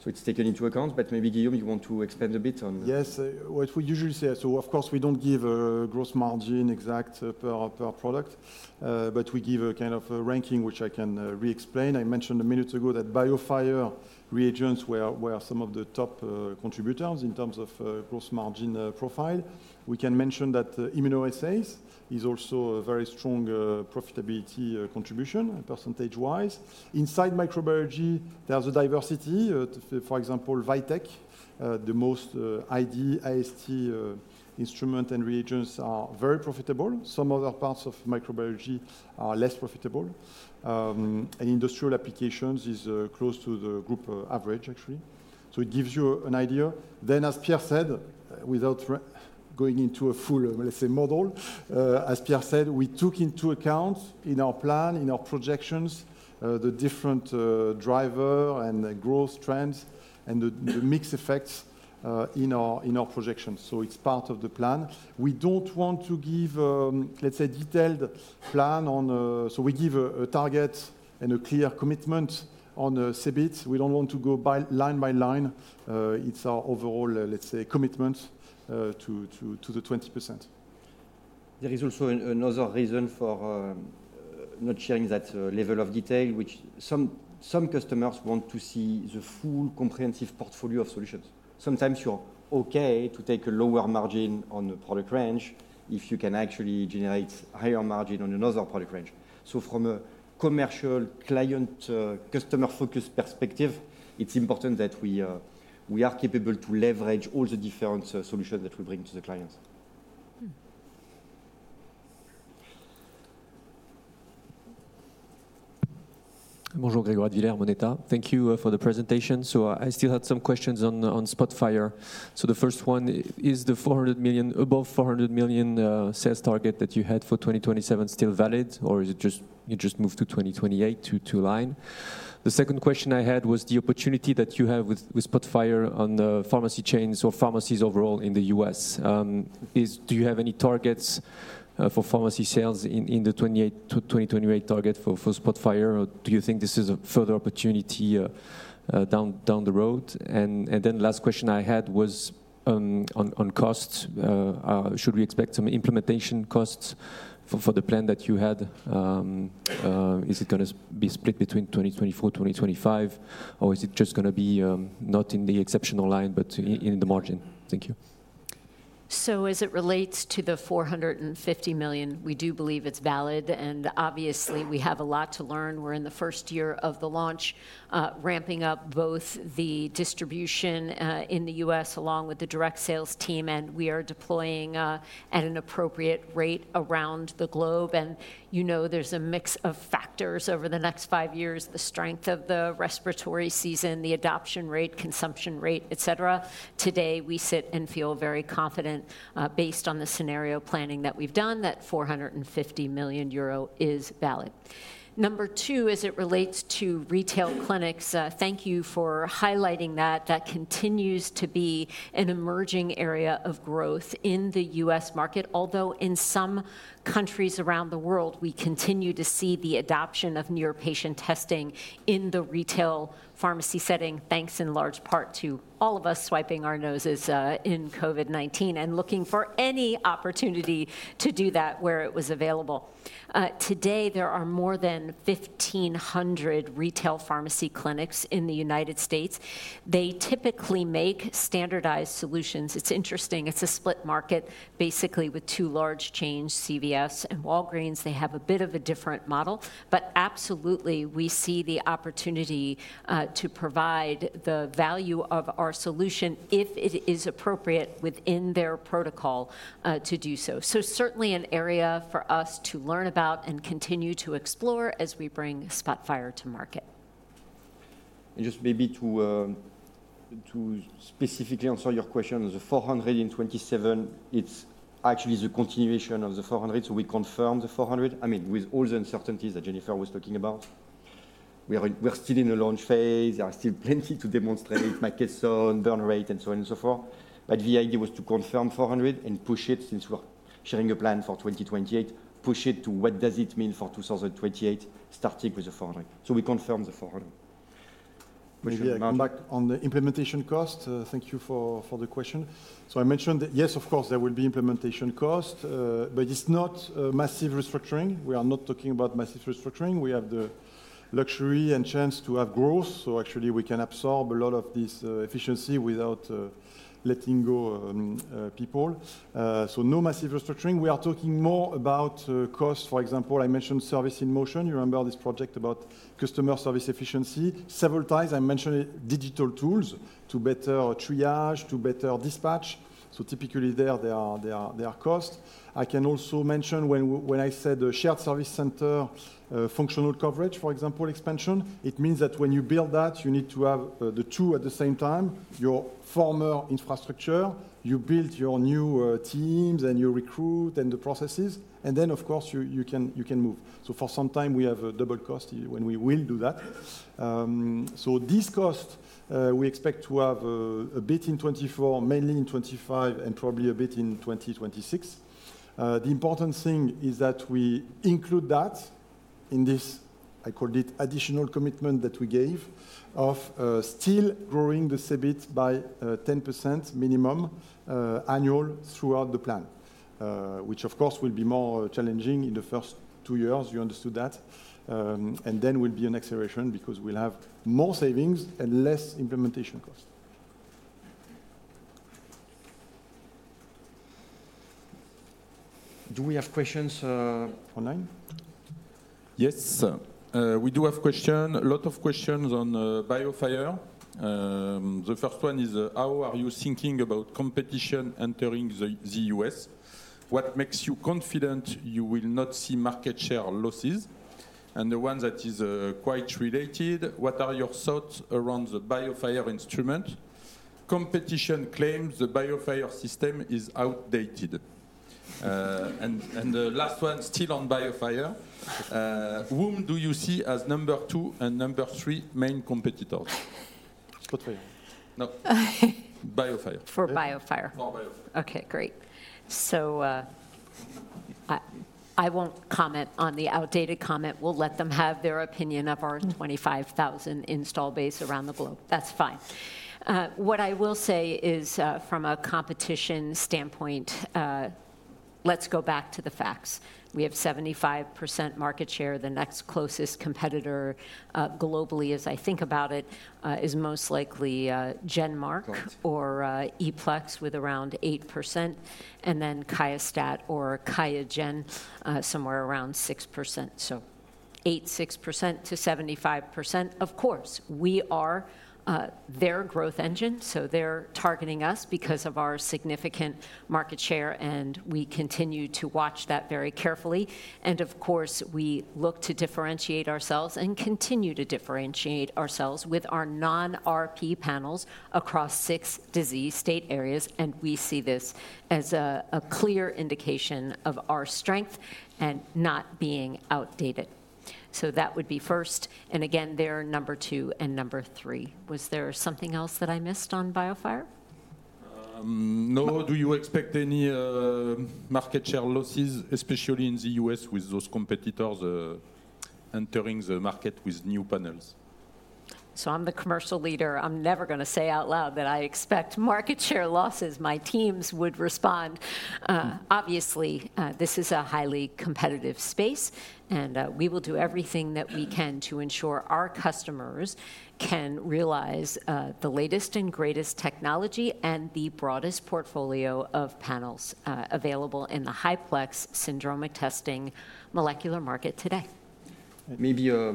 mix? It's taken into account. Maybe, Guillaume, you want to expand a bit on. Yes. What we usually say, so of course, we don't give a gross margin exact per product. But we give a kind of ranking, which I can re-explain. I mentioned a minute ago that BIOFIRE reagents were some of the top contributors in terms of gross margin profile. We can mention that immunoassays is also a very strong profitability contribution percentage-wise. Inside microbiology, there's a diversity. For example, VITEK, the most ID/AST instrument and reagents are very profitable. Some other parts of microbiology are less profitable. And industrial applications are close to the group average, actually. So it gives you an idea. Then, as Pierre said, without going into a full, let's say, model, as Pierre said, we took into account in our plan, in our projections, the different drivers and growth trends and the mixed effects in our projections. So it's part of the plan. We don't want to give, let's say, a detailed plan on, so we give a target and a clear commitment on CEBIT. We don't want to go line by line. It's our overall, let's say, commitment to the 20%. There is also another reason for not sharing that level of detail, which some customers want to see the full comprehensive portfolio of solutions. Sometimes you're OK to take a lower margin on a product range if you can actually generate a higher margin on another product range. So from a commercial client customer-focused perspective, it's important that we are capable to leverage all the different solutions that we bring to the clients. *audio distortion* Bonjour. Grégoire Auvergne, Moneta. Thank you for the presentation. So I still had some questions on SPOTFIRE. So the first one, is the 400 million, above 400 million sales target that you had for 2027 still valid? Or you just moved to 2028 to align? The second question I had was the opportunity that you have with SPOTFIRE on pharmacy chains or pharmacies overall in the U.S. Do you have any targets for pharmacy sales in the 2028 target for SPOTFIRE? Or do you think this is a further opportunity down the road? And then the last question I had was on costs. Should we expect some implementation costs for the plan that you had? Is it going to be split between 2024, 2025? Or is it just going to be not in the exceptional line, but in the margin? Thank you. So as it relates to the 450 million, we do believe it's valid. And obviously, we have a lot to learn. We're in the first year of the launch, ramping up both the distribution in the U.S. along with the direct sales team. And we are deploying at an appropriate rate around the globe. And you know there's a mix of factors over the next five years: the strength of the respiratory season, the adoption rate, consumption rate, et cetera. Today, we sit and feel very confident based on the scenario planning that we've done that 450 million euro is valid. Number two, as it relates to retail clinics, thank you for highlighting that. That continues to be an emerging area of growth in the U.S. market. Although in some countries around the world, we continue to see the adoption of near-patient testing in the retail pharmacy setting, thanks in large part to all of us swabbing our noses in COVID-19 and looking for any opportunity to do that where it was available. Today, there are more than 1,500 retail pharmacy clinics in the United States. They typically make standardized solutions. It's interesting. It's a split market, basically, with two large chains, CVS and Walgreens. They have a bit of a different model. But absolutely, we see the opportunity to provide the value of our solution if it is appropriate within their protocol to do so. So certainly an area for us to learn about and continue to explore as we bring SPOTFIRE to market. Just maybe to specifically answer your question, the 400 million in 2027, it's actually the continuation of the 400 million. So we confirm the 400 million, I mean, with all the uncertainties that Jennifer was talking about. We're still in the launch phase. There are still plenty to demonstrate: McKesson, burn rate, and so on and so forth. But the idea was to confirm 400 million and push it, since we're sharing a plan for 2028, push it to what does it mean for 2028, starting with the 400 million. So we confirm the 400 million. Maybe I'll come back on the implementation cost. Thank you for the question. So I mentioned that, yes, of course, there will be implementation cost. But it's not massive restructuring. We are not talking about massive restructuring. We have the luxury and chance to have growth. So actually, we can absorb a lot of this efficiency without letting go of people. So no massive restructuring. We are talking more about cost. For example, I mentioned service in motion. You remember this project about customer service efficiency? Several times, I mentioned digital tools to better triage, to better dispatch. So typically, there are costs. I can also mention, when I said shared service center functional coverage—for example, expansion—it means that when you build that, you need to have the two at the same time: your former infrastructure, you build your new teams, and you recruit, and the processes. And then, of course, you can move. So for some time, we have a double cost when we will do that. So these costs, we expect to have a bit in 2024, mainly in 2025, and probably a bit in 2026. The important thing is that we include that in this I called it additional commitment that we gave of still growing the CEBIT by 10% minimum annual throughout the plan, which, of course, will be more challenging in the first two years. You understood that. And then will be an acceleration because we'll have more savings and less implementation cost. Do we have questions online? Yes. We do have a lot of questions on BIOFIRE. The first one is, how are you thinking about competition entering the U.S.? What makes you confident you will not see market share losses? And the one that is quite related, what are your thoughts around the BIOFIRE instrument? Competition claims the BIOFIRE system is outdated. And the last one, still on BIOFIRE, whom do you see as number two and number three main competitors? SPOTFIRE? No. BIOFIRE. For BIOFIRE. For BIOFIRE. OK, great. So I won't comment on the outdated comment. We'll let them have their opinion of our 25,000 installed base around the globe. That's fine. What I will say is, from a competition standpoint, let's go back to the facts. We have 75% market share. The next closest competitor globally, as I think about it, is most likely GenMark or ePlex with around 8%, and then Cepheid or Qiagen somewhere around 6%. So 8%, 6% to 75%. Of course, we are their growth engine. So they're targeting us because of our significant market share. And we continue to watch that very carefully. And of course, we look to differentiate ourselves and continue to differentiate ourselves with our non-RP panels across 6 disease state areas. And we see this as a clear indication of our strength and not being outdated. So that would be first. And again, they're number two and number three. Was there something else that I missed on BIOFIRE? No. Do you expect any market share losses, especially in the U.S. with those competitors entering the market with new panels? I'm the commercial leader. I'm never going to say out loud that I expect market share losses. My teams would respond. Obviously, this is a highly competitive space. We will do everything that we can to ensure our customers can realize the latest and greatest technology and the broadest portfolio of panels available in the high-plex syndromic testing molecular market today. Maybe a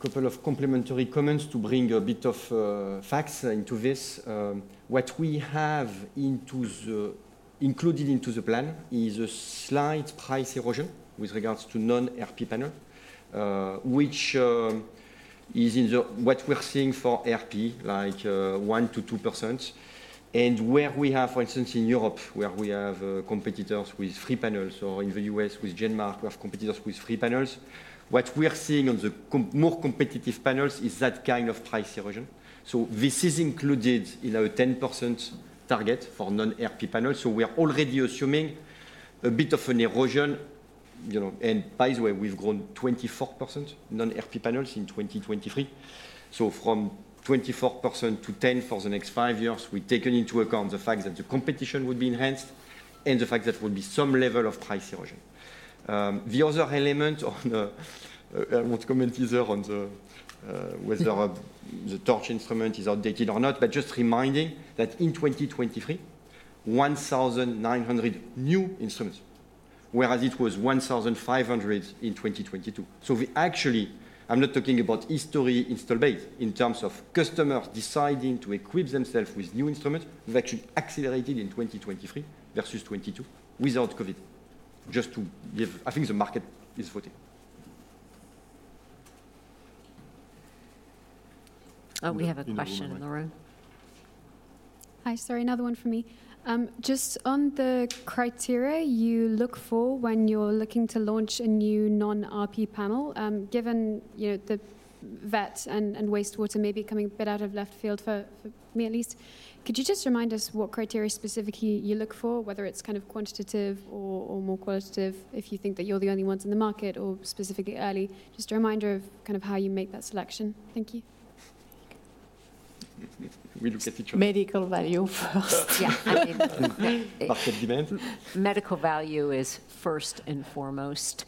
couple of complementary comments to bring a bit of facts into this. What we have included into the plan is a slight price erosion with regards to non-RP panel, which is in what we're seeing for RP, like 1%-2%. And where we have, for instance, in Europe, where we have competitors with free panels, or in the U.S. with GenMark, we have competitors with free panels, what we're seeing on the more competitive panels is that kind of price erosion. So this is included in our 10% target for non-RP panels. So we're already assuming a bit of an erosion. And by the way, we've grown 24% non-RP panels in 2023. So from 24%-10% for the next five years, we've taken into account the fact that the competition would be enhanced and the fact that there would be some level of price erosion. The other element on which I want to comment is whether the TORCH instrument is outdated or not, but just reminding that in 2023, 1,900 new instruments, whereas it was 1,500 in 2022. So we actually—I'm not talking about historical installed base in terms of customers deciding to equip themselves with new instruments. We've actually accelerated in 2023 versus 2022 without COVID, just to give—I think the market is voting. We have a question in the room. Hi. Sorry, another one for me. Just on the criteria you look for when you're looking to launch a new non-RP panel, given the vet and wastewater maybe coming a bit out of left field for me, at least, could you just remind us what criteria specifically you look for, whether it's kind of quantitative or more qualitative, if you think that you're the only ones in the market or specifically early? Just a reminder of kind of how you make that selection. Thank you. We look at each other. Medical value first. Yeah. Market demand. Medical value is first and foremost,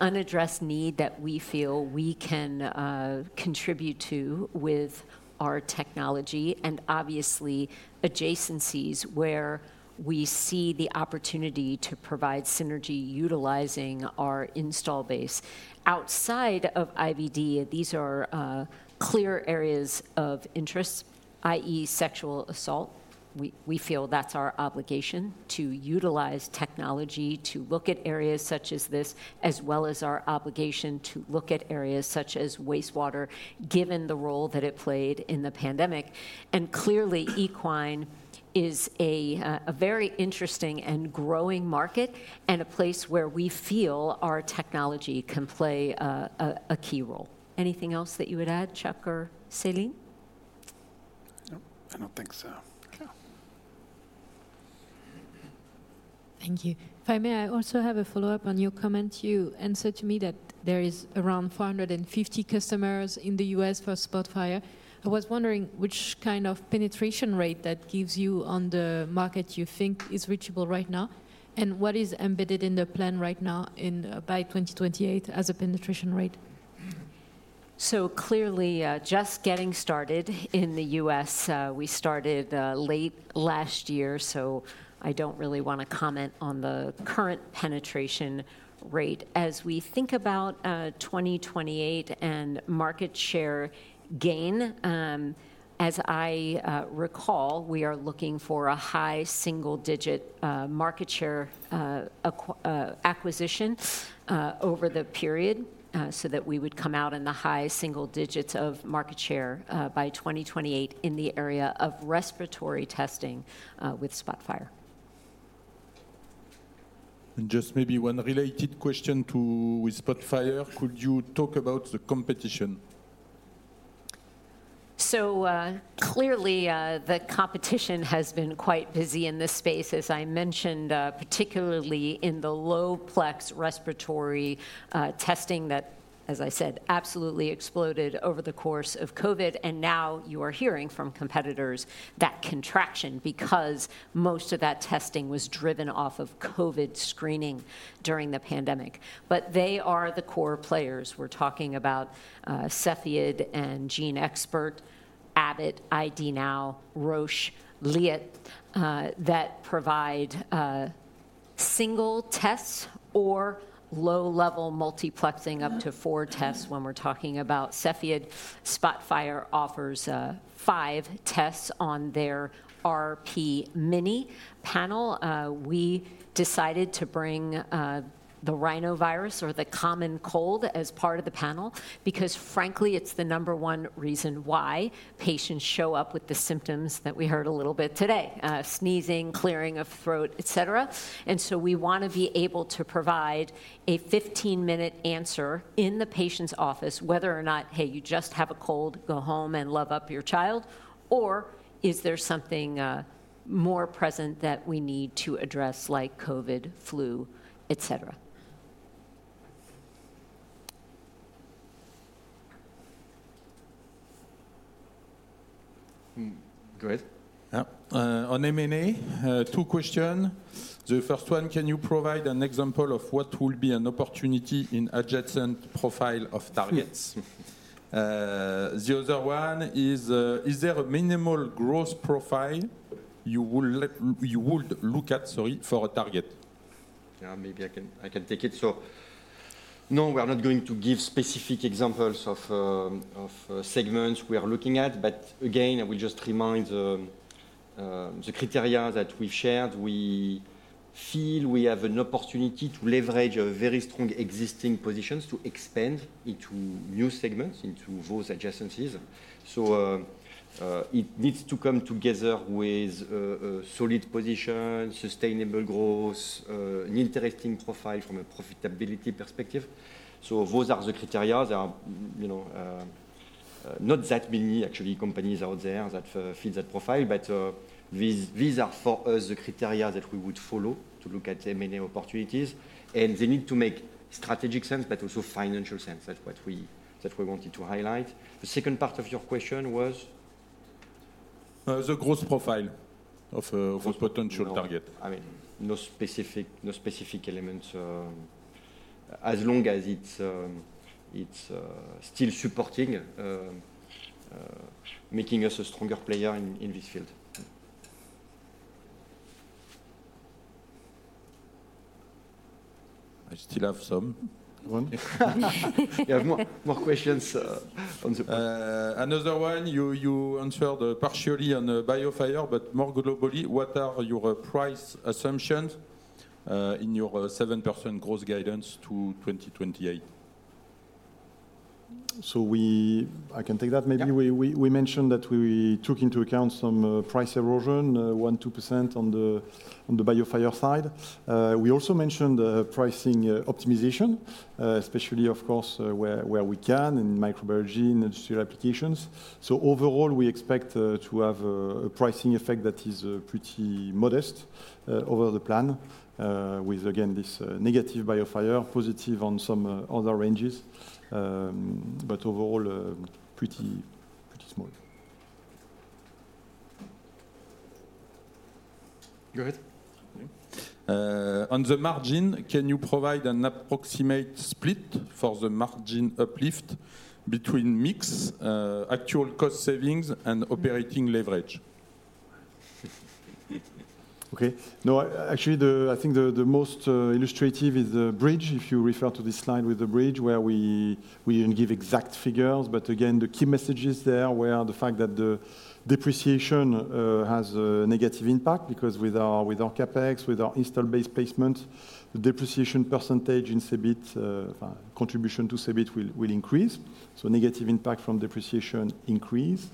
unaddressed need that we feel we can contribute to with our technology. Obviously, adjacencies where we see the opportunity to provide synergy utilizing our installed base. Outside of IVD, these are clear areas of interest, i.e., sexual assault. We feel that's our obligation to utilize technology to look at areas such as this, as well as our obligation to look at areas such as wastewater, given the role that it played in the pandemic. Clearly, equine is a very interesting and growing market and a place where we feel our technology can play a key role. Anything else that you would add, Chuck or Céline? Nope. I don't think so. Thank you. If I may, I also have a follow-up on your comment. You answered to me that there is around 450 customers in the U.S. for SPOTFIRE. I was wondering which kind of penetration rate that gives you on the market you think is reachable right now? And what is embedded in the plan right now by 2028 as a penetration rate? So clearly, just getting started in the U.S., we started late last year. So I don't really want to comment on the current penetration rate. As we think about 2028 and market share gain, as I recall, we are looking for a high single-digit market share acquisition over the period so that we would come out in the high single digits of market share by 2028 in the area of respiratory testing with SPOTFIRE. Just maybe one related question with SPOTFIRE. Could you talk about the competition? So clearly, the competition has been quite busy in this space, as I mentioned, particularly in the low-plex respiratory testing that, as I said, absolutely exploded over the course of COVID. And now you are hearing from competitors that contraction because most of that testing was driven off of COVID screening during the pandemic. But they are the core players. We're talking about Cepheid and GeneXpert, Abbott, ID NOW, Roche, Liat that provide single tests or low-level multiplexing up to four tests when we're talking about Cepheid. SPOTFIRE offers five tests on their RP mini panel. We decided to bring the rhinovirus or the common cold as part of the panel because, frankly, it's the number one reason why patients show up with the symptoms that we heard a little bit today: sneezing, clearing of throat, et cetera. We want to be able to provide a 15-minute answer in the patient's office, whether or not, hey, you just have a cold, go home, and love up your child, or is there something more present that we need to address, like COVID, flu, et cetera? Go ahead. Yeah. On M&A, two questions. The first one, can you provide an example of what will be an opportunity in adjacent profile of targets? The other one is, is there a minimal growth profile you would look at for a target? Yeah. Maybe I can take it. So no, we are not going to give specific examples of segments we are looking at. But again, I will just remind the criteria that we've shared. We feel we have an opportunity to leverage very strong existing positions to expand into new segments, into those adjacencies. So it needs to come together with a solid position, sustainable growth, an interesting profile from a profitability perspective. So those are the criteria. There are not that many, actually, companies out there that fit that profile. But these are, for us, the criteria that we would follow to look at M&A opportunities. And they need to make strategic sense, but also financial sense. That's what we wanted to highlight. The second part of your question was? The growth profile of a potential target. I mean, no specific elements as long as it's still supporting, making us a stronger player in this field. I still have some. You have more questions on the-- Another one. You answered partially on BIOFIRE. But more globally, what are your price assumptions in your 7% growth guidance to 2028? So I can take that. Maybe we mentioned that we took into account some price erosion, 1%-2% on the BIOFIRE side. We also mentioned pricing optimization, especially, of course, where we can in microbiology, in industrial applications. So overall, we expect to have a pricing effect that is pretty modest over the plan with, again, this negative BIOFIRE, positive on some other ranges. But overall, pretty small. Go ahead. On the margin, can you provide an approximate split for the margin uplift between mix, actual cost savings, and operating leverage? OK. No, actually, I think the most illustrative is the bridge, if you refer to this slide with the bridge, where we didn't give exact figures. But again, the key messages there were the fact that the depreciation has a negative impact because with our CapEx, with our installed base placements, the depreciation percentage in CEBIT, contribution to CEBIT, will increase. So negative impact from depreciation increases.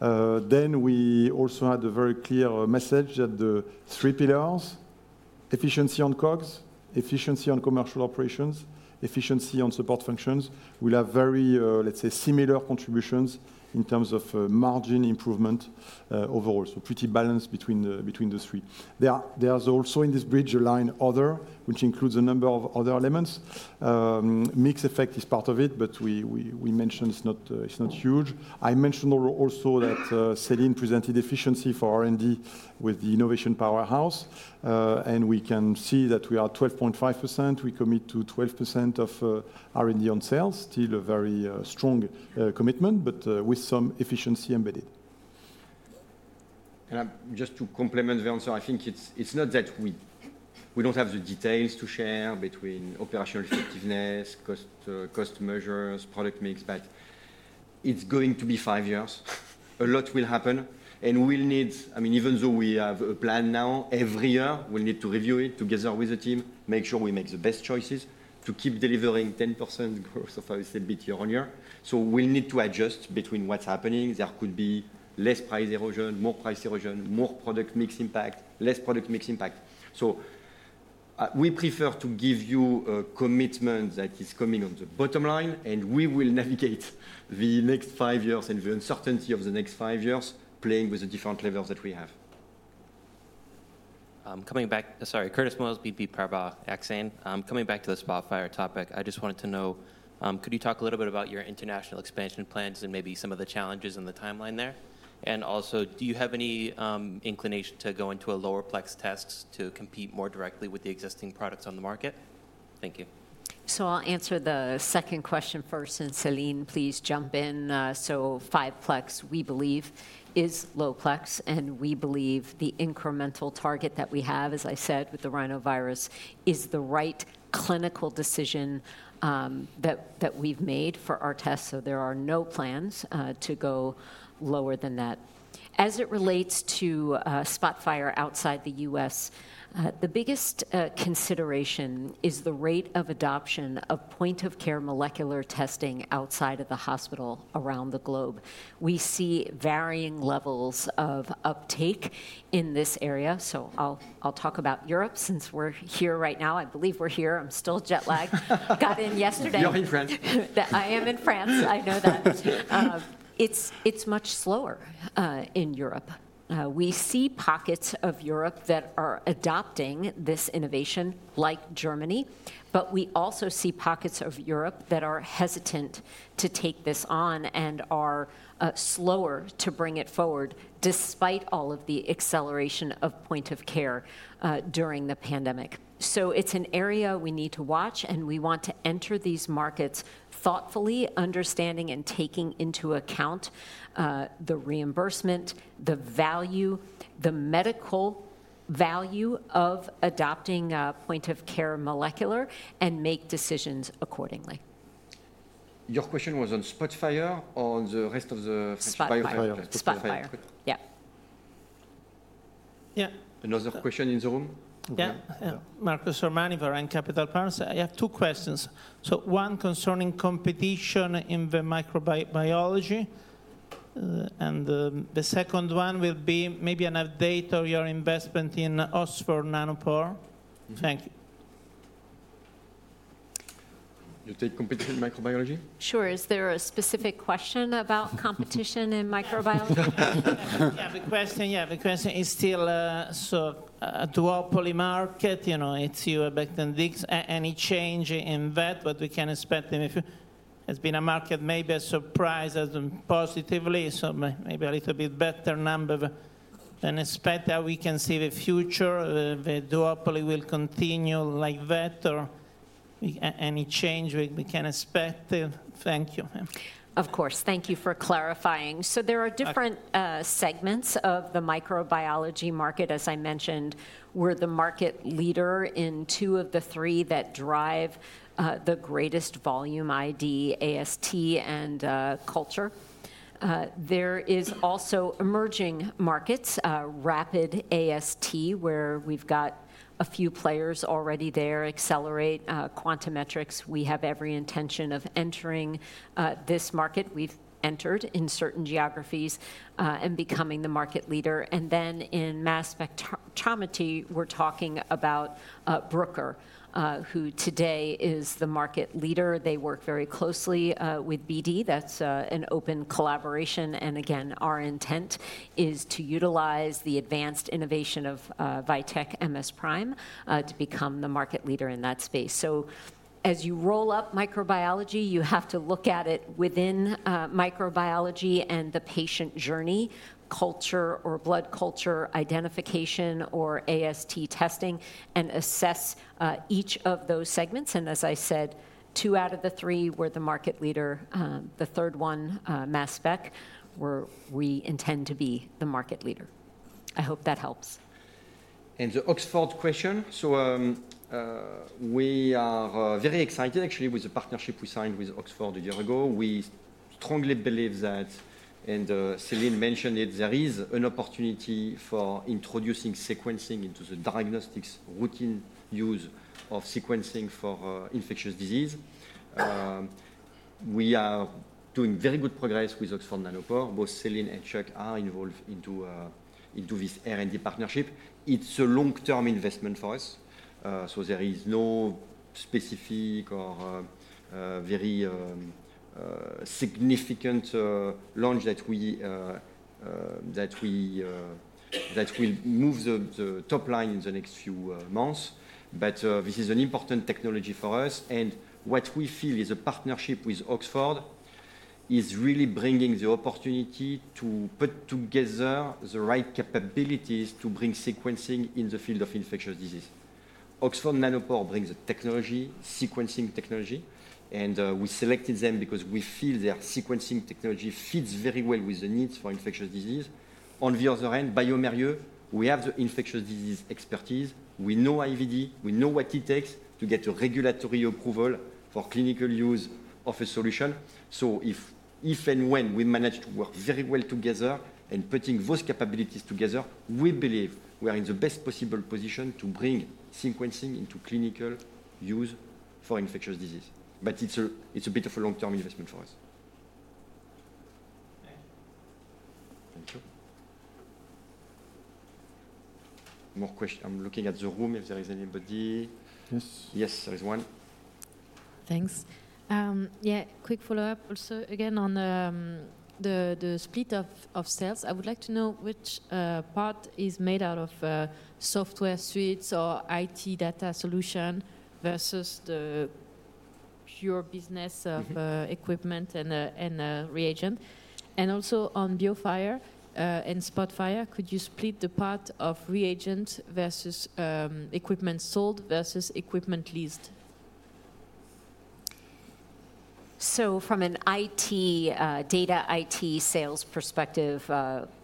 Then we also had a very clear message that the three pillars efficiency on COGS, efficiency on commercial operations, efficiency on support functions will have very, let's say, similar contributions in terms of margin improvement overall, so pretty balanced between the three. There's also in this bridge a line other, which includes a number of other elements. Mix effect is part of it. But we mentioned it's not huge. I mentioned also that Céline presented efficiency for R&D with the Innovation Powerhouse. We can see that we are 12.5%. We commit to 12% of R&D on sales, still a very strong commitment, but with some efficiency embedded. Just to complement the answer, I think it's not that we don't have the details to share between operational effectiveness, cost measures, product mix. But it's going to be five years. A lot will happen. We'll need, I mean, even though we have a plan now, every year, we'll need to review it together with the team, make sure we make the best choices to keep delivering 10% growth of our CEBIT year-over-year. So we'll need to adjust between what's happening. There could be less price erosion, more price erosion, more product mix impact, less product mix impact. So we prefer to give you a commitment that is coming on the bottom line. We will navigate the next five years and the uncertainty of the next five years playing with the different levers that we have. Coming back, sorry. [Curtis Mouhos], BNP Paribas Exane. Coming back to the SPOTFIRE topic, I just wanted to know, could you talk a little bit about your international expansion plans and maybe some of the challenges in the timeline there? And also, do you have any inclination to go into a lower-plex test to compete more directly with the existing products on the market? Thank you. I'll answer the second question first. Céline, please jump in. 5-PLEX, we believe, is low-plex. We believe the incremental target that we have, as I said, with the rhinovirus, is the right clinical decision that we've made for our tests. There are no plans to go lower than that. As it relates to SPOTFIRE outside the U.S., the biggest consideration is the rate of adoption of point-of-care molecular testing outside of the hospital around the globe. We see varying levels of uptake in this area. I'll talk about Europe. Since we're here right now, I believe we're here. I'm still jet lagged. Got in yesterday. You're in France. I am in France. I know that. It's much slower in Europe. We see pockets of Europe that are adopting this innovation, like Germany. But we also see pockets of Europe that are hesitant to take this on and are slower to bring it forward despite all of the acceleration of point-of-care during the pandemic. So it's an area we need to watch. And we want to enter these markets thoughtfully, understanding, and taking into account the reimbursement, the value, the medical value of adopting point-of-care molecular and make decisions accordingly. Your question was on SPOTFIRE or on the rest of the BIOFIRE? SPOTFIRE. Yeah. Yeah. Another question in the room? Yeah. Marco Sormani for Varenne Capital Partners. I have two questions. So one concerning competition in the microbiology. And the second one will be maybe an update on your investment in Oxford Nanopore. Thank you. You take competition in microbiology? Sure. Is there a specific question about competition in microbiology? The question is still a duopoly market. It's you, Becton Dickinson. Any change in VITEK? What we can expect? It's been a market maybe a surprise as positively, so maybe a little bit better number than expected. We can see the future. Duopoly will continue like VITEK? Or any change we can expect? Thank you. Of course. Thank you for clarifying. So there are different segments of the microbiology market. As I mentioned, we're the market leader in two of the three that drive the greatest volume ID, AST, and culture. There is also emerging markets, rapid AST, where we've got a few players already there: Accelerate, Quantimetrix. We have every intention of entering this market. We've entered in certain geographies and becoming the market leader. And then in mass spectrometry, we're talking about Bruker, who today is the market leader. They work very closely with BD. That's an open collaboration. And again, our intent is to utilize the advanced innovation of VITEK MS PRIME to become the market leader in that space. So as you roll up microbiology, you have to look at it within microbiology and the patient journey, culture or blood culture identification or AST testing, and assess each of those segments. As I said, two out of the three were the market leader. The third one, mass spec, where we intend to be the market leader. I hope that helps. Oxford question. So we are very excited, actually, with the partnership we signed with Oxford a year ago. We strongly believe that, and Céline mentioned it, there is an opportunity for introducing sequencing into the diagnostics routine use of sequencing for infectious disease. We are doing very good progress with Oxford Nanopore. Both Céline and Chuck are involved into this R&D partnership. It's a long-term investment for us. So there is no specific or very significant launch that will move the top line in the next few months. But this is an important technology for us. What we feel is the partnership with Oxford is really bringing the opportunity to put together the right capabilities to bring sequencing in the field of infectious disease. Oxford Nanopore brings the technology, sequencing technology. We selected them because we feel their sequencing technology fits very well with the needs for infectious disease. On the other hand, bioMérieux, we have the infectious disease expertise. We know IVD. We know what it takes to get a regulatory approval for clinical use of a solution. So if and when we manage to work very well together and putting those capabilities together, we believe we are in the best possible position to bring sequencing into clinical use for infectious disease. But it's a bit of a long-term investment for us. Thank you. More questions? I'm looking at the room. If there is anybody. Yes. Yes. There is one. Thanks. Yeah. Quick follow-up also. Again, on the split of sales, I would like to know which part is made out of software suites or IT data solution versus the pure business of equipment and reagent. And also on BIOFIRE and SPOTFIRE, could you split the part of reagent versus equipment sold versus equipment leased? From an IT, data IT, sales perspective,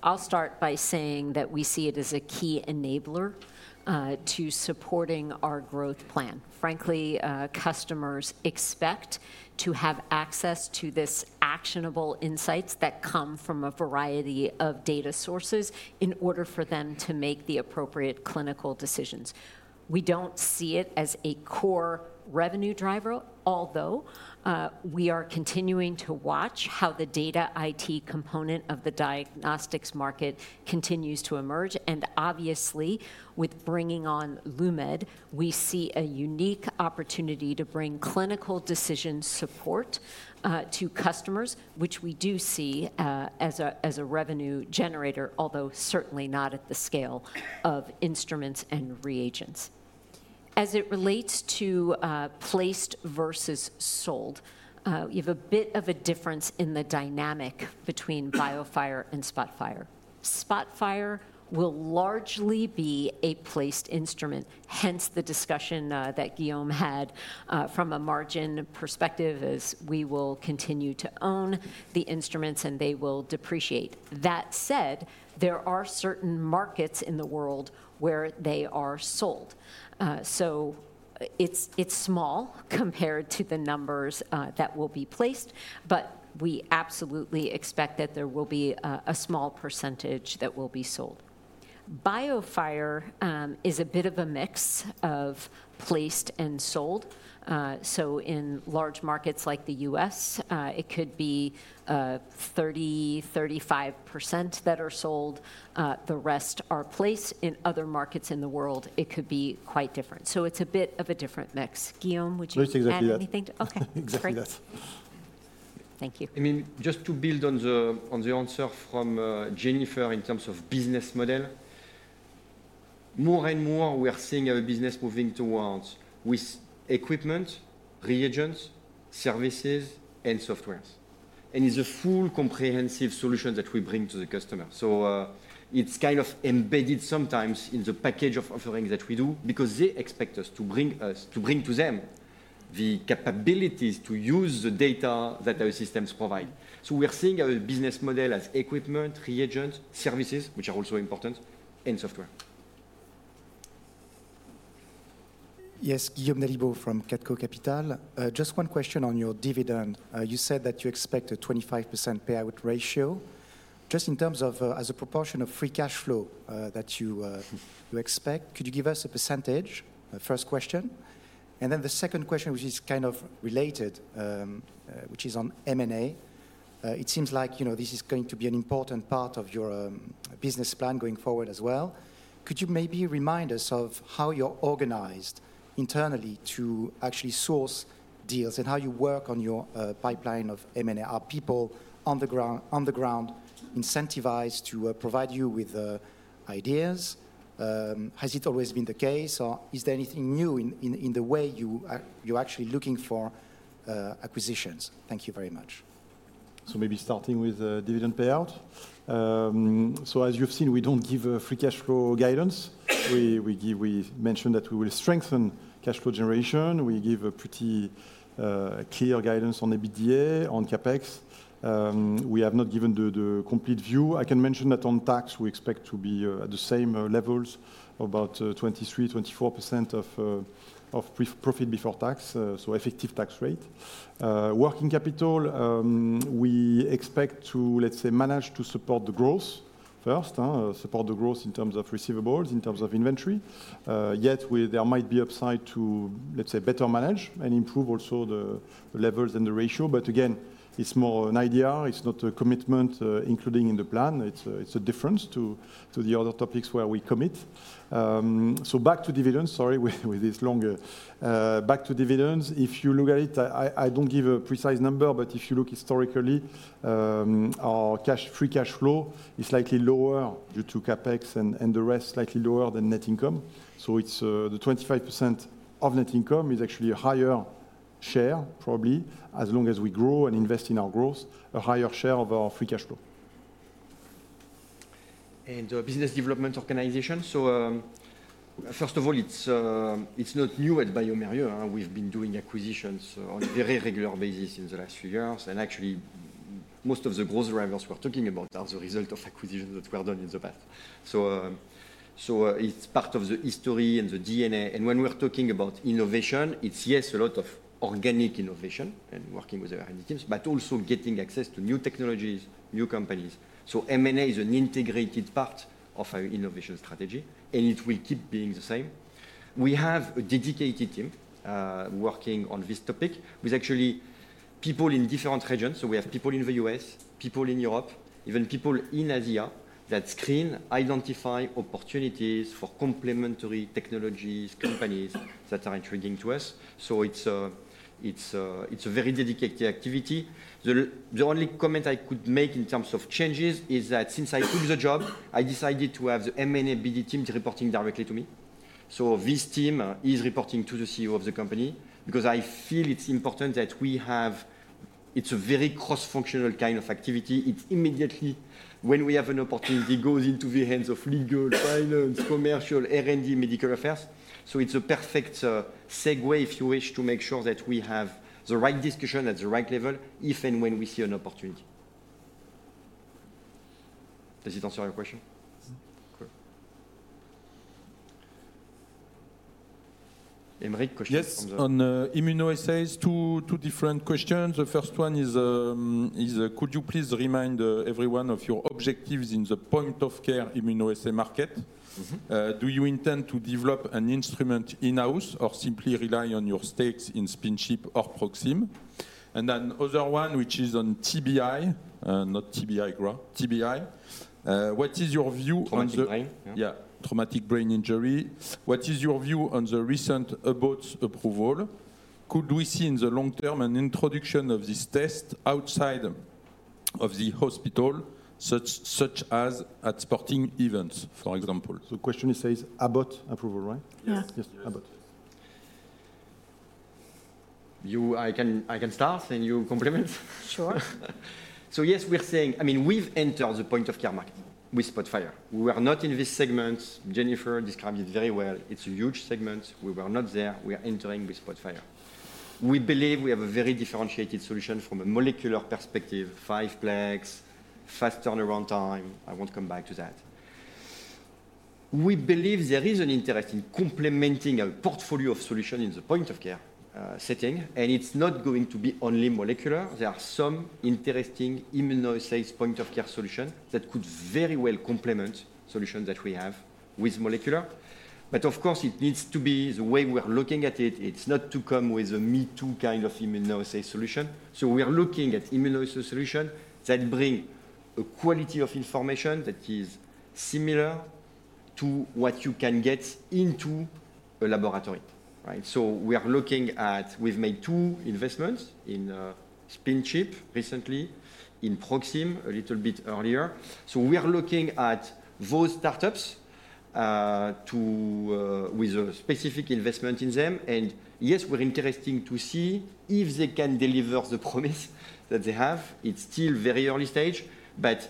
I'll start by saying that we see it as a key enabler to supporting our growth plan. Frankly, customers expect to have access to these actionable insights that come from a variety of data sources in order for them to make the appropriate clinical decisions. We don't see it as a core revenue driver, although we are continuing to watch how the data IT component of the diagnostics market continues to emerge. And obviously, with bringing on LUMED, we see a unique opportunity to bring clinical decision support to customers, which we do see as a revenue generator, although certainly not at the scale of instruments and reagents. As it relates to placed versus sold, you have a bit of a difference in the dynamic between BIOFIRE and SPOTFIRE. SPOTFIRE will largely be a placed instrument. Hence the discussion that Guillaume had from a margin perspective, as we will continue to own the instruments, and they will depreciate. That said, there are certain markets in the world where they are sold. So it's small compared to the numbers that will be placed. But we absolutely expect that there will be a small percentage that will be sold. BIOFIRE is a bit of a mix of placed and sold. So in large markets like the U.S., it could be 30%, 35% that are sold. The rest are placed. In other markets in the world, it could be quite different. So it's a bit of a different mix. Guillaume, would you add anything? Yes. Exactly that. Thank you. I mean, just to build on the answer from Jennifer in terms of business model, more and more, we are seeing a business moving towards equipment, reagents, services, and softwares. It's a full, comprehensive solution that we bring to the customer. It's kind of embedded sometimes in the package of offerings that we do because they expect us to bring to them the capabilities to use the data that our systems provide. We are seeing a business model as equipment, reagents, services, which are also important, and software. Yes. Guillaume Dalibot from Katko Capital. Just one question on your dividend. You said that you expect a 25% payout ratio. Just in terms of as a proportion of free cash flow that you expect, could you give us a percentage? First question. And then the second question, which is kind of related, which is on M&A. It seems like this is going to be an important part of your business plan going forward as well. Could you maybe remind us of how you're organized internally to actually source deals and how you work on your pipeline of M&A? Are people on the ground incentivized to provide you with ideas? Has it always been the case? Or is there anything new in the way you're actually looking for acquisitions? Thank you very much. So maybe starting with dividend payout. So as you've seen, we don't give free cash flow guidance. We mentioned that we will strengthen cash flow generation. We give pretty clear guidance on EBITDA, on CapEx. We have not given the complete view. I can mention that on tax, we expect to be at the same levels, about 23%-24% of profit before tax, so effective tax rate. Working capital, we expect to, let's say, manage to support the growth first, support the growth in terms of receivables, in terms of inventory. Yet there might be upside to, let's say, better manage and improve also the levels and the ratio. But again, it's more an idea. It's not a commitment included in the plan. It's a difference to the other topics where we commit. So back to dividends, sorry, with this long back to dividends. If you look at it, I don't give a precise number. But if you look historically, our free cash flow is slightly lower due to CapEx and the rest, slightly lower than net income. So the 25% of net income is actually a higher share, probably, as long as we grow and invest in our growth, a higher share of our free cash flow. And business development organization. So first of all, it's not new at bioMérieux. We've been doing acquisitions on a very regular basis in the last few years. And actually, most of the growth drivers we're talking about are the result of acquisitions that were done in the past. So it's part of the history and the DNA. And when we're talking about innovation, it's, yes, a lot of organic innovation and working with the R&D teams, but also getting access to new technologies, new companies. M&A is an integrated part of our innovation strategy. It will keep being the same. We have a dedicated team working on this topic with actually people in different regions. We have people in the US, people in Europe, even people in Asia that screen, identify opportunities for complementary technologies, companies that are intriguing to us. It's a very dedicated activity. The only comment I could make in terms of changes is that since I took the job, I decided to have the M&A BD team reporting directly to me. This team is reporting to the CEO of the company because I feel it's important that we have. It's a very cross-functional kind of activity. It immediately, when we have an opportunity, goes into the hands of legal, finance, commercial, R&D, medical affairs. So it's a perfect segue if you wish to make sure that we have the right discussion at the right level if and when we see an opportunity. Does it answer your question? Yes. Aymeric, question from the-- Yes. On immunoassays, two different questions. The first one is, could you please remind everyone of your objectives in the point-of-care immunoassay market? Do you intend to develop an instrument in-house or simply rely on your stakes in SpinChip or Proxim? And then other one, which is on TBI, not TBI, what is your view on the. Traumatic brain? Yeah. Traumatic brain injury. What is your view on the recent Abbott approval? Could we see in the long term an introduction of this test outside of the hospital, such as at sporting events, for example? Question says, Abbott approval, right? Yes. Yes. Abbott. I can start. You complement. Sure. So yes, we're saying I mean, we've entered the point-of-care market with SPOTFIRE. We were not in this segment. Jennifer described it very well. It's a huge segment. We were not there. We are entering with SPOTFIRE. We believe we have a very differentiated solution from a molecular perspective: 5-PLEX, fast turnaround time. I won't come back to that. We believe there is an interest in complementing our portfolio of solutions in the point-of-care setting. And it's not going to be only molecular. There are some interesting immunoassays point-of-care solutions that could very well complement solutions that we have with molecular. But of course, it needs to be the way we're looking at it. It's not to come with a me-too kind of immunoassay solution. So we are looking at immunoassay solutions that bring a quality of information that is similar to what you can get into a laboratory, right? So we are looking at we've made two investments in SpinChip recently, in Proxim a little bit earlier. So we are looking at those startups with a specific investment in them. And yes, we're interested to see if they can deliver the promise that they have. It's still a very early stage. But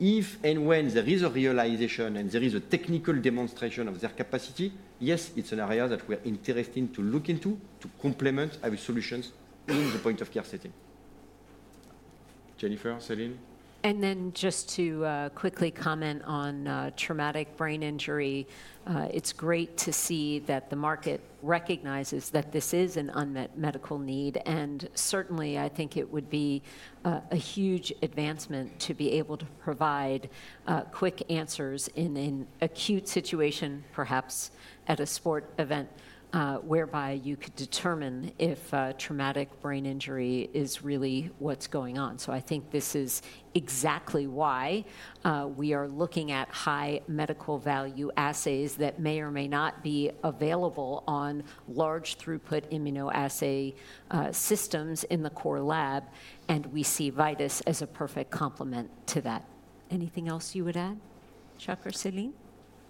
if and when there is a realization and there is a technical demonstration of their capacity, yes, it's an area that we are interested to look into to complement our solutions in the point-of-care setting. Jennifer, Céline? Then just to quickly comment on traumatic brain injury, it's great to see that the market recognizes that this is an unmet medical need. Certainly, I think it would be a huge advancement to be able to provide quick answers in an acute situation, perhaps at a sport event, whereby you could determine if traumatic brain injury is really what's going on. I think this is exactly why we are looking at high medical value assays that may or may not be available on large throughput immunoassay systems in the core lab. We see VIDAS as a perfect complement to that. Anything else you would add? Chuck or Céline?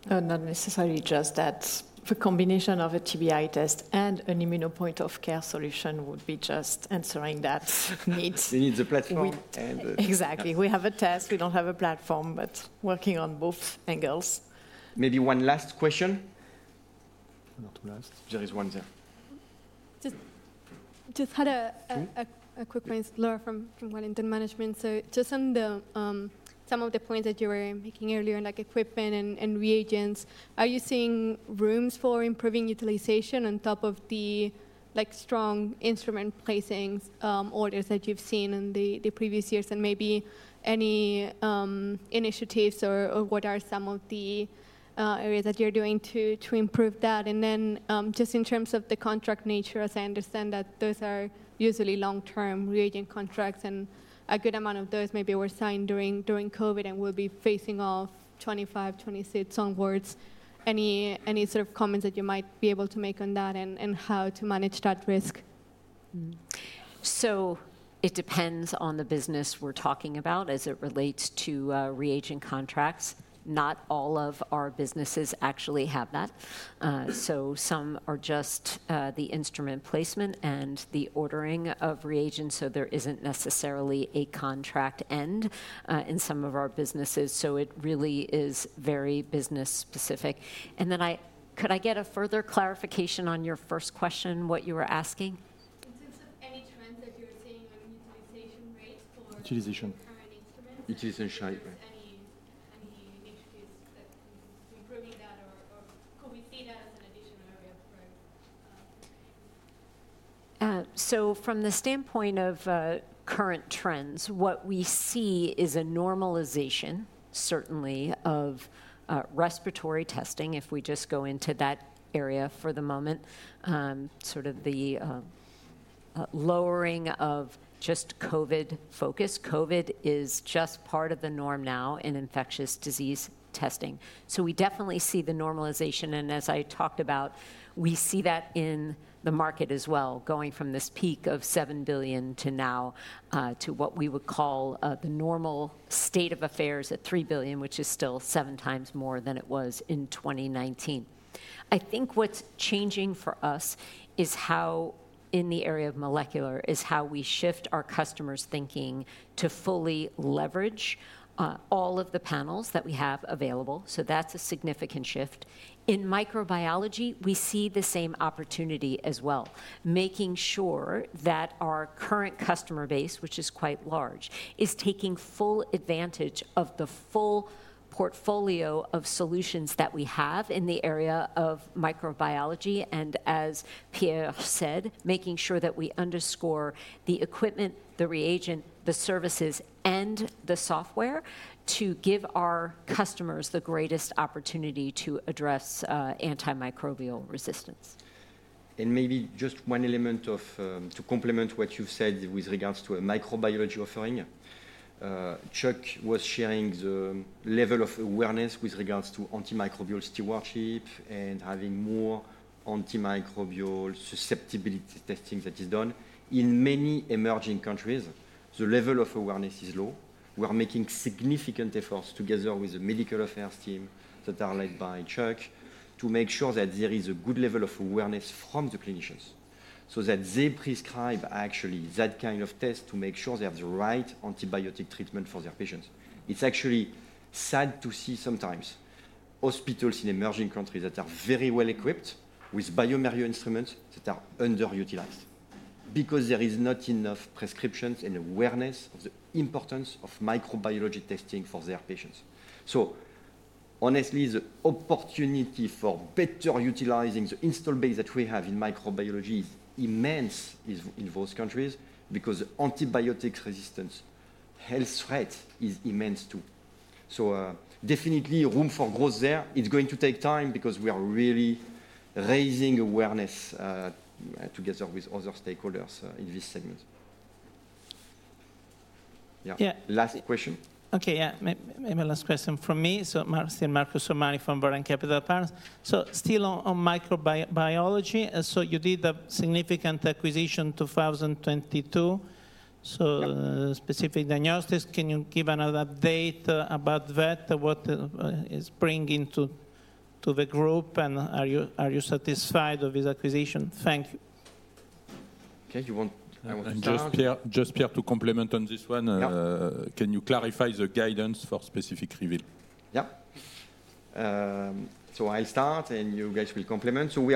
Not necessarily. Just that the combination of a TBI test and an immuno point-of-care solution would be just answering that need. It needs a platform. Exactly. We have a test. We don't have a platform. But working on both angles. Maybe one last question. Not too last. There is one there. Just had a quick point, Laura, from Wellington Management. So just on some of the points that you were making earlier on equipment and reagents, are you seeing room for improving utilization on top of the strong instrument placement orders that you've seen in the previous years? And maybe any initiatives or what are some of the areas that you're doing to improve that? And then just in terms of the contract nature, as I understand that those are usually long-term reagent contracts. And a good amount of those maybe were signed during COVID. And they'll be phasing out 2025, 2026 onwards. Any sort of comments that you might be able to make on that and how to manage that risk? So it depends on the business we're talking about as it relates to reagent contracts. Not all of our businesses actually have that. So some are just the instrument placement and the ordering of reagents. So there isn't necessarily a contract end in some of our businesses. So it really is very business-specific. And then could I get a further clarification on your first question, what you were asking? In terms of any trends that you're seeing on utilization rate for? Utilization. Current instruments. Utilization shy, right? Any initiatives that can improve that? Or could we see that as an additional area of growth? So from the standpoint of current trends, what we see is a normalization, certainly, of respiratory testing, if we just go into that area for the moment, sort of the lowering of just COVID focus. COVID is just part of the norm now in infectious disease testing. So we definitely see the normalization. And as I talked about, we see that in the market as well, going from this peak of $7 billion to now to what we would call the normal state of affairs at $3 billion, which is still seven times more than it was in 2019. I think what's changing for us is how in the area of molecular is how we shift our customers' thinking to fully leverage all of the panels that we have available. So that's a significant shift. In microbiology, we see the same opportunity as well, making sure that our current customer base, which is quite large, is taking full advantage of the full portfolio of solutions that we have in the area of microbiology. As Pierre said, making sure that we underscore the equipment, the reagent, the services, and the software to give our customers the greatest opportunity to address antimicrobial resistance. Maybe just one element to complement what you've said with regards to microbiology offering. Chuck was sharing the level of awareness with regards to antimicrobial stewardship and having more antimicrobial susceptibility testing that is done. In many emerging countries, the level of awareness is low. We're making significant efforts together with the medical affairs team that are led by Chuck to make sure that there is a good level of awareness from the clinicians so that they prescribe actually that kind of test to make sure they have the right antibiotic treatment for their patients. It's actually sad to see sometimes hospitals in emerging countries that are very well equipped with bioMérieux instruments that are underutilized because there is not enough prescriptions and awareness of the importance of microbiology testing for their patients. So, honestly, the opportunity for better utilizing the installed base that we have in microbiology is immense in those countries because antibiotic resistance health threat is immense too. So, definitely, room for growth there. It's going to take time because we are really raising awareness together with other stakeholders in this segment. Yeah. Last question. OK. Yeah. Maybe a last question from me. So, Marcel Marco Somani from Boran Capital Partners. So, still on microbiology, so you did a significant acquisition in 2022, so Specific Diagnostics. Can you give another update about that? What is bringing to the group? And are you satisfied with this acquisition? Thank you. OK. I want to just-- Just Pierre to comment on this one. Can you clarify the guidance for VITEK REVEAL? Yeah. So I'll start. And you guys will complement. So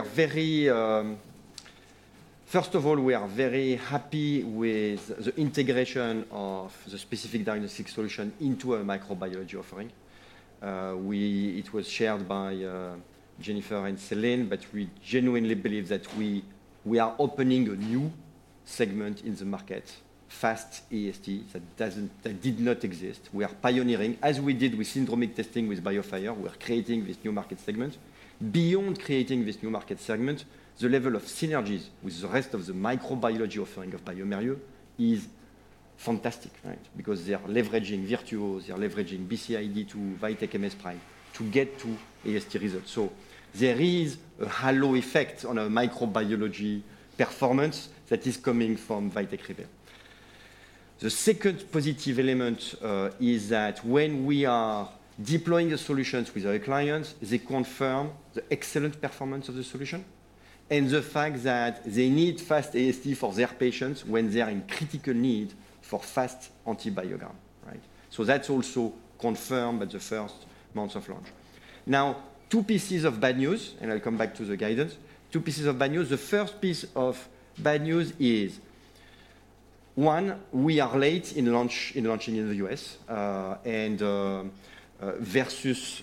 first of all, we are very happy with the integration of the Specific Diagnostics solution into a microbiology offering. It was shared by Jennifer and Céline. But we genuinely believe that we are opening a new segment in the market, fast AST, that did not exist. We are pioneering, as we did with syndromic testing with BIOFIRE. We are creating this new market segment. Beyond creating this new market segment, the level of synergies with the rest of the microbiology offering of bioMérieux is fantastic, right, because they are leveraging VIRTUO. They are leveraging BCID2, VITEK, MS PRIME to get to AST results. So there is a halo effect on our microbiology performance that is coming from VITEK REVEAL. The second positive element is that when we are deploying the solutions with our clients, they confirm the excellent performance of the solution and the fact that they need fast AST for their patients when they are in critical need for fast antibiogram, right? So that's also confirmed by the first months of launch. Now, two pieces of bad news and I'll come back to the guidance. Two pieces of bad news. The first piece of bad news is, one, we are late in launching in the U.S. versus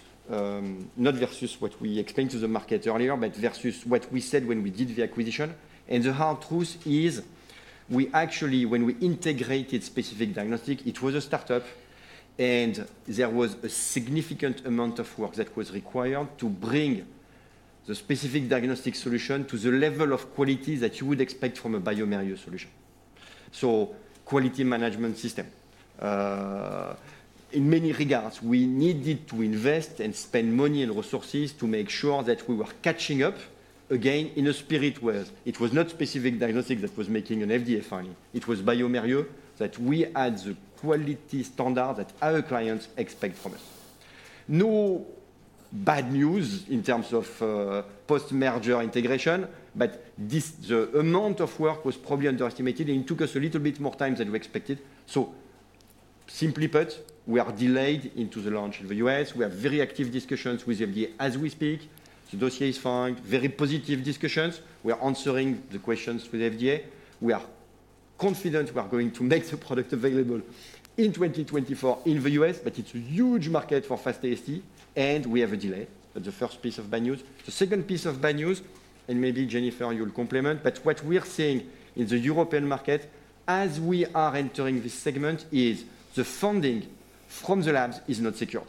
not versus what we explained to the market earlier, but versus what we said when we did the acquisition. The hard truth is we actually, when we integrated Specific Diagnostics, it was a startup. There was a significant amount of work that was required to bring the specific diagnostic solution to the level of quality that you would expect from a bioMérieux solution, so quality management system. In many regards, we needed to invest and spend money and resources to make sure that we were catching up again in a spirit where it was not specific diagnostics that was making an FDA finding. It was bioMérieux that we had the quality standard that our clients expect from us. No bad news in terms of post-merger integration. The amount of work was probably underestimated. It took us a little bit more time than we expected. Simply put, we are delayed into the launch in the US. We have very active discussions with the FDA as we speak. The dossier is fine. Very positive discussions. We are answering the questions with the FDA. We are confident we are going to make the product available in 2024 in the U.S. But it's a huge market for Fast AST. And we have a delay. That's the first piece of bad news. The second piece of bad news and maybe Jennifer, you'll comment. But what we are seeing in the European market as we are entering this segment is the funding from the labs is not secured.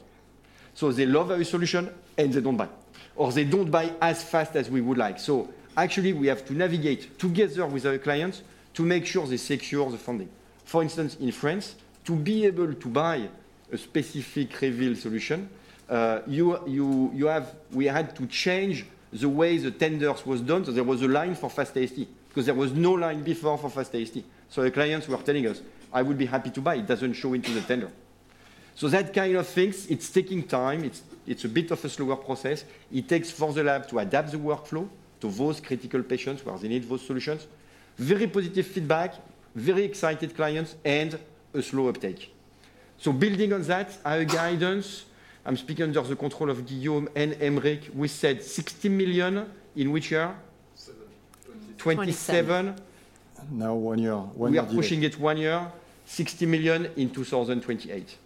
So they love our solution. And they don't buy. Or they don't buy as fast as we would like. So actually, we have to navigate together with our clients to make sure they secure the funding. For instance, in France, to be able to buy a SPECIFIC REVEAL solution, we had to change the way the tenders were done. So there was a line for Fast AST because there was no line before for Fast AST. So our clients were telling us, I would be happy to buy. It doesn't show into the tender. So that kind of things, it's taking time. It's a bit of a slower process. It takes for the lab to adapt the workflow to those critical patients where they need those solutions. Very positive feedback, very excited clients, and a slow uptake. So building on that, our guidance I'm speaking under the control of Guillaume and Aymeric. We said $60 million in which year? 2027. Now, one year. We are pushing it one year, $60 million in 2028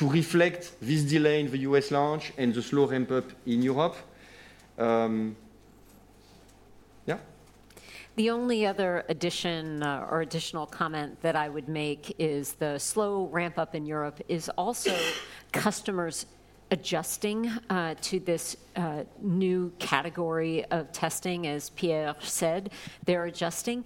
to reflect this delay in the U.S. launch and the slow ramp-up in Europe. Yeah. The only other addition or additional comment that I would make is the slow ramp-up in Europe is also customers adjusting to this new category of testing. As Pierre said, they're adjusting.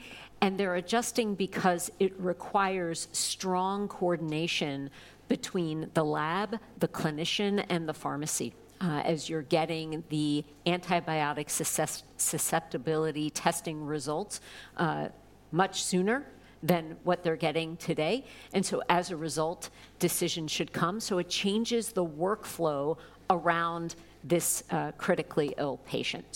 They're adjusting because it requires strong coordination between the lab, the clinician, and the pharmacy as you're getting the antibiotic susceptibility testing results much sooner than what they're getting today. So as a result, decisions should come. It changes the workflow around this critically ill patient.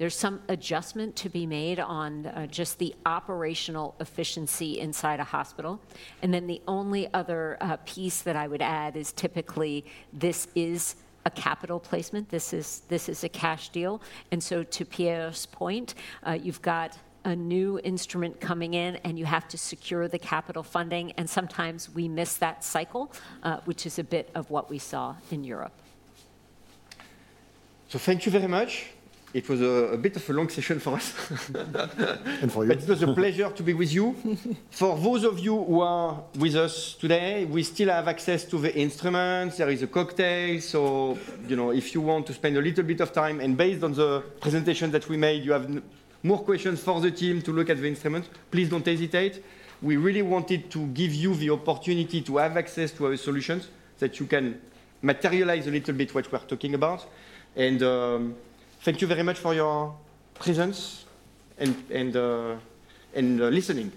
There's some adjustment to be made on just the operational efficiency inside a hospital. Then the only other piece that I would add is typically this is a capital placement. This is a cash deal. To Pierre's point, you've got a new instrument coming in. You have to secure the capital funding. Sometimes we miss that cycle, which is a bit of what we saw in Europe. Thank you very much. It was a bit of a long session for us. For you. But it was a pleasure to be with you. For those of you who are with us today, we still have access to the instruments. There is a cocktail. So if you want to spend a little bit of time and, based on the presentation that we made, you have more questions for the team to look at the instruments, please don't hesitate. We really wanted to give you the opportunity to have access to our solutions that you can materialize a little bit what we're talking about. And thank you very much for your presence and listening.